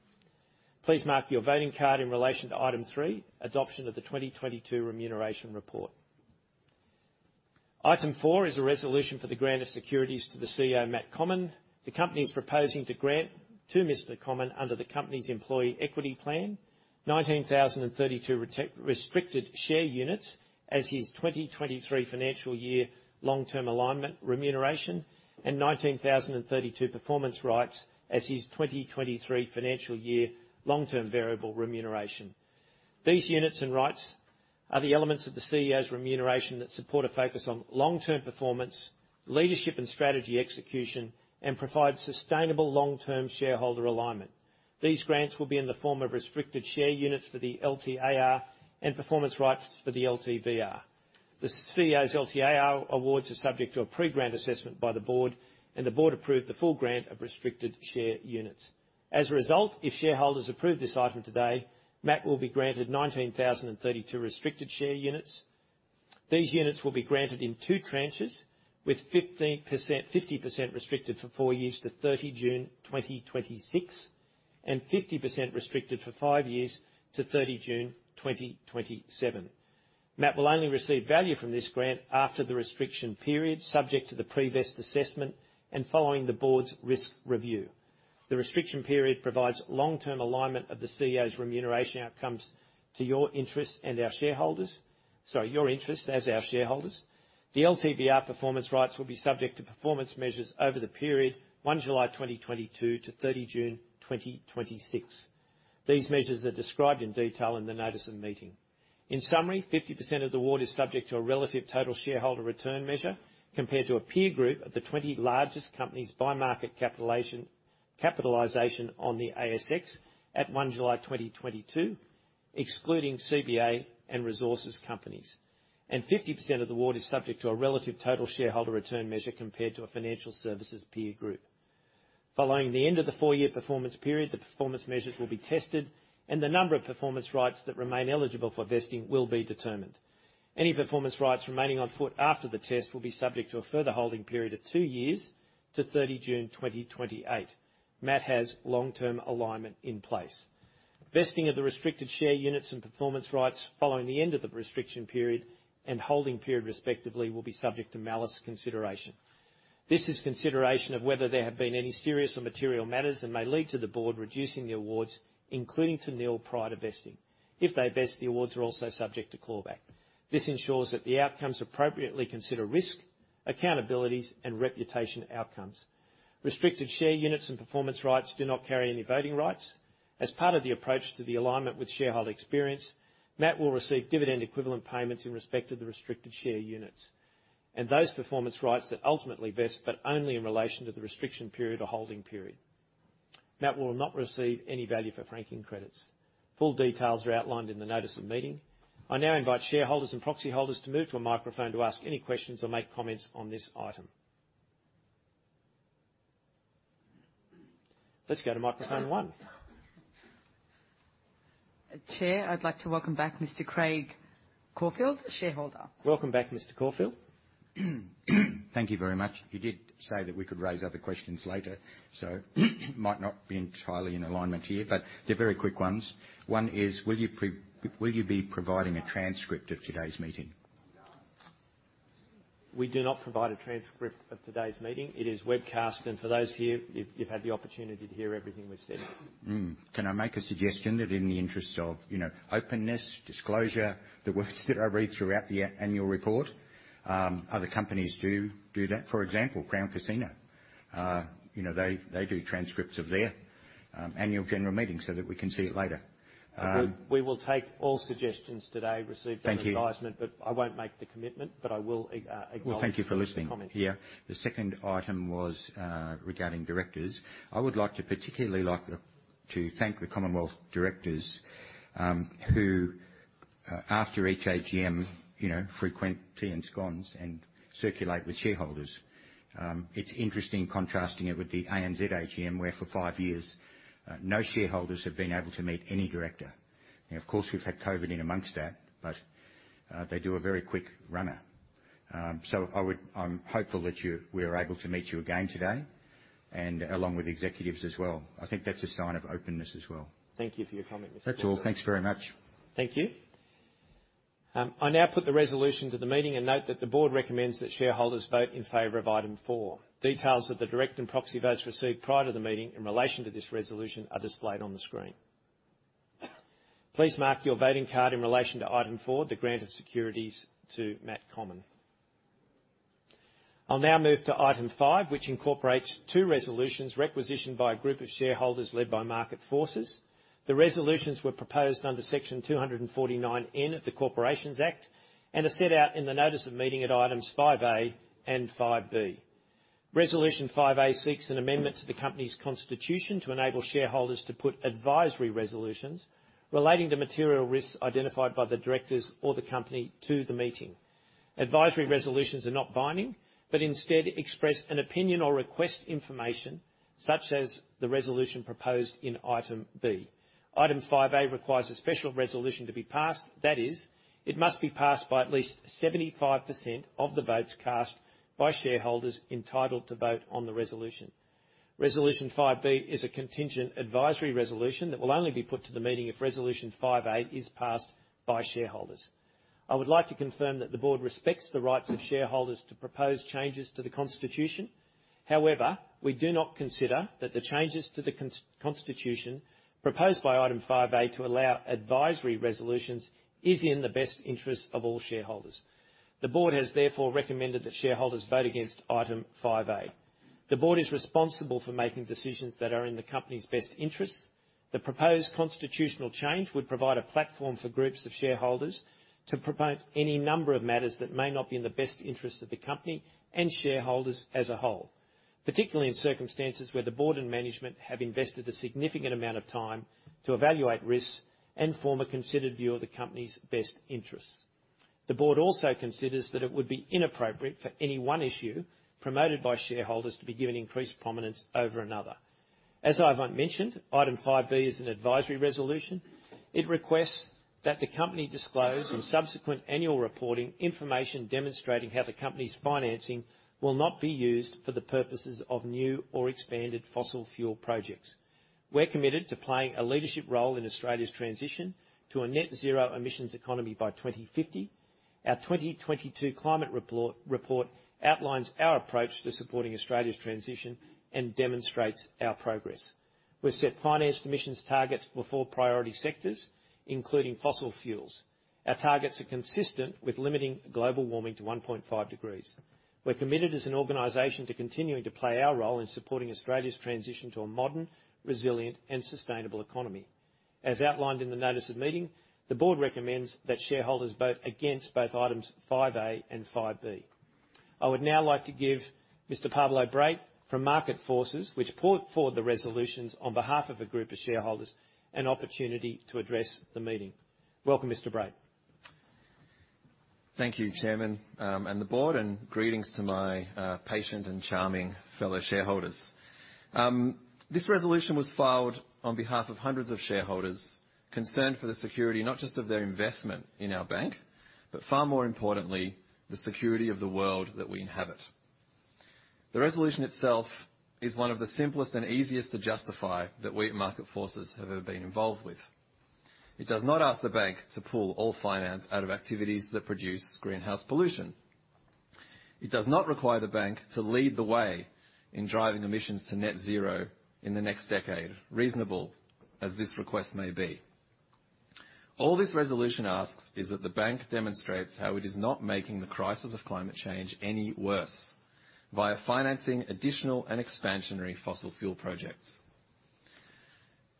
Please mark your voting card in relation to item three, adoption of the 2022 Remuneration Report. Item four is a resolution for the grant of securities to the CEO, Matt Comyn. The company is proposing to grant to Mr. Comyn, under the company's employee equity plan, 19,032 restricted share units as his 2023 financial year long-term alignment remuneration and 19,032 performance rights as his 2023 financial year long-term variable remuneration. These units and rights are the elements of the CEO's remuneration that support a focus on long-term performance, leadership and strategy execution, and provide sustainable long-term shareholder alignment. These grants will be in the form of restricted share units for the LTAR and performance rights for the LTVR. The CEO's LTAR awards are subject to a pre-grant assessment by the board, and the board approved the full grant of restricted share units. As a result, if shareholders approve this item today, Matt will be granted 19,032 restricted share units. These units will be granted in two tranches, with 50% restricted for four years to 30 June 2026, and 50% restricted for five years to 30 June 2027. Matt will only receive value from this grant after the restriction period, subject to the pre-vest assessment and following the board's risk review. The restriction period provides long-term alignment of the CEO's remuneration outcomes to your interests and our shareholders. Sorry, your interests as our shareholders. The LTVR performance rights will be subject to performance measures over the period 1 July 2022 to 30 June 2026. These measures are described in detail in the notice of the meeting. In summary, 50% of the award is subject to a relative total shareholder return measure compared to a peer group of the 20 largest companies by market capitalization on the ASX at 1 July 2022, excluding CBA and resources companies. Fifty percent of the award is subject to a relative total shareholder return measure compared to a financial services peer group. Following the end of the four-year performance period, the performance measures will be tested and the number of performance rights that remain eligible for vesting will be determined. Any performance rights remaining on foot after the test will be subject to a further holding period of 2 years to 30 June 2028. Matt has long-term alignment in place. Vesting of the restricted share units and performance rights following the end of the restriction period and holding period, respectively, will be subject to malus consideration. This is consideration of whether there have been any serious or material matters and may lead to the board reducing the awards, including to nil prior to vesting. If they vest, the awards are also subject to clawback. This ensures that the outcomes appropriately consider risk, accountabilities, and reputation outcomes. Restricted share units and performance rights do not carry any voting rights. As part of the approach to the alignment with shareholder experience, Matt will receive dividend equivalent payments in respect to the restricted share units and those performance rights that ultimately vest, but only in relation to the restriction period or holding period. Matt will not receive any value for franking credits. Full details are outlined in the notice of meeting. I now invite shareholders and proxy holders to move to a microphone to ask any questions or make comments on this item. Let's go to microphone one. Chair, I'd like to welcome back Mr. Craig Caulfield, shareholder. Welcome back, Mr. Caulfield. Thank you very much. You did say that we could raise other questions later, so might not be entirely in alignment here, but they're very quick ones. One is, will you be providing a transcript of today's meeting? We do not provide a transcript of today's meeting. It is webcast, and for those here, you've had the opportunity to hear everything we've said. Can I make a suggestion that in the interest of, you know, openness, disclosure, the words that I read throughout the annual report, other companies do that. For example, Crown Casino. You know, they do transcripts of their annual general meeting so that we can see it later. We will take all suggestions today received. Thank you. in advisement, but I won't make the commitment, but I will acknowledge. Well, thank you for listening. the comment. Yeah. The second item was regarding directors. I would like to particularly thank the Commonwealth directors, who after each AGM, you know, frequent tea and scones and circulate with shareholders. It's interesting contrasting it with the ANZ AGM, where for five years no shareholders have been able to meet any director. Now, of course, we've had COVID in amongst that, but they do a very quick runner. I'm hopeful that we are able to meet you again today and along with executives as well. I think that's a sign of openness as well. Thank you for your comment, Mr. Caulfield. That's all. Thanks very much. Thank you. I now put the resolution to the meeting and note that the board recommends that shareholders vote in favor of item 4. Details of the direct and proxy votes received prior to the meeting in relation to this resolution are displayed on the screen. Please mark your voting card in relation to item 4, the grant of securities to Matt Comyn. I'll now move to item 5, which incorporates two resolutions requisitioned by a group of shareholders led by Market Forces. The resolutions were proposed under Section 249N of the Corporations Act and are set out in the notice of meeting at items 5A and 5B. Resolution 5A seeks an amendment to the company's constitution to enable shareholders to put advisory resolutions relating to material risks identified by the directors or the company to the meeting. Advisory resolutions are not binding, but instead express an opinion or request information such as the resolution proposed in item B. Item 5A requires a special resolution to be passed. That is, it must be passed by at least 75% of the votes cast by shareholders entitled to vote on the resolution. Resolution 5B is a contingent advisory resolution that will only be put to the meeting if resolution 5A is passed by shareholders. I would like to confirm that the board respects the rights of shareholders to propose changes to the constitution. However, we do not consider that the changes to the constitution proposed by item 5A to allow advisory resolutions is in the best interest of all shareholders. The board has therefore recommended that shareholders vote against item 5A. The board is responsible for making decisions that are in the company's best interests. The proposed constitutional change would provide a platform for groups of shareholders to promote any number of matters that may not be in the best interest of the company and shareholders as a whole. Particularly in circumstances where the board and management have invested a significant amount of time to evaluate risks and form a considered view of the company's best interests. The board also considers that it would be inappropriate for any one issue promoted by shareholders to be given increased prominence over another. As Ivan mentioned, item 5 B is an advisory resolution. It requests that the company disclose in subsequent annual reporting information demonstrating how the company's financing will not be used for the purposes of new or expanded fossil fuel projects. We're committed to playing a leadership role in Australia's transition to a net zero emissions economy by 2050. Our 2022 climate report outlines our approach to supporting Australia's transition and demonstrates our progress. We've set financed emissions targets for priority sectors, including fossil fuels. Our targets are consistent with limiting global warming to 1.5 degrees. We're committed as an organization to continuing to play our role in supporting Australia's transition to a modern, resilient, and sustainable economy. As outlined in the notice of meeting, the board recommends that shareholders vote against both items 5A and 5B. I would now like to give Mr. Pablo Brait from Market Forces, which put forward the resolutions on behalf of a group of shareholders, an opportunity to address the meeting. Welcome, Mr. Brait. Thank you, chairman, and the board, and greetings to my patient and charming fellow shareholders. This resolution was filed on behalf of hundreds of shareholders concerned for the security, not just of their investment in our bank, but far more importantly, the security of the world that we inhabit. The resolution itself is one of the simplest and easiest to justify that we at Market Forces have ever been involved with. It does not ask the bank to pull all finance out of activities that produce greenhouse pollution. It does not require the bank to lead the way in driving emissions to net zero in the next decade, reasonable as this request may be. All this resolution asks is that the bank demonstrates how it is not making the crisis of climate change any worse via financing additional and expansionary fossil fuel projects.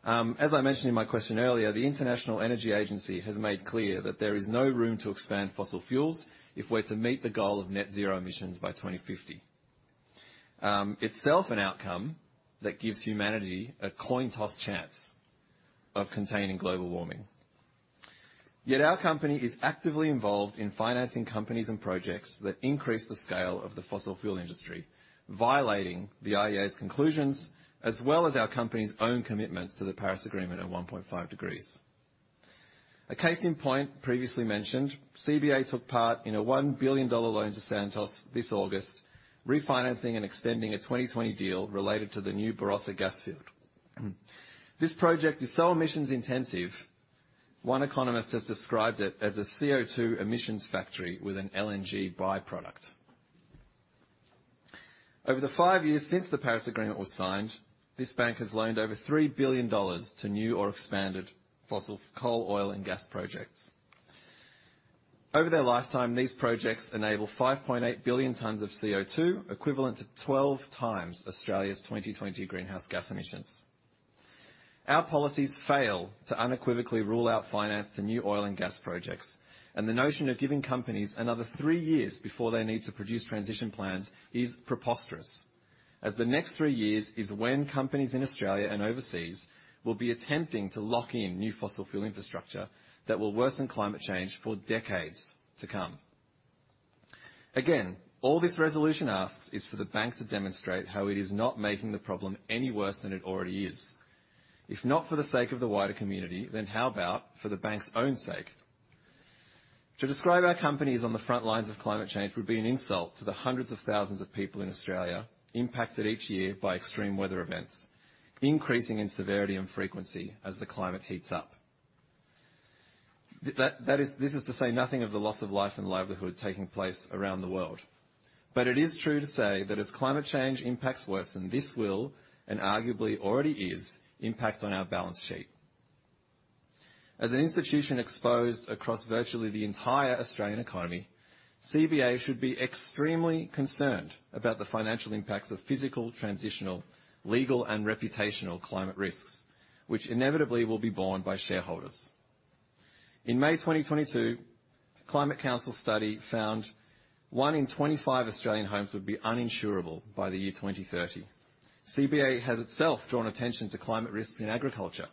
As I mentioned in my question earlier, the International Energy Agency has made clear that there is no room to expand fossil fuels if we're to meet the goal of net zero emissions by 2050. Itself, an outcome that gives humanity a coin toss chance of containing global warming. Yet our company is actively involved in financing companies and projects that increase the scale of the fossil fuel industry, violating the IEA's conclusions, as well as our company's own commitments to the Paris Agreement of 1.5 degrees. A case in point previously mentioned, CBA took part in a $1 billion loan to Santos this August, refinancing and extending a 2020 deal related to the new Barossa gas field. This project is so emissions intensive, one economist has described it as a CO2 emissions factory with an LNG by-product. Over the five years since the Paris Agreement was signed, this bank has loaned over 3 billion dollars to new or expanded fossil coal, oil, and gas projects. Over their lifetime, these projects enable 5.8 billion tons of CO2, equivalent to 12x Australia's 2020 greenhouse gas emissions. Our policies fail to unequivocally rule out finance to new oil and gas projects, and the notion of giving companies another three years before they need to produce transition plans is preposterous. As the next three years is when companies in Australia and overseas will be attempting to lock in new fossil fuel infrastructure that will worsen climate change for decades to come. Again, all this resolution asks is for the bank to demonstrate how it is not making the problem any worse than it already is. If not for the sake of the wider community, then how about for the bank's own sake? To describe our companies on the front lines of climate change would be an insult to the hundreds of thousands of people in Australia impacted each year by extreme weather events, increasing in severity and frequency as the climate heats up. This is to say nothing of the loss of life and livelihood taking place around the world. It is true to say that as climate change impacts worsen, this will, and arguably already is, impact on our balance sheet. As an institution exposed across virtually the entire Australian economy, CBA should be extremely concerned about the financial impacts of physical, transitional, legal, and reputational climate risks, which inevitably will be borne by shareholders. In May 2022, Climate Council study found one in 25 Australian homes would be uninsurable by the year 2030. CBA has itself drawn attention to climate risks in agriculture,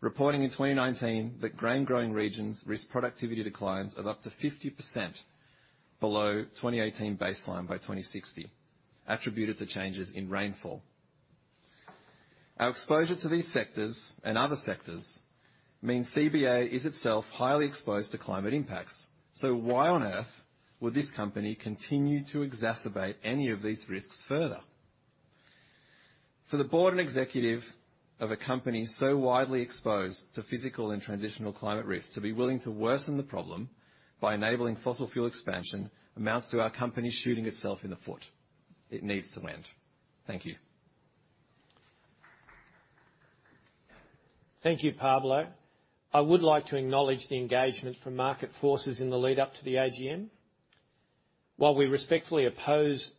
reporting in 2019 that grain growing regions risk productivity declines of up to 50% below 2018 baseline by 2060, attributed to changes in rainfall. Our exposure to these sectors and other sectors means CBA is itself highly exposed to climate impacts. Why on earth would this company continue to exacerbate any of these risks further? For the board and executive of a company so widely exposed to physical and transitional climate risks, to be willing to worsen the problem by enabling fossil fuel expansion amounts to our company shooting itself in the foot. It needs to end. Thank you. Thank you, Pablo. I would like to acknowledge the engagement from Market Forces in the lead-up to the AGM. While we respectfully oppose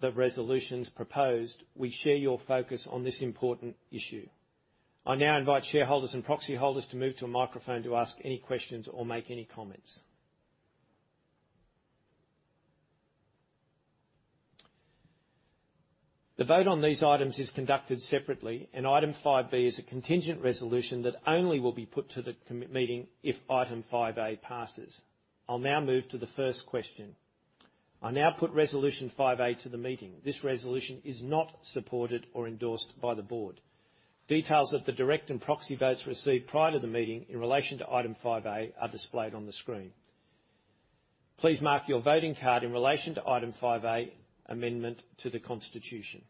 the resolutions proposed, we share your focus on this important issue. I now invite shareholders and proxy holders to move to a microphone to ask any questions or make any comments. The vote on these items is conducted separately, and item 5B is a contingent resolution that only will be put to the meeting if item 5A passes. I'll now move to the first question. I now put resolution 5A to the meeting. This resolution is not supported or endorsed by the board. Details of the direct and proxy votes received prior to the meeting in relation to item 5A are displayed on the screen. Please mark your voting card in relation to item 5A, amendment to the constitution.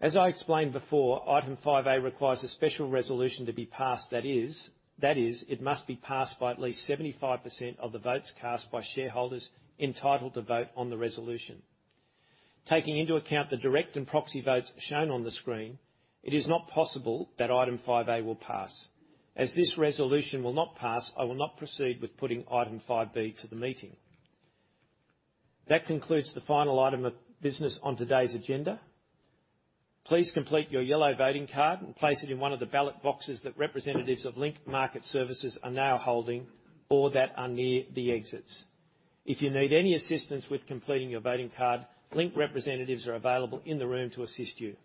As I explained before, item five A requires a special resolution to be passed. That is, it must be passed by at least 75% of the votes cast by shareholders entitled to vote on the resolution. Taking into account the direct and proxy votes shown on the screen, it is not possible that item five A will pass. As this resolution will not pass, I will not proceed with putting item five B to the meeting. That concludes the final item of business on today's agenda. Please complete your yellow voting card and place it in one of the ballot boxes that representatives of Link Market Services are now holding or that are near the exits. If you need any assistance with completing your voting card, Link representatives are available in the room to assist you.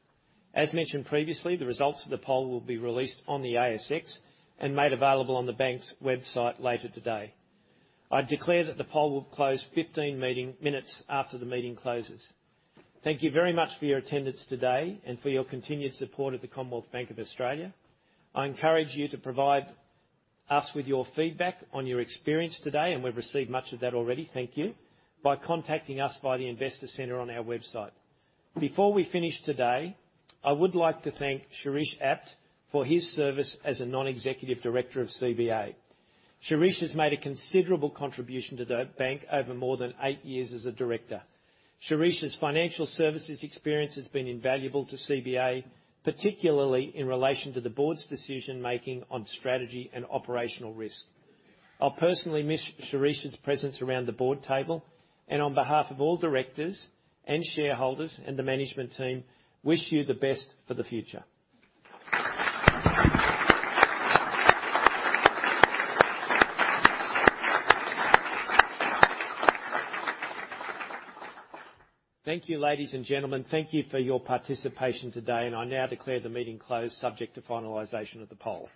As mentioned previously, the results of the poll will be released on the ASX and made available on the bank's website later today. I declare that the poll will close 15 minutes after the meeting closes. Thank you very much for your attendance today and for your continued support of the Commonwealth Bank of Australia. I encourage you to provide us with your feedback on your experience today, and we've received much of that already, thank you, by contacting us via the Investor Centre on our website. Before we finish today, I would like to thank Shirish Apte for his service as a non-executive director of CBA. Shirish has made a considerable contribution to the bank over more than 8 years as a director. Shirish's financial services experience has been invaluable to CBA, particularly in relation to the board's decision-making on strategy and operational risk. I'll personally miss Shirish's presence around the board table and on behalf of all directors and shareholders and the management team, wish you the best for the future. Thank you, ladies and gentlemen. Thank you for your participation today, and I now declare the meeting closed subject to finalization of the poll.